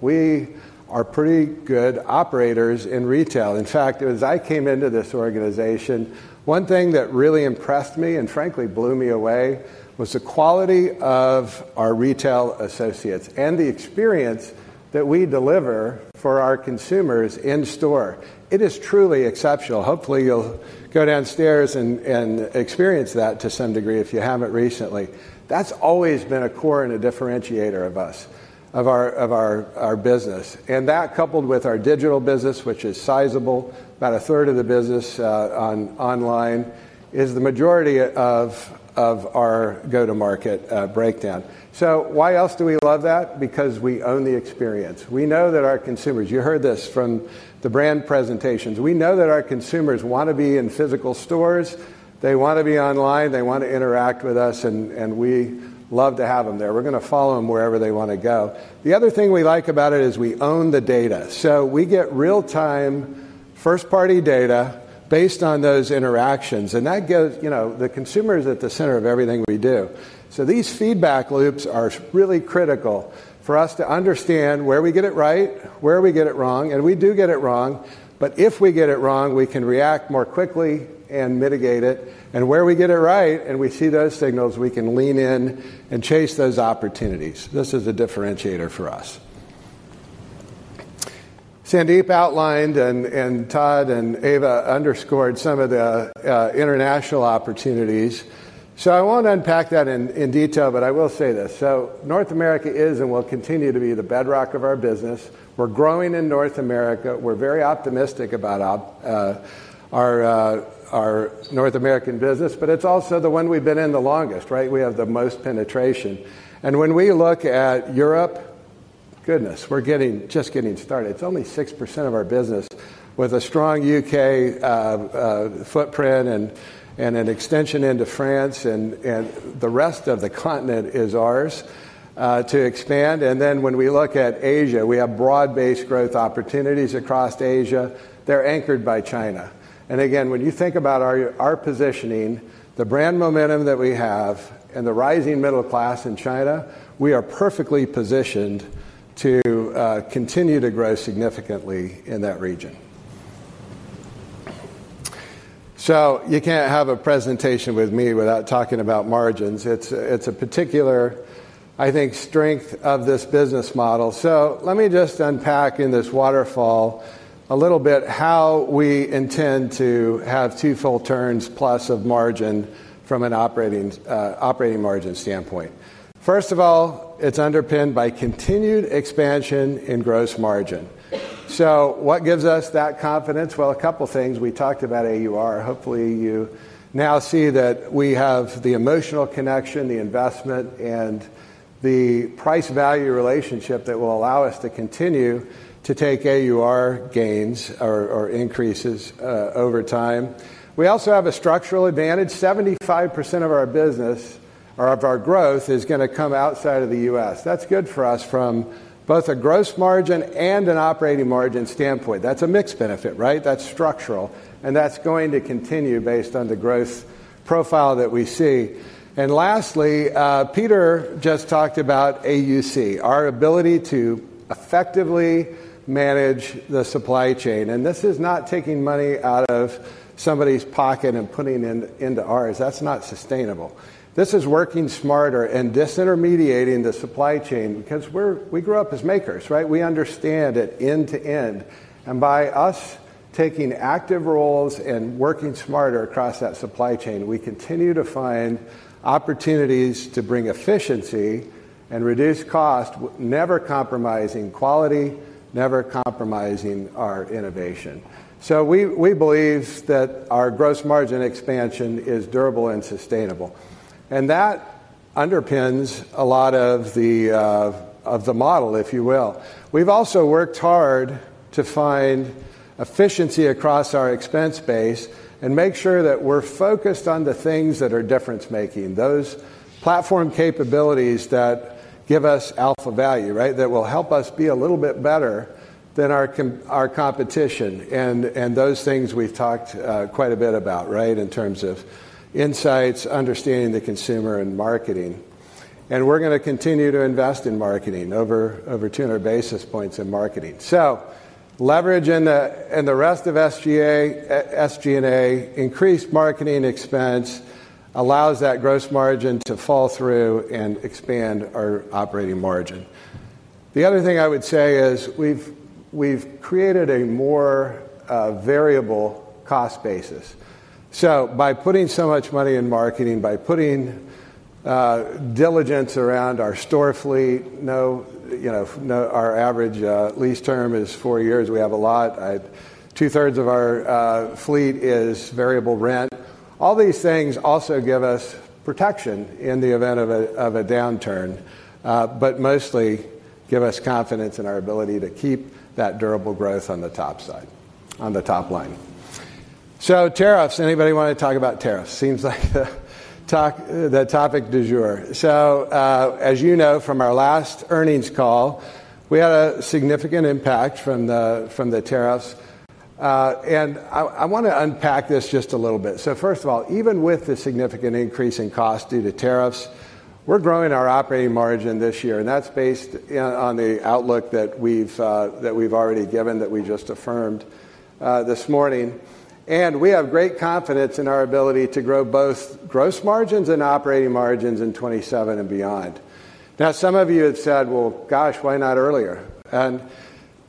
We are pretty good operators in retail. In fact, as I came into this organization, one thing that really impressed me and frankly blew me away was the quality of our retail associates and the experience that we deliver for our consumers in store. It is truly exceptional. Hopefully, you'll go downstairs and experience that to some degree if you haven't recently. That's always been a core and a differentiator of us, of our business. That coupled with our digital business, which is sizable, about a third of the business online, is the majority of our go-to-market breakdown. Why else do we love that? Because we own the experience. We know that our consumers, you heard this from the brand presentations, we know that our consumers want to be in physical stores. They want to be online. They want to interact with us. We love to have them there. We're going to follow them wherever they want to go. The other thing we like about it is we own the data. We get real-time first-party data based on those interactions. That gives the consumers at the center of everything we do. These feedback loops are really critical for us to understand where we get it right, where we get it wrong. We do get it wrong. If we get it wrong, we can react more quickly and mitigate it. Where we get it right and we see those signals, we can lean in and chase those opportunities. This is a differentiator for us. Sandeep outlined and Todd and Eva underscored some of the international opportunities. I won't unpack that in detail, but I will say this. North America is and will continue to be the bedrock of our business. We're growing in North America. We're very optimistic about our North American business, but it's also the one we've been in the longest, right? We have the most penetration. When we look at Europe, goodness, we're just getting started. It's only 6% of our business with a strong UK footprint and an extension into France. The rest of the continent is ours to expand. When we look at Asia, we have broad-based growth opportunities across Asia. They're anchored by China. When you think about our positioning, the brand momentum that we have, and the rising middle class in China, we are perfectly positioned to continue to grow significantly in that region. You can't have a presentation with me without talking about margins. It's a particular, I think, strength of this business model. Let me just unpack in this waterfall a little bit how we intend to have two full turns plus of margin from an operating margin standpoint. First of all, it's underpinned by continued expansion in gross margin. What gives us that confidence? A couple of things. We talked about AUR. Hopefully, you now see that we have the emotional connection, the investment, and the price-value relationship that will allow us to continue to take AUR gains or increases over time. We also have a structural advantage. 75% of our business or of our growth is going to come outside of the U.S. That's good for us from both a gross margin and an operating margin standpoint. That's a mixed benefit, right? That's structural. That's going to continue based on the growth profile that we see. Lastly, Peter just talked about AUC, our ability to effectively manage the supply chain. This is not taking money out of somebody's pocket and putting it into ours. That's not sustainable. This is working smarter and disintermediating the supply chain because we grew up as makers, right? We understand it end to end. By us taking active roles and working smarter across that supply chain, we continue to find opportunities to bring efficiency and reduce cost, never compromising quality, never compromising our innovation. We believe that our gross margin expansion is durable and sustainable. That underpins a lot of the model, if you will. We've also worked hard to find efficiency across our expense base and make sure that we're focused on the things that are difference making, those platform capabilities that give us alpha value, right? That will help us be a little bit better than our competition. Those things we've talked quite a bit about, right? In terms of insights, understanding the consumer, and marketing. We're going to continue to invest in marketing over 200 basis points in marketing. Leveraging the rest of SG&A, increased marketing expense allows that gross margin to fall through and expand our operating margin. The other thing I would say is we've created a more variable cost basis. By putting so much money in marketing, by putting diligence around our store fleet, you know, our average lease term is four years. We have a lot. Two-thirds of our fleet is variable rent. All these things also give us protection in the event of a downturn, but mostly give us confidence in our ability to keep that durable growth on the top side, on the top line. Tariffs, anybody want to talk about tariffs? Seems like the topic du jour. As you know from our last earnings call, we had a significant impact from the tariffs. I want to unpack this just a little bit. First of all, even with the significant increase in cost due to tariffs, we're growing our operating margin this year. That's based on the outlook that we've already given that we just affirmed this morning. We have great confidence in our ability to grow both gross margins and operating margins in 2027 and beyond. Some of you had said, gosh, why not earlier?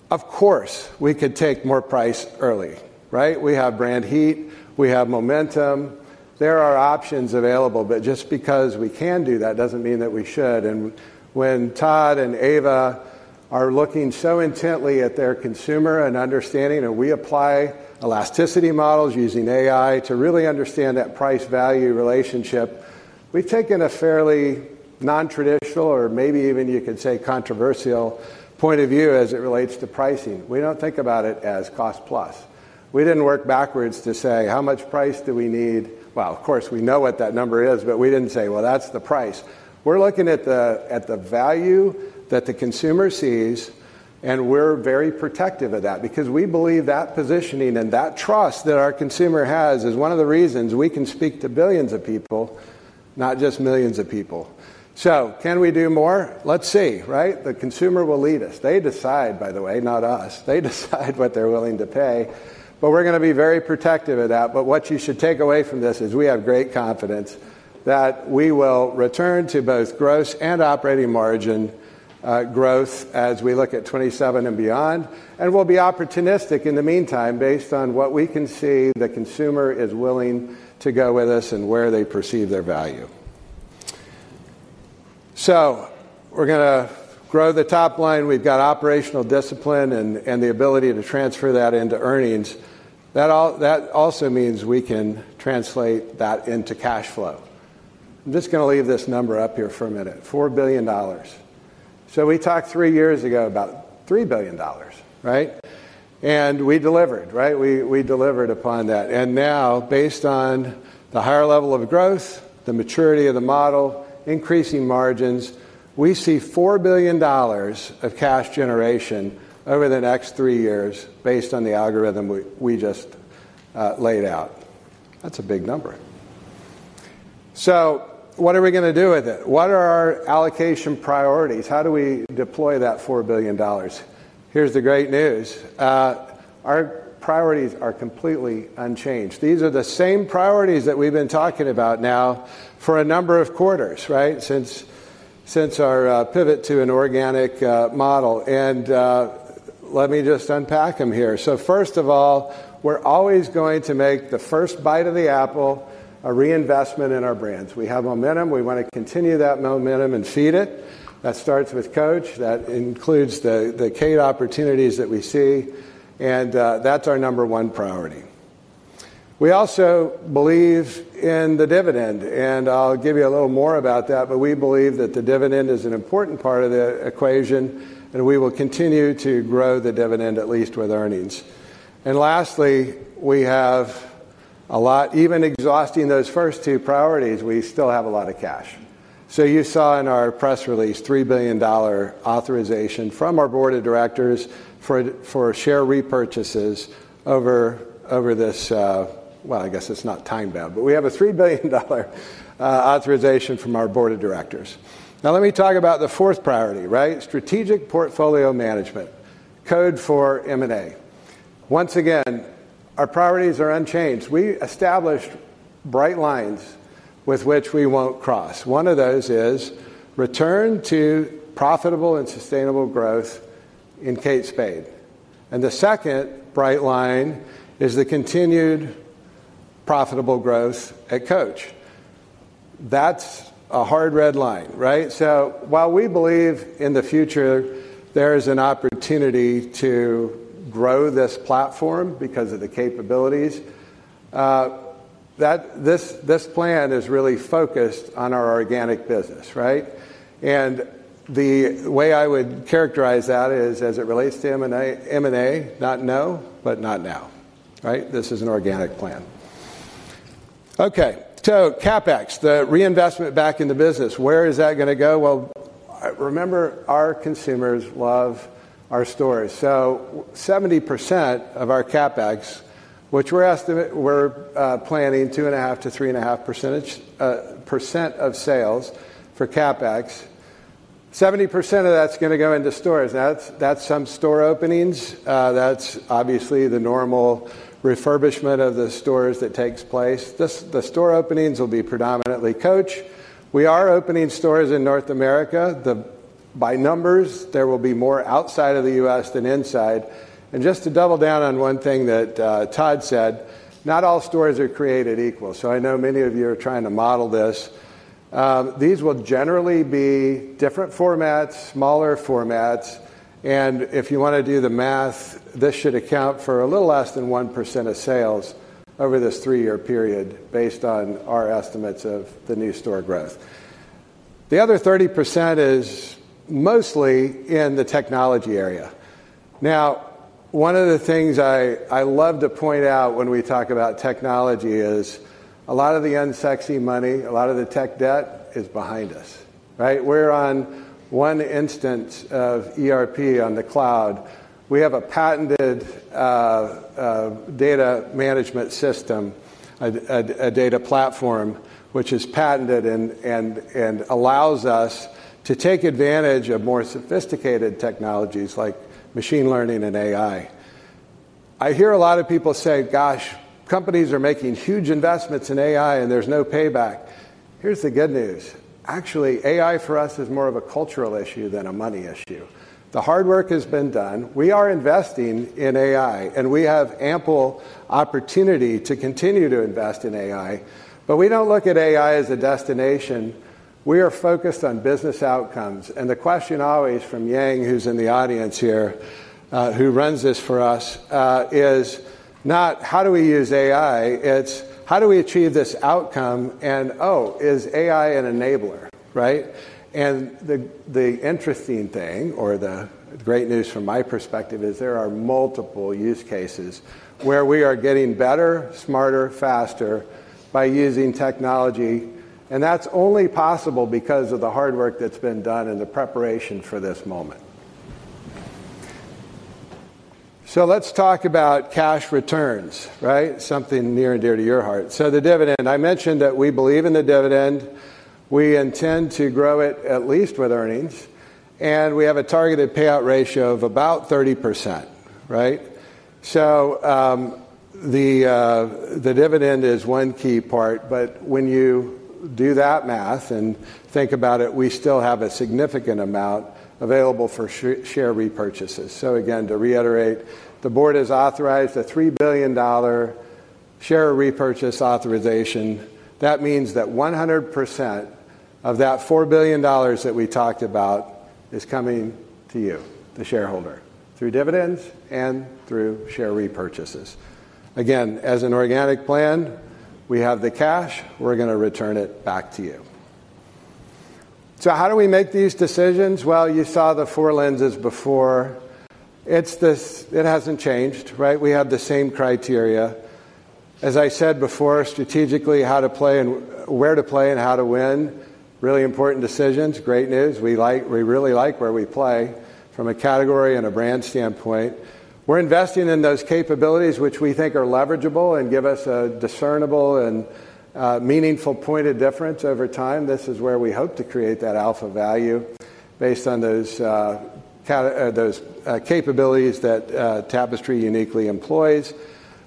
Of course, we could take more price early, right? We have brand heat. We have momentum. There are options available. Just because we can do that doesn't mean that we should. When Todd and Ava are looking so intently at their consumer and understanding, and we apply elasticity models using AI to really understand that price-value relationship, we've taken a fairly non-traditional or maybe even you could say controversial point of view as it relates to pricing. We don't think about it as cost plus. We didn't work backwards to say how much price do we need. Of course, we know what that number is, but we didn't say, that's the price. We're looking at the value that the consumer sees, and we're very protective of that because we believe that positioning and that trust that our consumer has is one of the reasons we can speak to billions of people, not just millions of people. Can we do more? Let's see, right? The consumer will lead us. They decide, by the way, not us. They decide what they're willing to pay. We're going to be very protective of that. What you should take away from this is we have great confidence that we will return to both gross and operating margin growth as we look at 2027 and beyond. We'll be opportunistic in the meantime based on what we can see the consumer is willing to go with us and where they perceive their value. We're going to grow the top line. We've got operational discipline and the ability to transfer that into earnings. That also means we can translate that into cash flow. I'm just going to leave this number up here for a minute, $4 billion. We talked three years ago about $3 billion, right? We delivered, right? We delivered upon that. Now, based on the higher level of growth, the maturity of the model, increasing margins, we see $4 billion of cash generation over the next three years based on the algorithm we just laid out. That's a big number. What are we going to do with it? What are our allocation priorities? How do we deploy that $4 billion? Here's the great news. Our priorities are completely unchanged. These are the same priorities that we've been talking about now for a number of quarters, right? Since our pivot to an organic model. Let me just unpack them here. First of all, we're always going to make the first bite of the apple a reinvestment in our brands. We have momentum. We want to continue that momentum and seed it. That starts with Coach. That includes the Kate opportunities that we see. That's our number one priority. We also believe in the dividend. I'll give you a little more about that. We believe that the dividend is an important part of the equation. We will continue to grow the dividend, at least with earnings. Lastly, even exhausting those first two priorities, we still have a lot of cash. You saw in our press release $3 billion authorization from our board of directors for share repurchases over this, I guess it's not time bound. We have a $3 billion authorization from our board of directors. Let me talk about the fourth priority, right? Strategic portfolio management, code for M&A. Once again, our priorities are unchanged. We established bright lines which we won't cross. One of those is return to profitable and sustainable growth in Kate Spade. The second bright line is the continued profitable growth at Coach. That's a hard red line, right? While we believe in the future, there is an opportunity to grow this platform because of the capabilities, this plan is really focused on our organic business, right? The way I would characterize that is as it relates to M&A, not no, but not now, right? This is an organic plan. CapEx, the reinvestment back in the business. Where is that going to go? Remember, our consumers love our stores. 70% of our CapEx, which we're planning 2.5%-3.5% of sales for CapEx, 70% of that's going to go into stores. That's some store openings. That's obviously the normal refurbishment of the stores that takes place. The store openings will be predominantly Coach. We are opening stores in North America. By numbers, there will be more outside of the U.S. than inside. Just to double down on one thing that Todd said, not all stores are created equal. I know many of you are trying to model this. These will generally be different formats, smaller formats. If you want to do the math, this should account for a little less than 1% of sales over this three-year period based on our estimates of the new store growth. The other 30% is mostly in the technology area. One of the things I love to point out when we talk about technology is a lot of the unsexy money, a lot of the tech debt is behind us, right? We're on one instance of ERP on the cloud. We have a patented data management system, a data platform, which is patented and allows us to take advantage of more sophisticated technologies like machine learning and AI. I hear a lot of people say, gosh, companies are making huge investments in AI and there's no payback. Here's the good news. Actually, AI for us is more of a cultural issue than a money issue. The hard work has been done. We are investing in AI, and we have ample opportunity to continue to invest in AI. We don't look at AI as a destination. We are focused on business outcomes. The question always from Yang, who's in the audience here, who runs this for us, is not how do we use AI? It's how do we achieve this outcome? Oh, is AI an enabler, right? The interesting thing, or the great news from my perspective, is there are multiple use cases where we are getting better, smarter, faster by using technology. That's only possible because of the hard work that's been done in the preparation for this moment. Let's talk about cash returns, right? Something near and dear to your heart. The dividend, I mentioned that we believe in the dividend. We intend to grow it at least with earnings. We have a targeted payout ratio of about 30%, right? The dividend is one key part. When you do that math and think about it, we still have a significant amount available for share repurchases. To reiterate, the board has authorized a $3 billion share repurchase authorization. That means that 100% of that $4 billion that we talked about is coming to you, the shareholder, through dividends and through share repurchases. As an organic plan, we have the cash. We're going to return it back to you. How do we make these decisions? You saw the four lenses before. It hasn't changed, right? We have the same criteria. As I said before, strategically, how to play and where to play and how to win. Really important decisions. Great news. We really like where we play from a category and a brand standpoint. We're investing in those capabilities, which we think are leverageable and give us a discernible and meaningful point of difference over time. This is where we hope to create that alpha value based on those capabilities that Tapestry uniquely employs.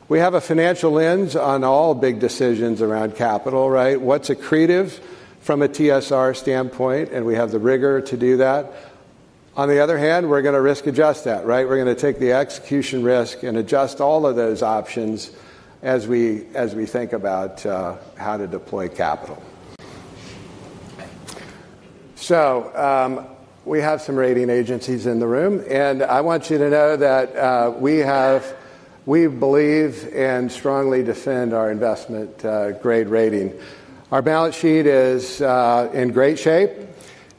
We have a financial lens on all big decisions around capital, right? What's accretive from a TSR standpoint? We have the rigor to do that. On the other hand, we're going to risk adjust that, right? We're going to take the execution risk and adjust all of those options as we think about how to deploy capital. We have some rating agencies in the room. I want you to know that we believe and strongly defend our investment grade rating. Our balance sheet is in great shape.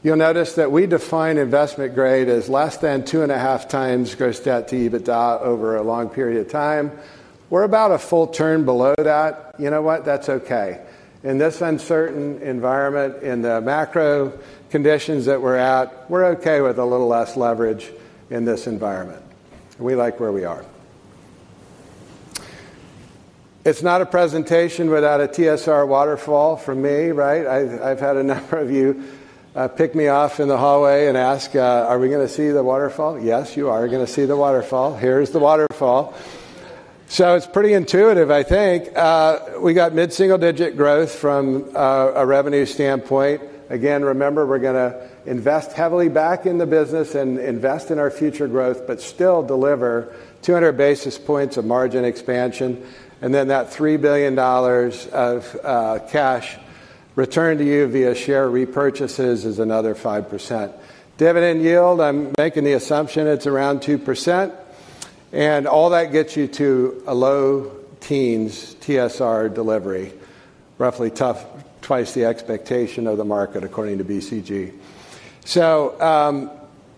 You'll notice that we define investment grade as less than 2.5 times gross debt to EBITDA over a long period of time. We're about a full turn below that. You know what? That's okay. In this uncertain environment, in the macro conditions that we're at, we're okay with a little less leverage in this environment. We like where we are. It's not a presentation without a TSR waterfall for me, right? I've had a number of you pick me off in the hallway and ask, are we going to see the waterfall? Yes, you are going to see the waterfall. Here's the waterfall. It's pretty intuitive, I think. We got mid-single digit growth from a revenue standpoint. Again, remember, we're going to invest heavily back in the business and invest in our future growth, but still deliver 200 basis points of margin expansion. That $3 billion of cash returned to you via share repurchases is another 5%. Dividend yield, I'm making the assumption it's around 2%. All that gets you to a low teens TSR delivery, roughly twice the expectation of the market according to BCG.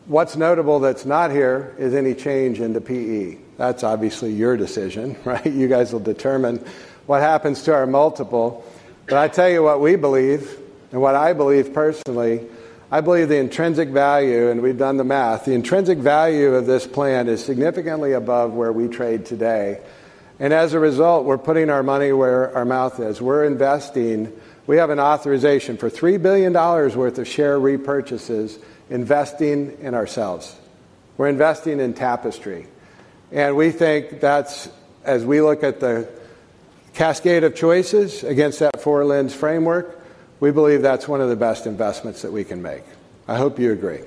What's notable that's not here is any change in the PE. That's obviously your decision, right? You guys will determine what happens to our multiple. I tell you what we believe and what I believe personally. I believe the intrinsic value, and we've done the math, the intrinsic value of this plan is significantly above where we trade today. As a result, we're putting our money where our mouth is. We're investing. We have an authorization for $3 billion worth of share repurchases, investing in ourselves. We're investing in Tapestry. We think that's, as we look at the cascade of choices against that four lens framework, one of the best investments that we can make. I hope you agree.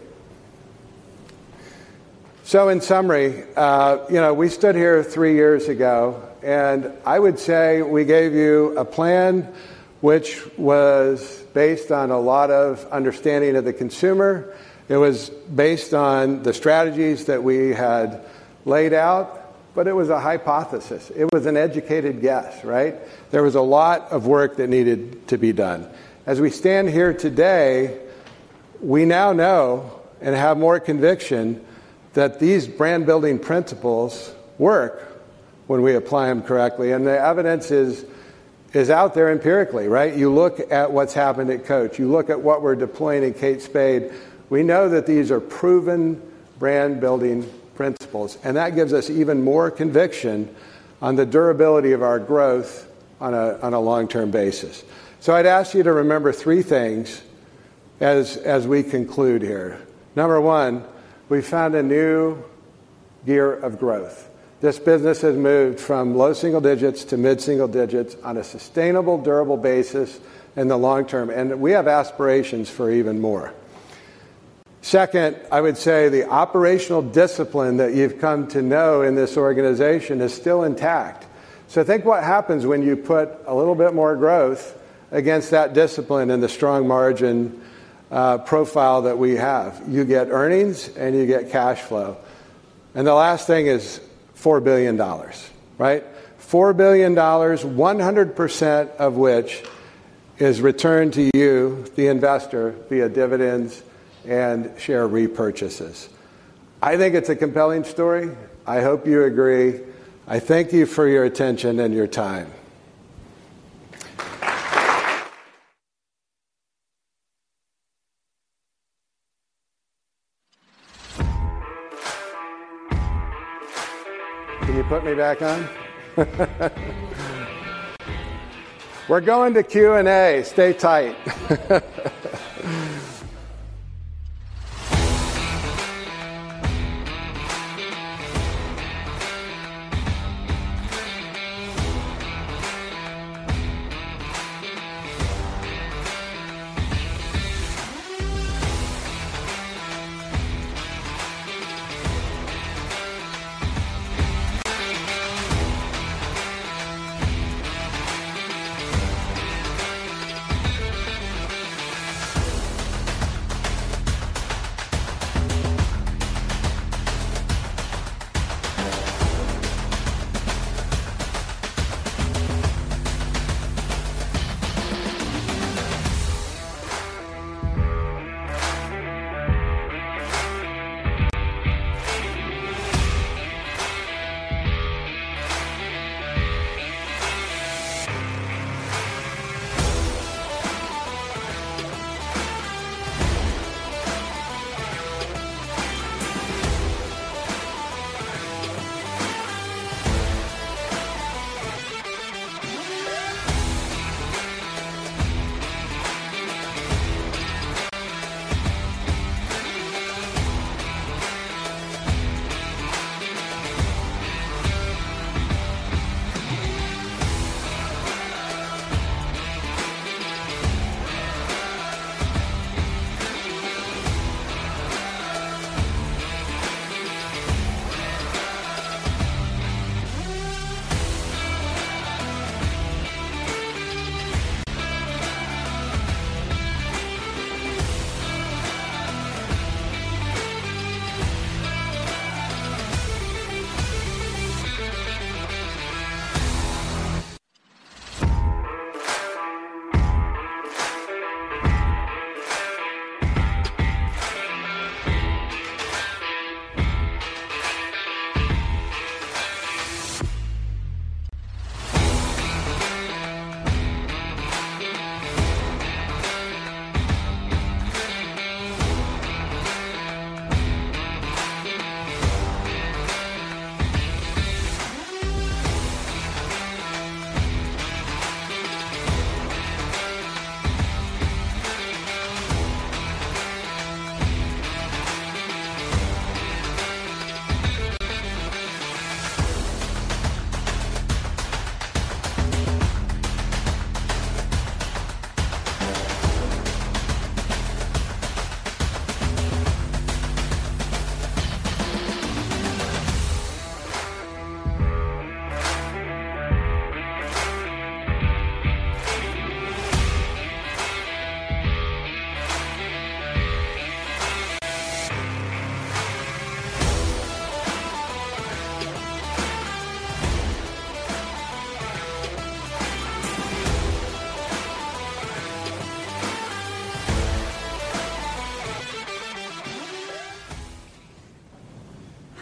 In summary, you know, we stood here three years ago, and I would say we gave you a plan which was based on a lot of understanding of the consumer. It was based on the strategies that we had laid out, but it was a hypothesis. It was an educated guess, right? There was a lot of work that needed to be done. As we stand here today, we now know and have more conviction that these brand-building principles work when we apply them correctly. The evidence is out there empirically, right? You look at what's happened at Coach. You look at what we're deploying at Kate Spade. We know that these are proven brand-building principles. That gives us even more conviction on the durability of our growth on a long-term basis. I'd ask you to remember three things as we conclude here. Number one, we found a new gear of growth. This business has moved from low single digits to mid-single digits on a sustainable, durable basis in the long term. We have aspirations for even more. Second, I would say the operational discipline that you've come to know in this organization is still intact. Think what happens when you put a little bit more growth against that discipline and the strong margin profile that we have. You get earnings, and you get cash flow. The last thing is $4 billion, right? $4 billion, 100% of which is returned to you, the investor, via dividends and share repurchases. I think it's a compelling story. I hope you agree. I thank you for your attention and your time. Can you put me back on? We're going to Q&A. Stay tight.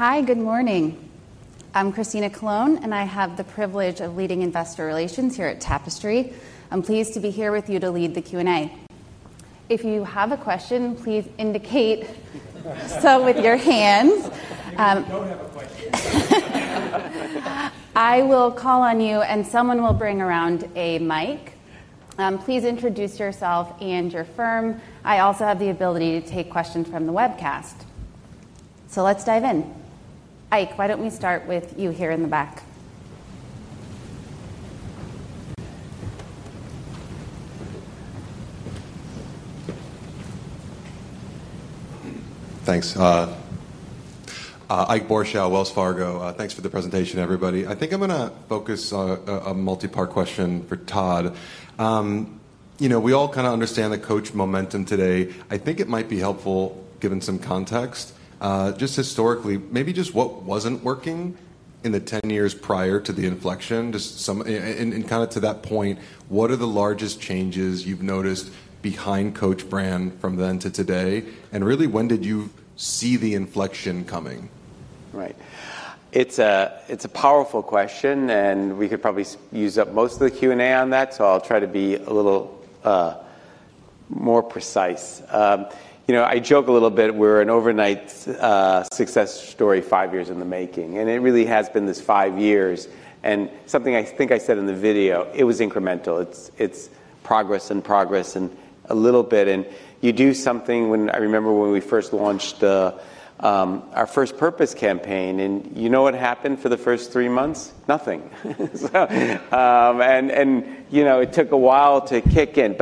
Hi, good morning. I'm Christina Colone, and I have the privilege of leading investor relations here at Tapestry. I'm pleased to be here with you to lead the Q&A. If you have a question, please indicate so with your hands. I will call on you, and someone will bring around a mic. Please introduce yourself and your firm. I also have the ability to take questions from the webcast. Let's dive in. Ike, why don't we start with you here in the back? Thanks. Ike Boruchow, Wells Fargo. Thanks for the presentation, everybody. I think I'm going to focus on a multi-part question for Todd. You know, we all kind of understand the Coach momentum today. I think it might be helpful given some context. Just historically, maybe just what wasn't working in the 10 years prior to the inflection. To that point, what are the largest changes you've noticed behind Coach brand from then to today? Really, when did you see the inflection coming? Right. It's a powerful question, and we could probably use up most of the Q&A on that. I'll try to be a little more precise. I joke a little bit. We're an overnight success story five years in the making. It really has been this five years. Something I think I said in the video, it was incremental. It's progress and progress and a little bit. You do something. I remember when we first launched our first purpose campaign. You know what happened for the first three months? Nothing. It took a while to kick in.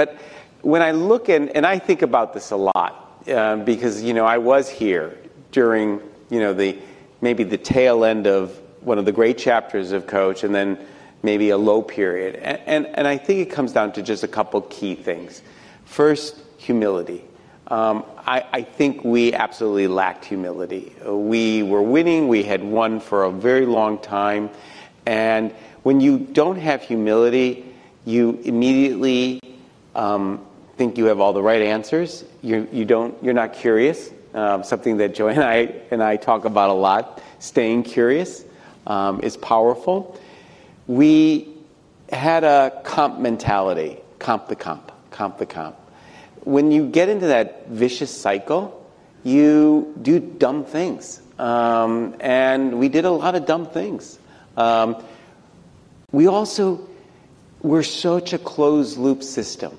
When I look in, and I think about this a lot, because I was here during maybe the tail end of one of the great chapters of Coach, and then maybe a low period. I think it comes down to just a couple of key things. First, humility. I think we absolutely lacked humility. We were winning. We had won for a very long time. When you don't have humility, you immediately think you have all the right answers. You're not curious. Something that Joanne and I talk about a lot, staying curious is powerful. We had a comp mentality. Comp the comp. Comp the comp. When you get into that vicious cycle, you do dumb things. We did a lot of dumb things. We also were such a closed loop system.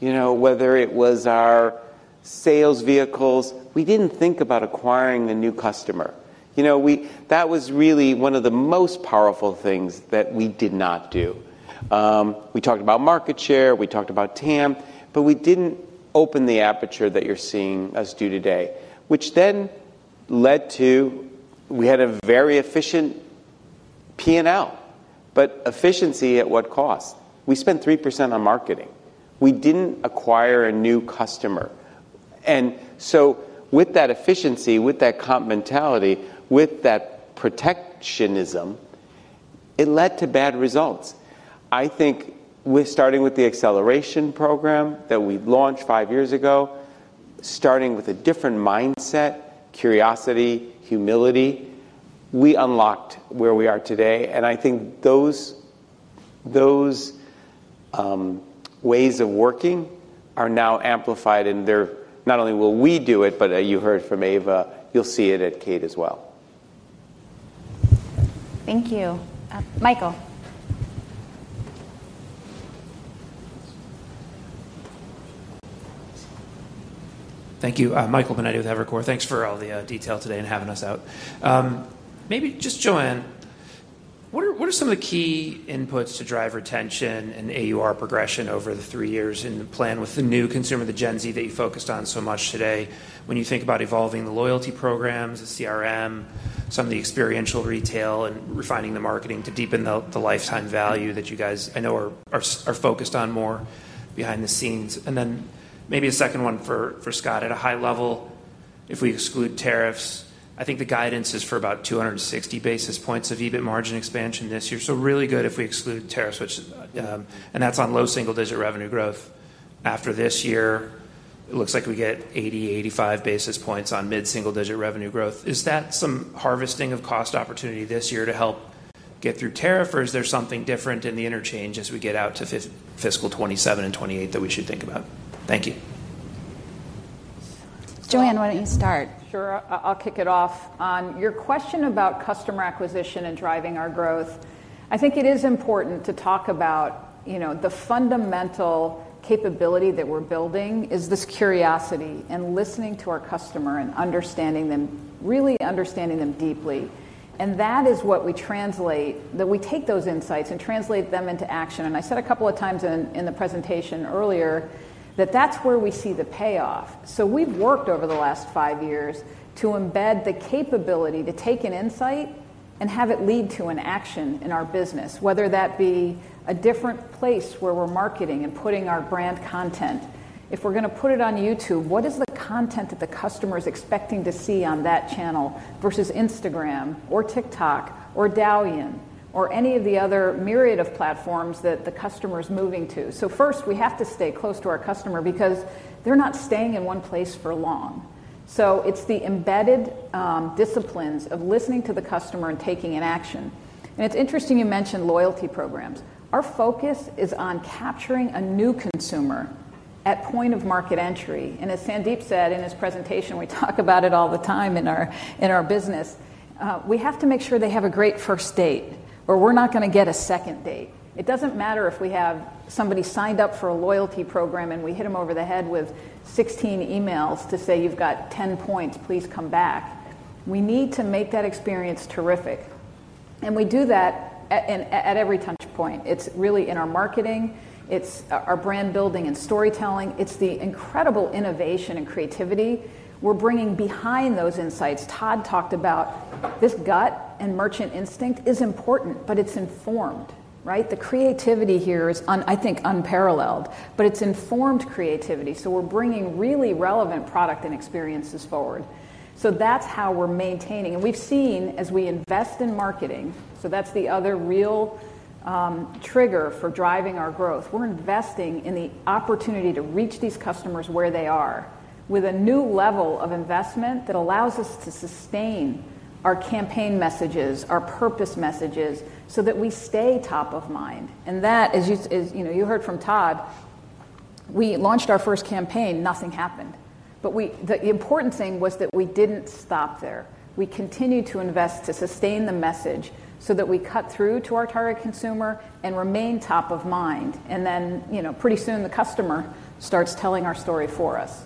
Whether it was our sales vehicles, we didn't think about acquiring a new customer. That was really one of the most powerful things that we did not do. We talked about market share. We talked about TAM. We didn't open the aperture that you're seeing us do today, which then led to we had a very efficient P&L. Efficiency at what cost? We spent 3% on marketing. We didn't acquire a new customer. With that efficiency, with that comp mentality, with that protectionism, it led to bad results. I think we're starting with the acceleration program that we launched five years ago, starting with a different mindset, curiosity, humility, we unlocked where we are today. I think those ways of working are now amplified. Not only will we do it, but you heard from Ava, you'll see it at Kate as well. Thank you. Michael. Thank you. Michael Binetti, Evercore. Thanks for all the detail today and having us out. Maybe just Joanne, what are some of the key inputs to drive retention and AUR progression over the three years in the plan with the new consumer, the Gen Z that you focused on so much today? When you think about evolving the loyalty programs, the CRM, some of the experiential retail, and refining the marketing to deepen the lifetime value that you guys, I know, are focused on more behind the scenes. Maybe a second one for Scott. At a high level, if we exclude tariffs, I think the guidance is for about 260 basis points of EBIT margin expansion this year. Really good if we exclude tariffs, which, and that's on low single digit revenue growth. After this year, it looks like we get 80, 85 basis points on mid-single digit revenue growth. Is that some harvesting of cost opportunity this year to help get through tariff, or is there something different in the interchange as we get out to fiscal 2027 and 2028 that we should think about? Thank you. Joanne, why don't you start? Sure. I'll kick it off. On your question about customer acquisition and driving our growth, I think it is important to talk about the fundamental capability that we're building, which is this curiosity and listening to our customer and understanding them, really understanding them deeply. That is what we translate, that we take those insights and translate them into action. I said a couple of times in the presentation earlier that that's where we see the payoff. We've worked over the last five years to embed the capability to take an insight and have it lead to an action in our business, whether that be a different place where we're marketing and putting our brand content. If we're going to put it on YouTube, what is the content that the customer is expecting to see on that channel versus Instagram or TikTok or Douyin or any of the other myriad of platforms that the customer is moving to? First, we have to stay close to our customer because they're not staying in one place for long. It's the embedded disciplines of listening to the customer and taking an action. It's interesting you mentioned loyalty programs. Our focus is on capturing a new consumer at point of market entry. As Sandeep said in his presentation, we talk about it all the time in our business. We have to make sure they have a great first date or we're not going to get a second date. It doesn't matter if we have somebody signed up for a loyalty program and we hit them over the head with 16 emails to say you've got 10 points, please come back. We need to make that experience terrific. We do that at every touchpoint. It's really in our marketing. It's our brand building and storytelling. It's the incredible innovation and creativity we're bringing behind those insights. Todd talked about this gut and merchant instinct is important, but it's informed, right? The creativity here is, I think, unparalleled, but it's informed creativity. We're bringing really relevant product and experiences forward. That's how we're maintaining. We've seen as we invest in marketing, that's the other real trigger for driving our growth. We're investing in the opportunity to reach these customers where they are with a new level of investment that allows us to sustain our campaign messages, our purpose messages so that we stay top of mind. That, as you heard from Todd, we launched our first campaign, nothing happened. The important thing was that we didn't stop there. We continued to invest to sustain the message so that we cut through to our target consumer and remain top of mind. Pretty soon the customer starts telling our story for us.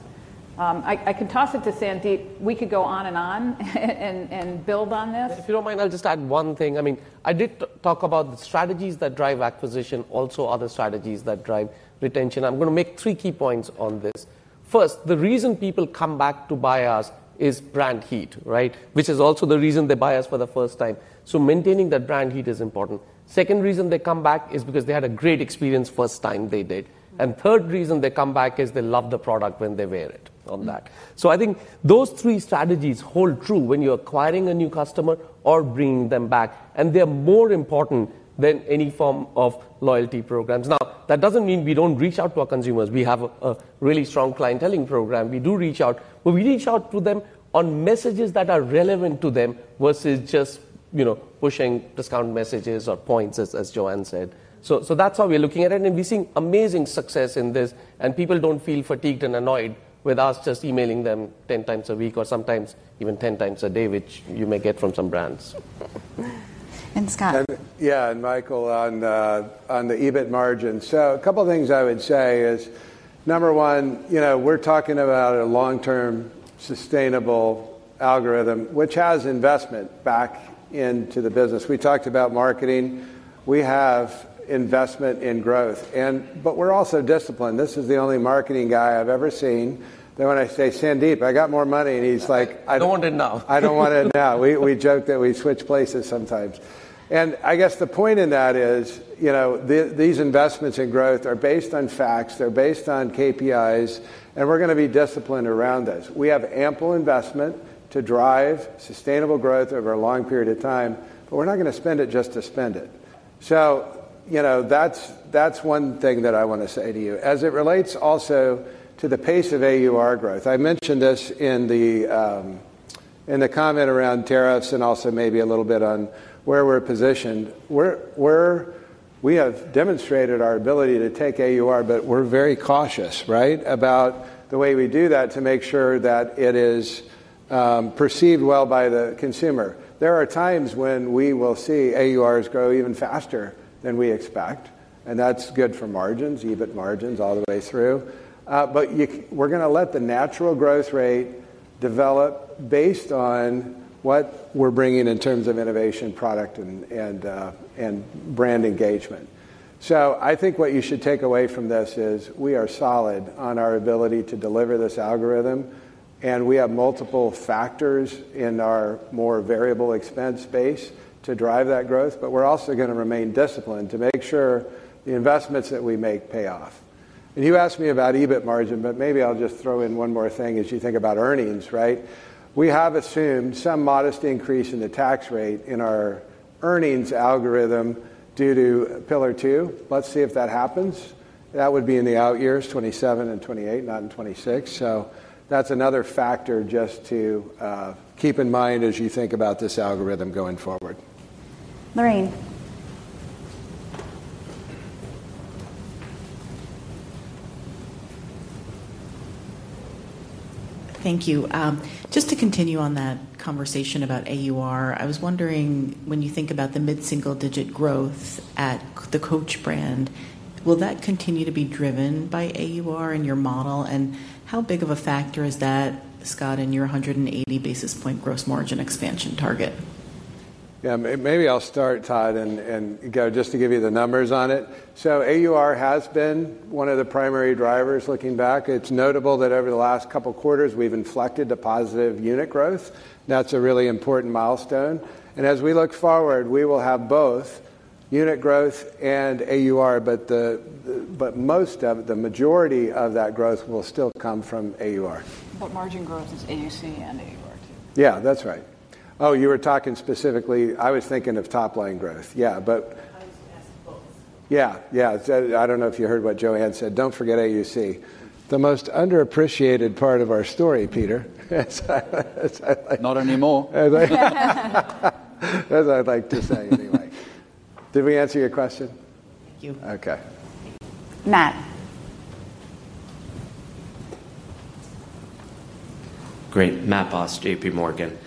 I can toss it to Sandeep. We could go on and on and build on this. If you don't mind, I'll just add one thing. I mean, I did talk about the strategies that drive acquisition, also other strategies that drive retention. I'm going to make three key points on this. First, the reason people come back to buy us is brand heat, right? Which is also the reason they buy us for the first time. Maintaining that brand heat is important. Second reason they come back is because they had a great experience the first time they did. Third reason they come back is they love the product when they wear it on that. I think those three strategies hold true when you're acquiring a new customer or bringing them back. They're more important than any form of loyalty programs. That doesn't mean we don't reach out to our consumers. We have a really strong client telling program. We do reach out. We reach out to them on messages that are relevant to them versus just, you know, pushing discount messages or points, as Joanne said. That's how we're looking at it. We're seeing amazing success in this. People don't feel fatigued and annoyed with us just emailing them 10 times a week or sometimes even 10 times a day, which you may get from some brands. And Scott. Yeah, and Michael on the EBIT margin. A couple of things I would say is, number one, you know, we're talking about a long-term sustainable algorithm, which has investment back into the business. We talked about marketing. We have investment in growth. We're also disciplined. This is the only marketing guy I've ever seen that when I say, Sandeep, I got more money, and he's like. I don't want it now. I don't want it now. We joke that we switch places sometimes. I guess the point in that is, you know, these investments in growth are based on facts. They're based on KPIs, and we're going to be disciplined around this. We have ample investment to drive sustainable growth over a long period of time, but we're not going to spend it just to spend it. You know, that's one thing that I want to say to you. As it relates also to the pace of AUR growth, I mentioned this in the comment around tariffs and also maybe a little bit on where we're positioned. We have demonstrated our ability to take AUR, but we're very cautious, right, about the way we do that to make sure that it is perceived well by the consumer. There are times when we will see AURs grow even faster than we expect, and that's good for margins, EBIT margins all the way through. We're going to let the natural growth rate develop based on what we're bringing in terms of innovation, product, and brand engagement. I think what you should take away from this is we are solid on our ability to deliver this algorithm, and we have multiple factors in our more variable expense space to drive that growth. We're also going to remain disciplined to make sure the investments that we make pay off. You asked me about EBIT margin, but maybe I'll just throw in one more thing as you think about earnings, right? We have assumed some modest increase in the tax rate in our earnings algorithm due to Pillar 2. Let's see if that happens. That would be in the out years, 2027 and 2028, not in 2026. That's another factor just to keep in mind as you think about this algorithm going forward. Lorraine. Thank you. Just to continue on that conversation about AUR, I was wondering when you think about the mid-single digit growth at the Coach brand, will that continue to be driven by AUR in your model? How big of a factor is that, Scott, in your 180 basis point gross margin expansion target? Yeah, maybe I'll start, Todd, and go just to give you the numbers on it. AUR has been one of the primary drivers looking back. It's notable that over the last couple of quarters, we've inflected a positive unit growth. That's a really important milestone. As we look forward, we will have both unit growth and AUR, but most of the majority of that growth will still come from AUR. Margin growth is AUC and AUR. Yeah, that's right. You were talking specifically, I was thinking of top-line growth. Yeah. I don't know if you heard what Joanne said. Don't forget AUC. The most underappreciated part of our story, Peter. Not anymore. That's what I'd like to say anyway. Did we answer your question? Thank you. OK. Matt. Great. Matt Boss, J.P. Morgan.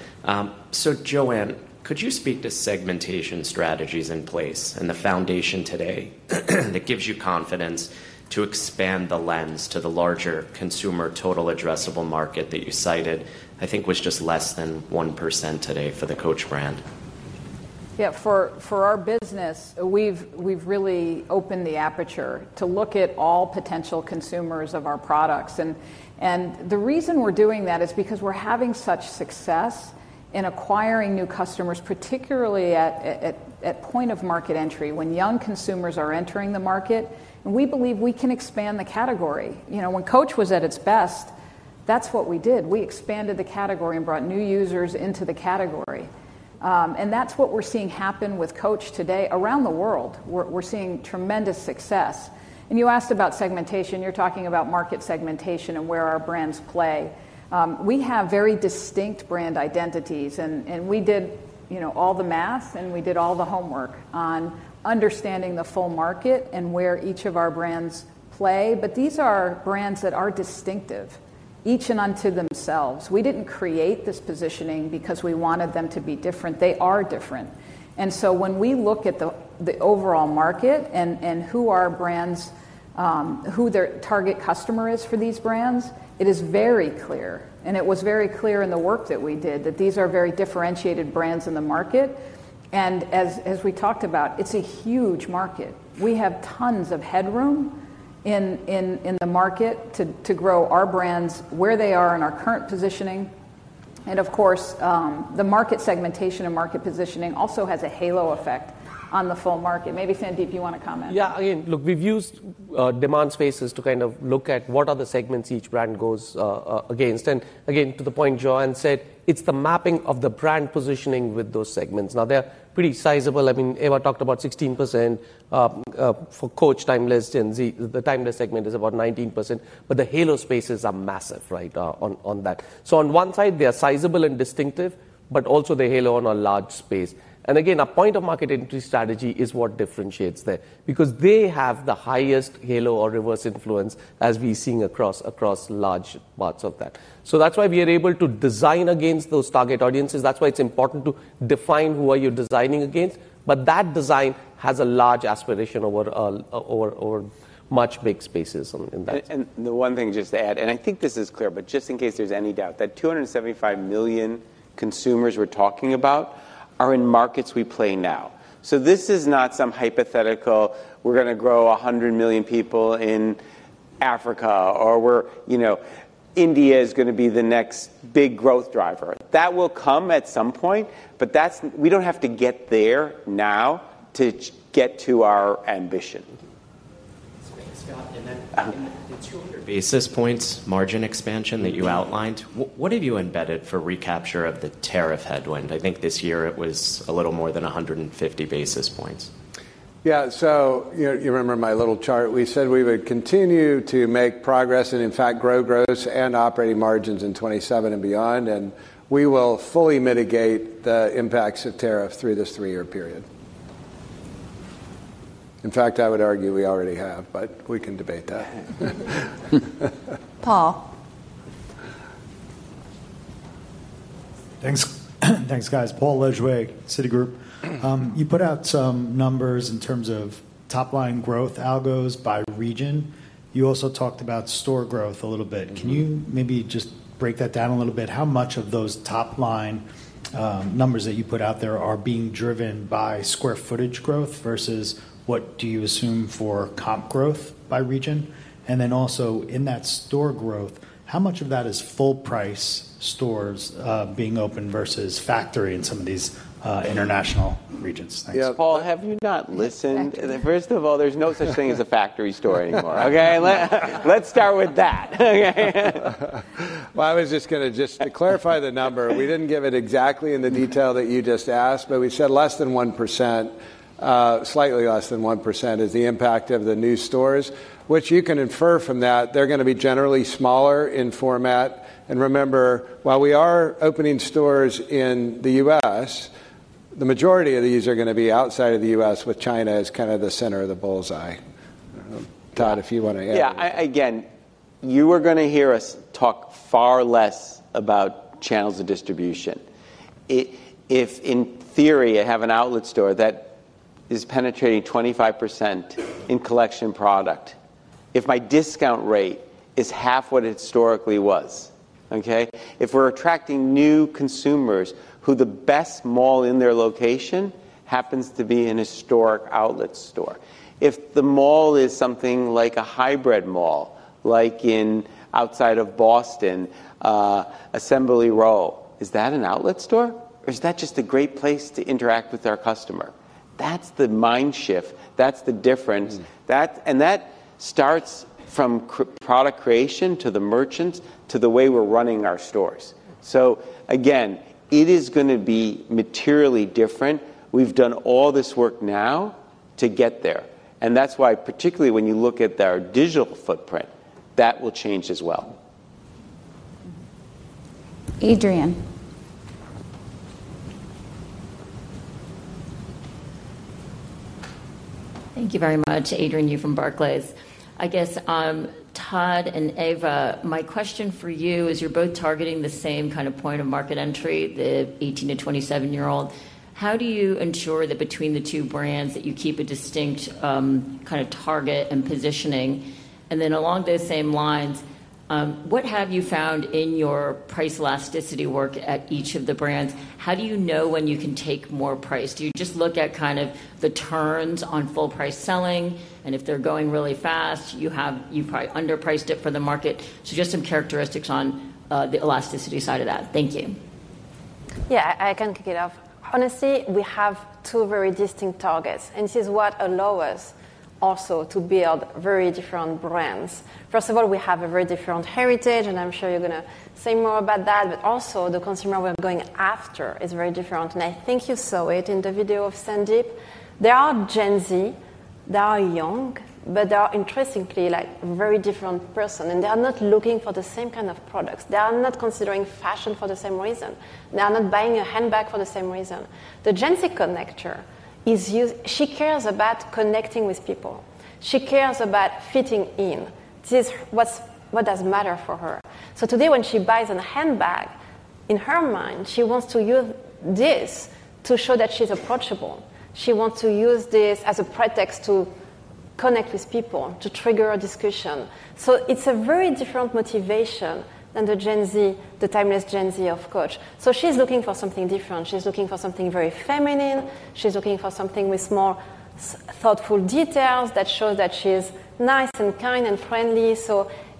Joanne, could you speak to segmentation strategies in place and the foundation today that gives you confidence to expand the lens to the larger consumer total addressable market that you cited? I think it was just less than 1% today for the Coach brand. Yeah, for our business, we've really opened the aperture to look at all potential consumers of our products. The reason we're doing that is because we're having such success in acquiring new customers, particularly at point of market entry when young consumers are entering the market. We believe we can expand the category. You know, when Coach was at its best, that's what we did. We expanded the category and brought new users into the category. That's what we're seeing happen with Coach today around the world. We're seeing tremendous success. You asked about segmentation. You're talking about market segmentation and where our brands play. We have very distinct brand identities. We did all the math, and we did all the homework on understanding the full market and where each of our brands play. These are brands that are distinctive, each and unto themselves. We didn't create this positioning because we wanted them to be different. They are different. When we look at the overall market and who our brands, who their target customer is for these brands, it is very clear. It was very clear in the work that we did that these are very differentiated brands in the market. As we talked about, it's a huge market. We have tons of headroom in the market to grow our brands where they are in our current positioning. Of course, the market segmentation and market positioning also has a halo effect on the full market. Maybe Sandeep, you want to comment? Yeah, again, look, we've used demand spaces to kind of look at what are the segments each brand goes against. Again, to the point Joanne said, it's the mapping of the brand positioning with those segments. Now, they're pretty sizable. I mean, Ava talked about 16% for Coach timeless Gen Z. The timeless segment is about 19%. The halo spaces are massive, right, on that. On one side, they're sizable and distinctive, but also they halo in a large space. A point of market entry strategy is what differentiates them, because they have the highest halo or reverse influence, as we're seeing across large parts of that. That's why we are able to design against those target audiences. That's why it's important to define who are you designing against. That design has a large aspiration over much big spaces in that. One thing just to add, and I think this is clear, but just in case there's any doubt, that 275 million consumers we're talking about are in markets we play now. This is not some hypothetical, we're going to grow 100 million people in Africa, or we're, you know, India is going to be the next big growth driver. That will come at some point, but we don't have to get there now to get to our ambition. Thank you. Scott, in the basis points margin expansion that you outlined, what have you embedded for recapture of the tariff headwind? I think this year it was a little more than 150 basis points. You remember my little chart. We said we would continue to make progress and, in fact, grow growth and operating margins in 2027 and beyond. We will fully mitigate the impacts of tariff through this three-year period. In fact, I would argue we already have, but we can debate that. Paul. Thanks. Thanks, guys. Paul Legerwey, Citigroup. You put out some numbers in terms of top-line growth algos by region. You also talked about store growth a little bit. Can you maybe just break that down a little bit? How much of those top-line numbers that you put out there are being driven by square footage growth versus what do you assume for comp growth by region? In that store growth, how much of that is full-price stores being open versus factory in some of these international regions? Yeah, Paul, have you not listened? First of all, there's no such thing as a factory store anymore. OK, let's start with that. I was just going to clarify the number. We didn't give it exactly in the detail that you just asked, but we said less than 1%, slightly less than 1% is the impact of the new stores, which you can infer from that. They're going to be generally smaller in format. Remember, while we are opening stores in the U.S., the majority of these are going to be outside of the U.S., with China as kind of the center of the bullseye. Todd, if you want to add. Yeah, again, you are going to hear us talk far less about channels of distribution. If in theory I have an outlet store that is penetrating 25% in collection product, if my discount rate is half what it historically was, if we're attracting new consumers who the best mall in their location happens to be an historic outlet store, if the mall is something like a hybrid mall, like outside of Boston, Assembly Row, is that an outlet store? Is that just a great place to interact with our customer? That's the mind shift. That's the difference. That starts from product creation to the merchants to the way we're running our stores. It is going to be materially different. We've done all this work now to get there. That's why, particularly when you look at our digital footprint, that will change as well. Adrienne. Thank you very much, Adrienne from Barclays. I guess, Todd and Eva, my question for you is you're both targeting the same kind of point of market entry, the 18-27-year-old. How do you ensure that between the two brands that you keep a distinct kind of target and positioning? Along those same lines, what have you found in your price elasticity work at each of the brands? How do you know when you can take more price? Do you just look at kind of the turns on full price selling? If they're going really fast, you've probably underpriced it for the market. Just some characteristics on the elasticity side of that. Thank you. Yeah, I can kick it off. Honestly, we have two very distinct targets. She. What allow us also to build very different brands. First of all, we have a very different heritage, and I'm sure you're going to say more about that, but also the consumer we're going after is very different. I think you saw it in the video of Sandeep. There are Gen Z, they are young, but they are interestingly like a very different person, and they are not looking for the same kind of products. They are not considering fashion for the same reason. They are not buying a handbag for the same reason. The Gen Z connector is used, she cares about connecting with people. She cares about fitting in. This is what does matter for her. Today, when she buys a handbag, in her mind, she wants to use this to show that she's approachable. She wants to use this as a pretext to connect with people, to trigger a discussion. It's a very different motivation than the Gen Z, the timeless Gen Z of Coach. She's looking for something different. She's looking for something very feminine. She's looking for something with more thoughtful details that show that she's nice and kind and friendly.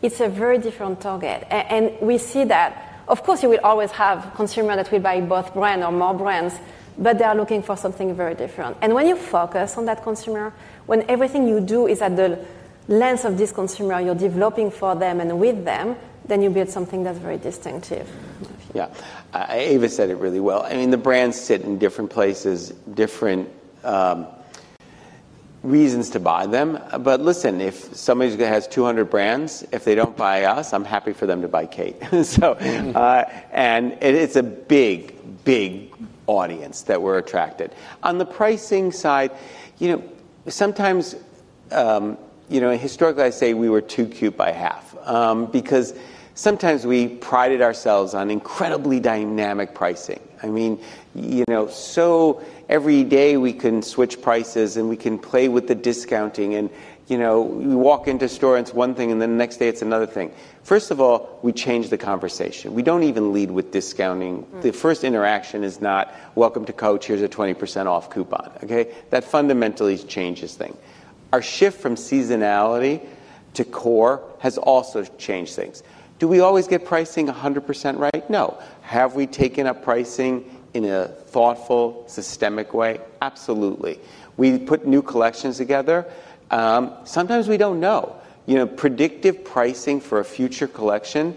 It's a very different target. We see that. Of course, you will always have a consumer that will buy both brands or more brands, but they're looking for something very different. When you focus on that consumer, when everything you do is at the lens of this consumer, you're developing for them and with them, then you build something that's very distinctive. Yeah, Ava said it really well. I mean, the brands sit in different places, different reasons to buy them. If somebody has 200 brands, if they don't buy us, I'm happy for them to buy Kate. It's a big, big audience that we're attracted. On the pricing side, sometimes, historically, I say we were too cute by half, because sometimes we prided ourselves on incredibly dynamic pricing. Every day we can switch prices and we can play with the discounting. We walk into a store and it's one thing and then the next day it's another thing. First of all, we change the conversation. We don't even lead with discounting. The first interaction is not, "Welcome to Coach, here's a 20% off coupon." That fundamentally changes things. Our shift from seasonality to core has also changed things. Do we always get pricing 100% right? No. Have we taken up pricing in a thoughtful, systemic way? Absolutely. We put new collections together. Sometimes we don't know. Predictive pricing for a future collection,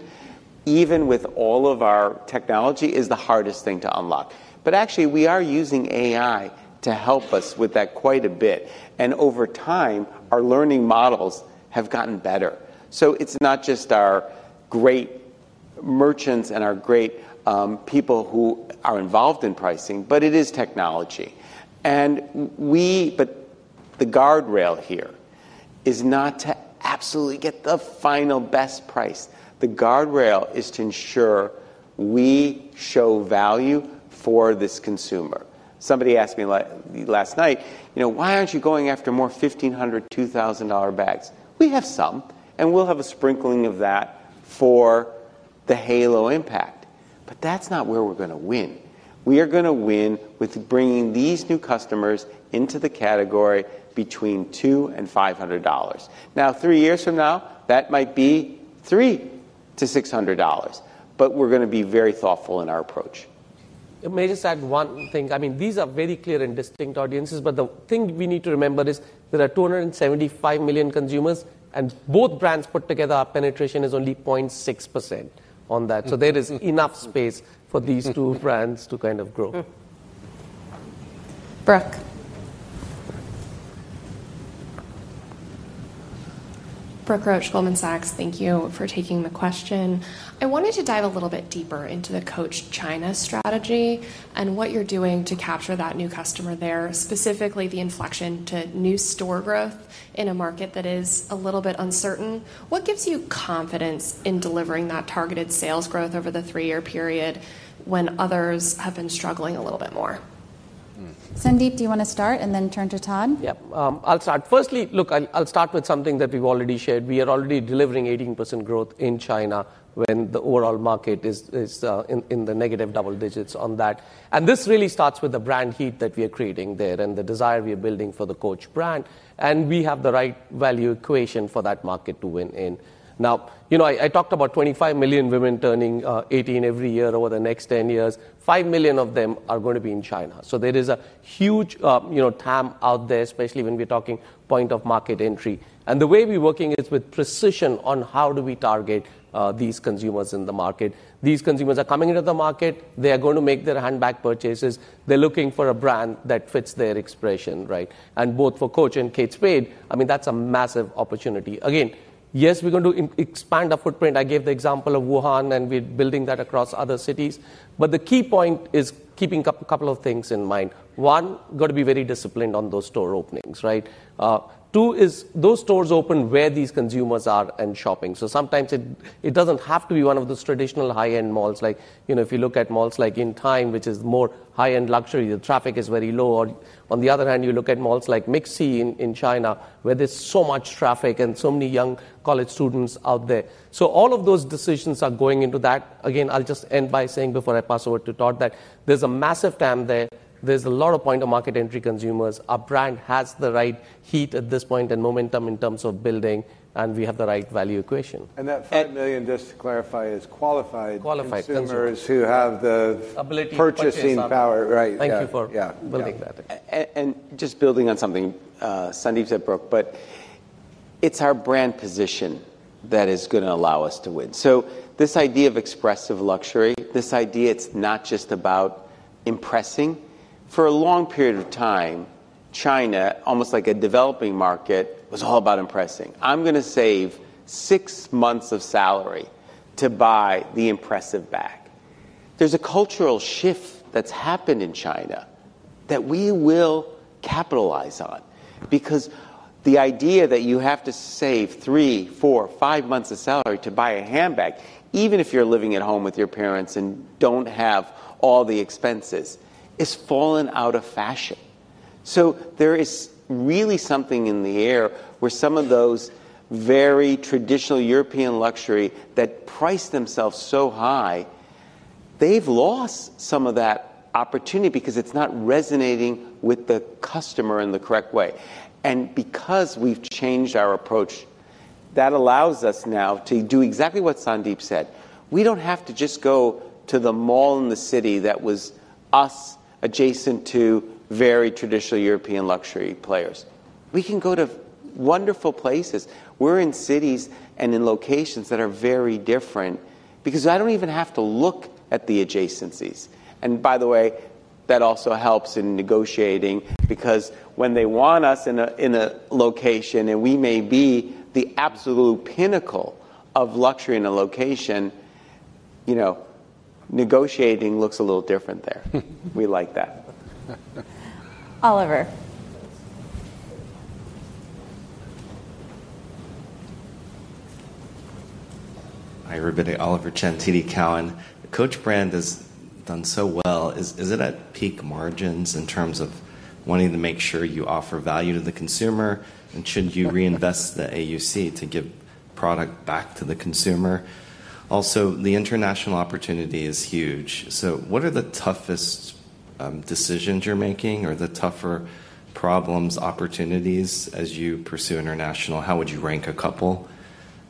even with all of our technology, is the hardest thing to unlock. Actually, we are using AI to help us with that quite a bit. Over time, our learning models have gotten better. It's not just our great merchants and our great people who are involved in pricing, but it is technology. The guardrail here is not to absolutely get the final best price. The guardrail is to ensure we show value for this consumer. Somebody asked me last night, you know, why aren't you going after more $1,500, $2,000 bags? We have some, and we'll have a sprinkling of that for the halo impact. That's not where we're going to win. We are going to win with bringing these new customers into the category between $200 and $500. Now, three years from now, that might be $300 to $600. We're going to be very thoughtful in our approach. May I just add one thing? I mean, these are very clear and distinct audiences, but the thing we need to remember is there are 275 million consumers, and both brands put together a penetration is only 0.6% on that. There is enough space for these two brands to kind of grow. Brooke. Brooke Roach, Goldman Sachs, thank you for taking the question. I wanted to dive a little bit deeper into the Coach China strategy and what you're doing to capture that new customer there, specifically the inflection to new store growth in a market that is a little bit uncertain. What gives you confidence in delivering that targeted sales growth over the three-year period when others have been struggling a little bit more? Sandeep, do you want to start and then turn to Todd? I'll start. Firstly, look, I'll start with something that we've already shared. We are already delivering 18% growth in China when the overall market is in the negative double digits on that. This really starts with the brand heat that we are creating there and the desire we are building for the Coach brand. We have the right value equation for that market to win in. Now, I talked about 25 million women turning 18 every year over the next 10 years. 5 million of them are going to be in China. There is a huge TAM out there, especially when we're talking point of market entry. The way we're working is with precision on how do we target these consumers in the market. These consumers are coming into the market. They are going to make their handbag purchases. They're looking for a brand that fits their expression, right? For both Coach and Kate Spade, that's a massive opportunity. Yes, we're going to expand our footprint. I gave the example of Wuhan, and we're building that across other cities. The key point is keeping a couple of things in mind. One, got to be very disciplined on those store openings, right? Two is those stores open where these consumers are and shopping. Sometimes it doesn't have to be one of those traditional high-end malls. If you look at malls like In Time, which is more high-end luxury, the traffic is very low. On the other hand, you look at malls like Mixi in China, where there's so much traffic and so many young college students out there. All of those decisions are going into that. I'll just end by saying before I pass over to Todd that there's a massive TAM there. There's a lot of point of market entry consumers. Our brand has the right heat at this point and momentum in terms of building, and we have the right value equation. That 5 million, just to clarify, is qualified consumers who have the ability, purchasing power, right? Thank you for building that. Building on something Sandeep said, Brooke, it's our brand position that is going to allow us to win. This idea of expressive luxury, this idea it's not just about impressing. For a long period of time, China, almost like a developing market, was all about impressing. I'm going to save six months of salary to buy the impressive bag. There's a cultural shift that's happened in China that we will capitalize on because the idea that you have to save three, four, five months of salary to buy a handbag, even if you're living at home with your parents and don't have all the expenses, has fallen out of fashion. There is really something in the air where some of those very traditional European luxury brands that price themselves so high have lost some of that opportunity because it's not resonating with the customer in the correct way. Because we've changed our approach, that allows us now to do exactly what Sandeep said. We don't have to just go to the mall in the city that was adjacent to very traditional European luxury players. We can go to wonderful places. We're in cities and in locations that are very different because I don't even have to look at the adjacencies. By the way, that also helps in negotiating because when they want us in a location and we may be the absolute pinnacle of luxury in a location, negotiating looks a little different there. We like that. Oliver. Hi everybody, Oliver Chen, TD Cowen. The Coach brand has done so well. Is it at peak margins in terms of wanting to make sure you offer value to the consumer? Should you reinvest the AUC to give product back to the consumer? The international opportunity is huge. What are the toughest decisions you're making or the tougher problems, opportunities as you pursue international? How would you rank a couple?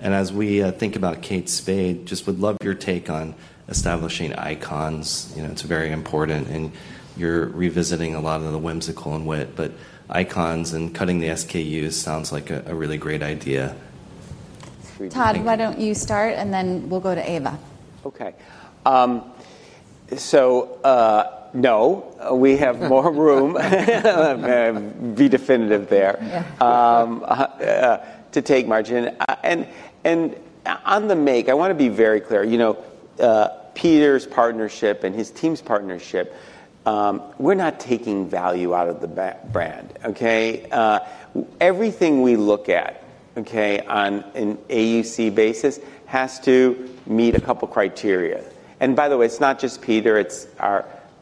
As we think about Kate Spade, just would love your take on establishing icons. You know, it's very important and you're revisiting a lot of the whimsical and wit, but icons and cutting the SKUs sounds like a really great idea. Todd, why don't you start and then we'll go to Eva? Okay. No, we have more room. I'm going to be definitive there to take margin. On the make, I want to be very clear. You know, Peter's partnership and his team's partnership, we're not taking value out of the brand. Everything we look at on an AUC basis has to meet a couple of criteria. By the way, it's not just Peter, it's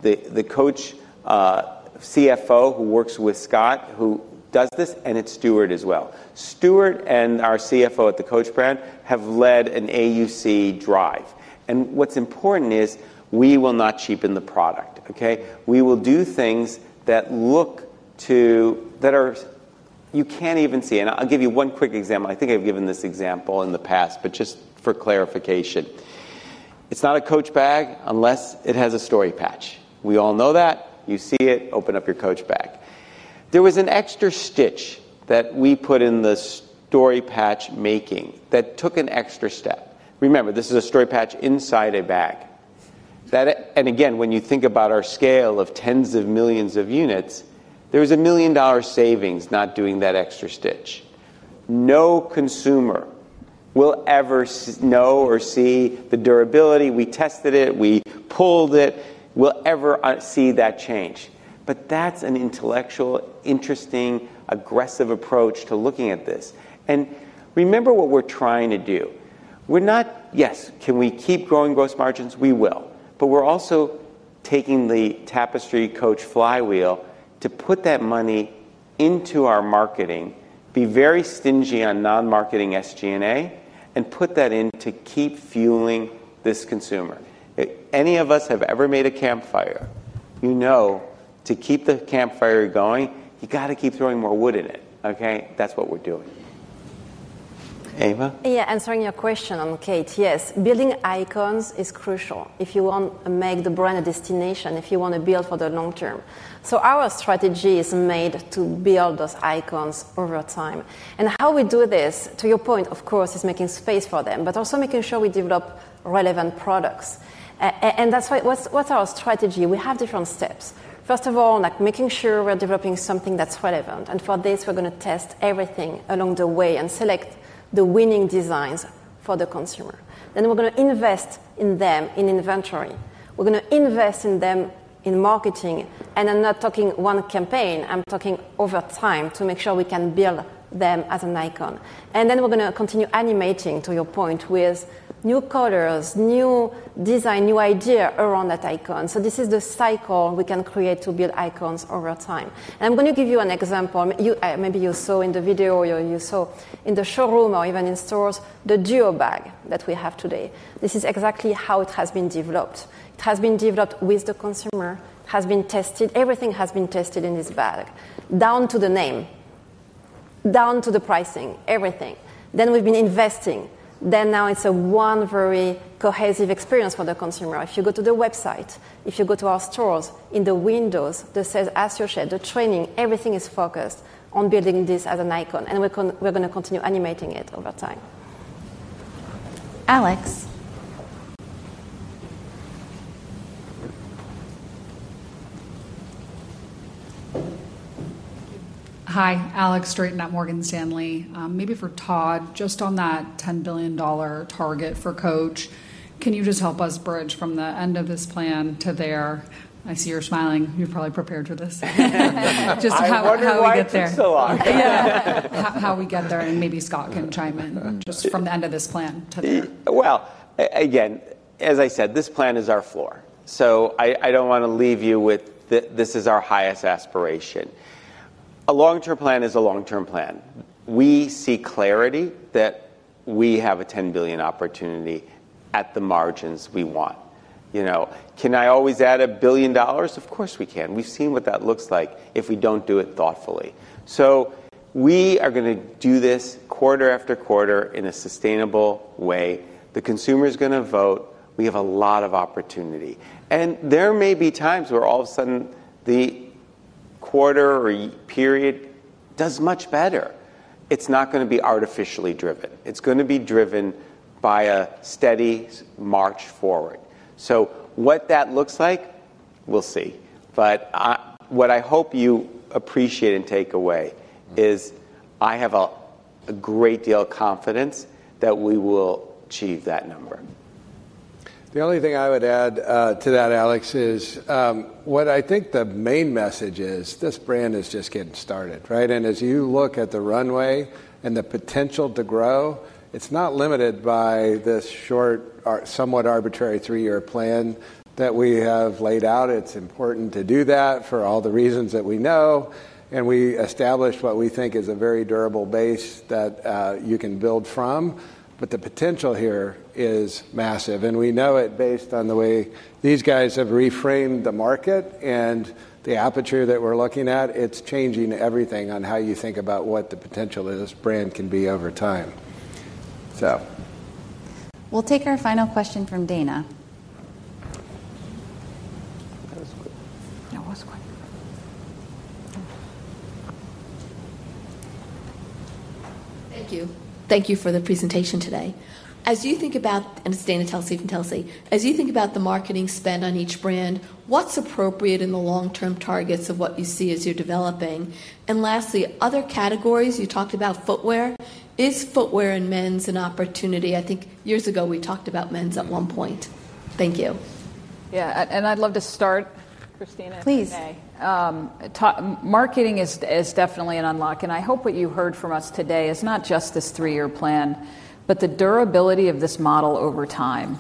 the Coach CFO who works with Scott who does this, and it's Stuart as well. Stuart and our CFO at the Coach brand have led an AUC drive. What's important is we will not cheapen the product. We will do things that look to, that are, you can't even see. I'll give you one quick example. I think I've given this example in the past, but just for clarification. It's not a Coach bag unless it has a story patch. We all know that. You see it, open up your Coach bag. There was an extra stitch that we put in the story patch making that took an extra step. Remember, this is a story patch inside a bag. When you think about our scale of tens of millions of units, there was a $1 million savings not doing that extra stitch. No consumer will ever know or see the durability. We tested it. We pulled it. We'll ever see that change. That's an intellectual, interesting, aggressive approach to looking at this. Remember what we're trying to do. Yes, can we keep growing gross margins? We will. We're also taking the Tapestry Coach flywheel to put that money into our marketing, be very stingy on non-marketing SG&A, and put that in to keep fueling this consumer. Any of us have ever made a campfire. You know, to keep the campfire going, you got to keep throwing more wood in it. That's what we're doing. Eva. Yeah, answering your question on Kate. Yes, building icons is crucial if you want to make the brand a destination, if you want to build for the long term. Our strategy is made to build those icons over time. How we do this, to your point, of course, is making space for them, but also making sure we develop relevant products. That's what's our strategy. We have different steps. First of all, making sure we're developing something that's relevant. For this, we're going to test everything along the way and select the winning designs for the consumer. We're going to invest in them in inventory. We're going to invest in them in marketing. I'm not talking one campaign. I'm talking over time to make sure we can build them as an icon. We're going to continue animating, to your point, with new colors, new design, new idea around that icon. This is the cycle we can create to build icons over time. I'm going to give you an example. Maybe you saw in the video or you saw in the showroom or even in stores, the duo bag that we have today. This is exactly how it has been developed. It has been developed with the consumer. It has been tested. Everything has been tested in this bag. Down to the name. Down to the pricing. Everything. We've been investing. Now it's a one very cohesive experience for the consumer. If you go to the website, if you go to our stores, in the windows, as you said, the training, everything is focused on building this as an icon. We're going to continue animating it over time. Alex. Hi, Alex Strait at Morgan Stanley. Maybe for Todd, just on that $10 billion target for Coach, can you just help us bridge from the end of this plan to there? I see you're smiling. You've probably prepared for this. Just how we get there, how we get there, and maybe Scott can chime in just from the end of this plan too. As I said, this plan is our floor. I don't want to leave you with this is our highest aspiration. A long-term plan is a long-term plan. We see clarity that we have a $10 billion opportunity at the margins we want. You know, can I always add a billion dollars? Of course we can. We've seen what that looks like if we don't do it thoughtfully. We are going to do this quarter after quarter in a sustainable way. The consumer is going to vote. We have a lot of opportunity. There may be times where all of a sudden the quarter or period does much better. It's not going to be artificially driven. It's going to be driven by a steady march forward. What that looks like, we'll see. What I hope you appreciate and take away is I have a great deal of confidence that we will achieve that number. The only thing I would add to that, Alex, is what I think the main message is this brand is just getting started, right? As you look at the runway and the potential to grow, it's not limited by this short or somewhat arbitrary three-year plan that we have laid out. It's important to do that for all the reasons that we know. We established what we think is a very durable base that you can build from. The potential here is massive. We know it based on the way these guys have reframed the market and the aperture that we're looking at. It's changing everything on how you think about what the potential of this brand can be over time. We'll take our final question from Dana. Thank you. Thank you for the presentation today. As you think about, and it's Dana Telsey from Telsey, as you think about the marketing spend on each brand, what's appropriate in the long-term targets of what you see as you're developing? Lastly, other categories you talked about footwear. Is footwear in men's an opportunity? I think years ago we talked about men's at one point. Thank you. Yeah, I'd love to start, Christina. Please. Marketing is definitely an unlock. I hope what you heard from us today is not just this three-year plan, but the durability of this model over time.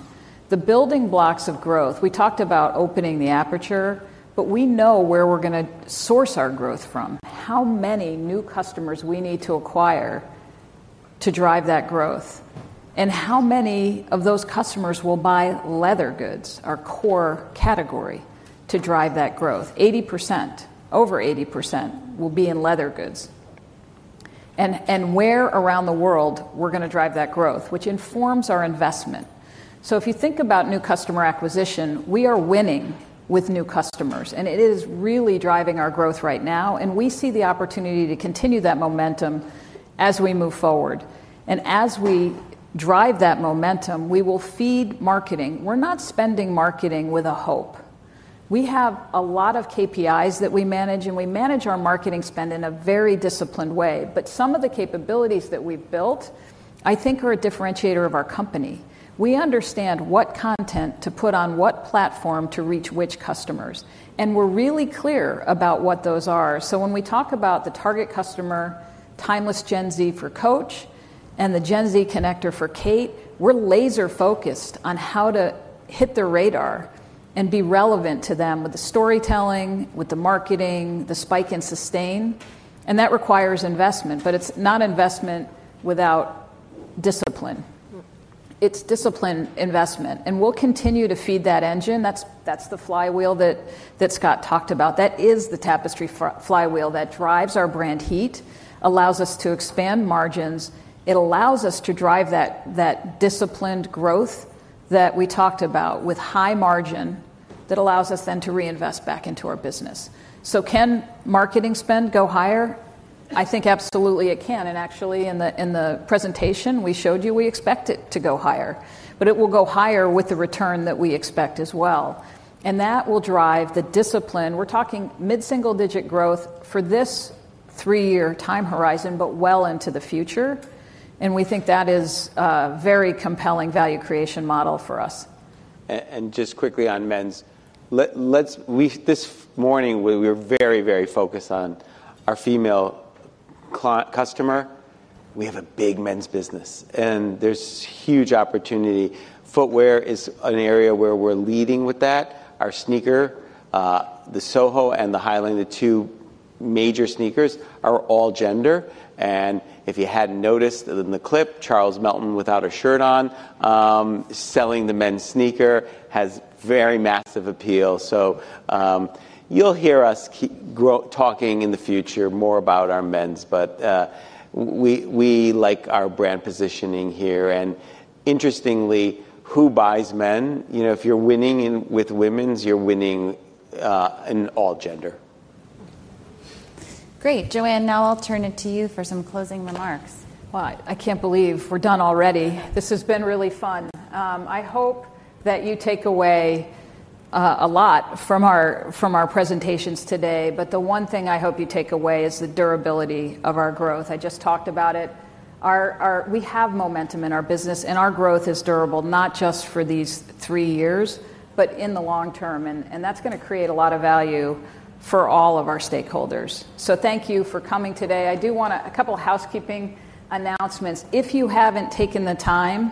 The building blocks of growth, we talked about opening the aperture, but we know where we're going to source our growth from, how many new customers we need to acquire to drive that growth, and how many of those customers will buy leather goods, our core category, to drive that growth. 80%, over 80% will be in leather goods. Where around the world we're going to drive that growth informs our investment. If you think about new customer acquisition, we are winning with new customers. It is really driving our growth right now. We see the opportunity to continue that momentum as we move forward. As we drive that momentum, we will feed marketing. We're not spending marketing with a hope. We have a lot of KPIs that we manage, and we manage our marketing spend in a very disciplined way. Some of the capabilities that we've built, I think, are a differentiator of our company. We understand what content to put on what platform to reach which customers. We're really clear about what those are. When we talk about the target customer, timeless Gen Z for Coach, and the Gen Z connector for Kate, we're laser-focused on how to hit the radar and be relevant to them with the storytelling, with the marketing, the spike and sustain. That requires investment, but it's not investment without discipline. It's discipline investment. We'll continue to feed that engine. That's the flywheel that Scott talked about. That is the Tapestry flywheel that drives our brand heat, allows us to expand margins, and allows us to drive that disciplined growth that we talked about with high margin that allows us then to reinvest back into our business. Can marketing spend go higher? I think absolutely it can. Actually, in the presentation, we showed you we expect it to go higher. It will go higher with the return that we expect as well. That will drive the discipline. We're talking mid-single-digit growth for this three-year time horizon, but well into the future. We think that is a very compelling value creation model for us. Just quickly on men's, this morning, we were very, very focused on our female customer. We have a big men's business, and there's huge opportunity. Footwear is an area where we're leading with that. Our sneaker, the Soho and the Highland, the two major sneakers, are all gender. If you hadn't noticed in the clip, Charles Melton without a shirt on, selling the men's sneaker, has very massive appeal. You'll hear us keep talking in the future more about our men's, but we like our brand positioning here. Interestingly, who buys men? You know, if you're winning with women's, you're winning in all gender. Great, Joanne. Now I'll turn it to you for some closing remarks. I can't believe we're done already. This has been really fun. I hope that you take away a lot from our presentations today. The one thing I hope you take away is the durability of our growth. I just talked about it. We have momentum in our business, and our growth is durable, not just for these three years, but in the long term. That's going to create a lot of value for all of our stakeholders. Thank you for coming today. I do want a couple of housekeeping announcements. If you haven't taken the time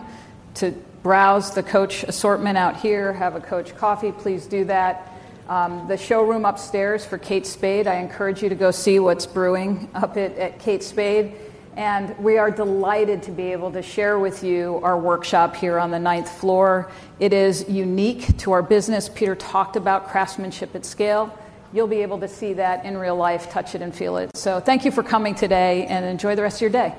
to browse the Coach assortment out here, have a Coach coffee, please do that. The showroom upstairs for Kate Spade, I encourage you to go see what's brewing up at Kate Spade. We are delighted to be able to share with you our workshop here on the ninth floor. It is unique to our business. Peter talked about craftsmanship at scale. You'll be able to see that in real life, touch it, and feel it. Thank you for coming today and enjoy the rest of your day.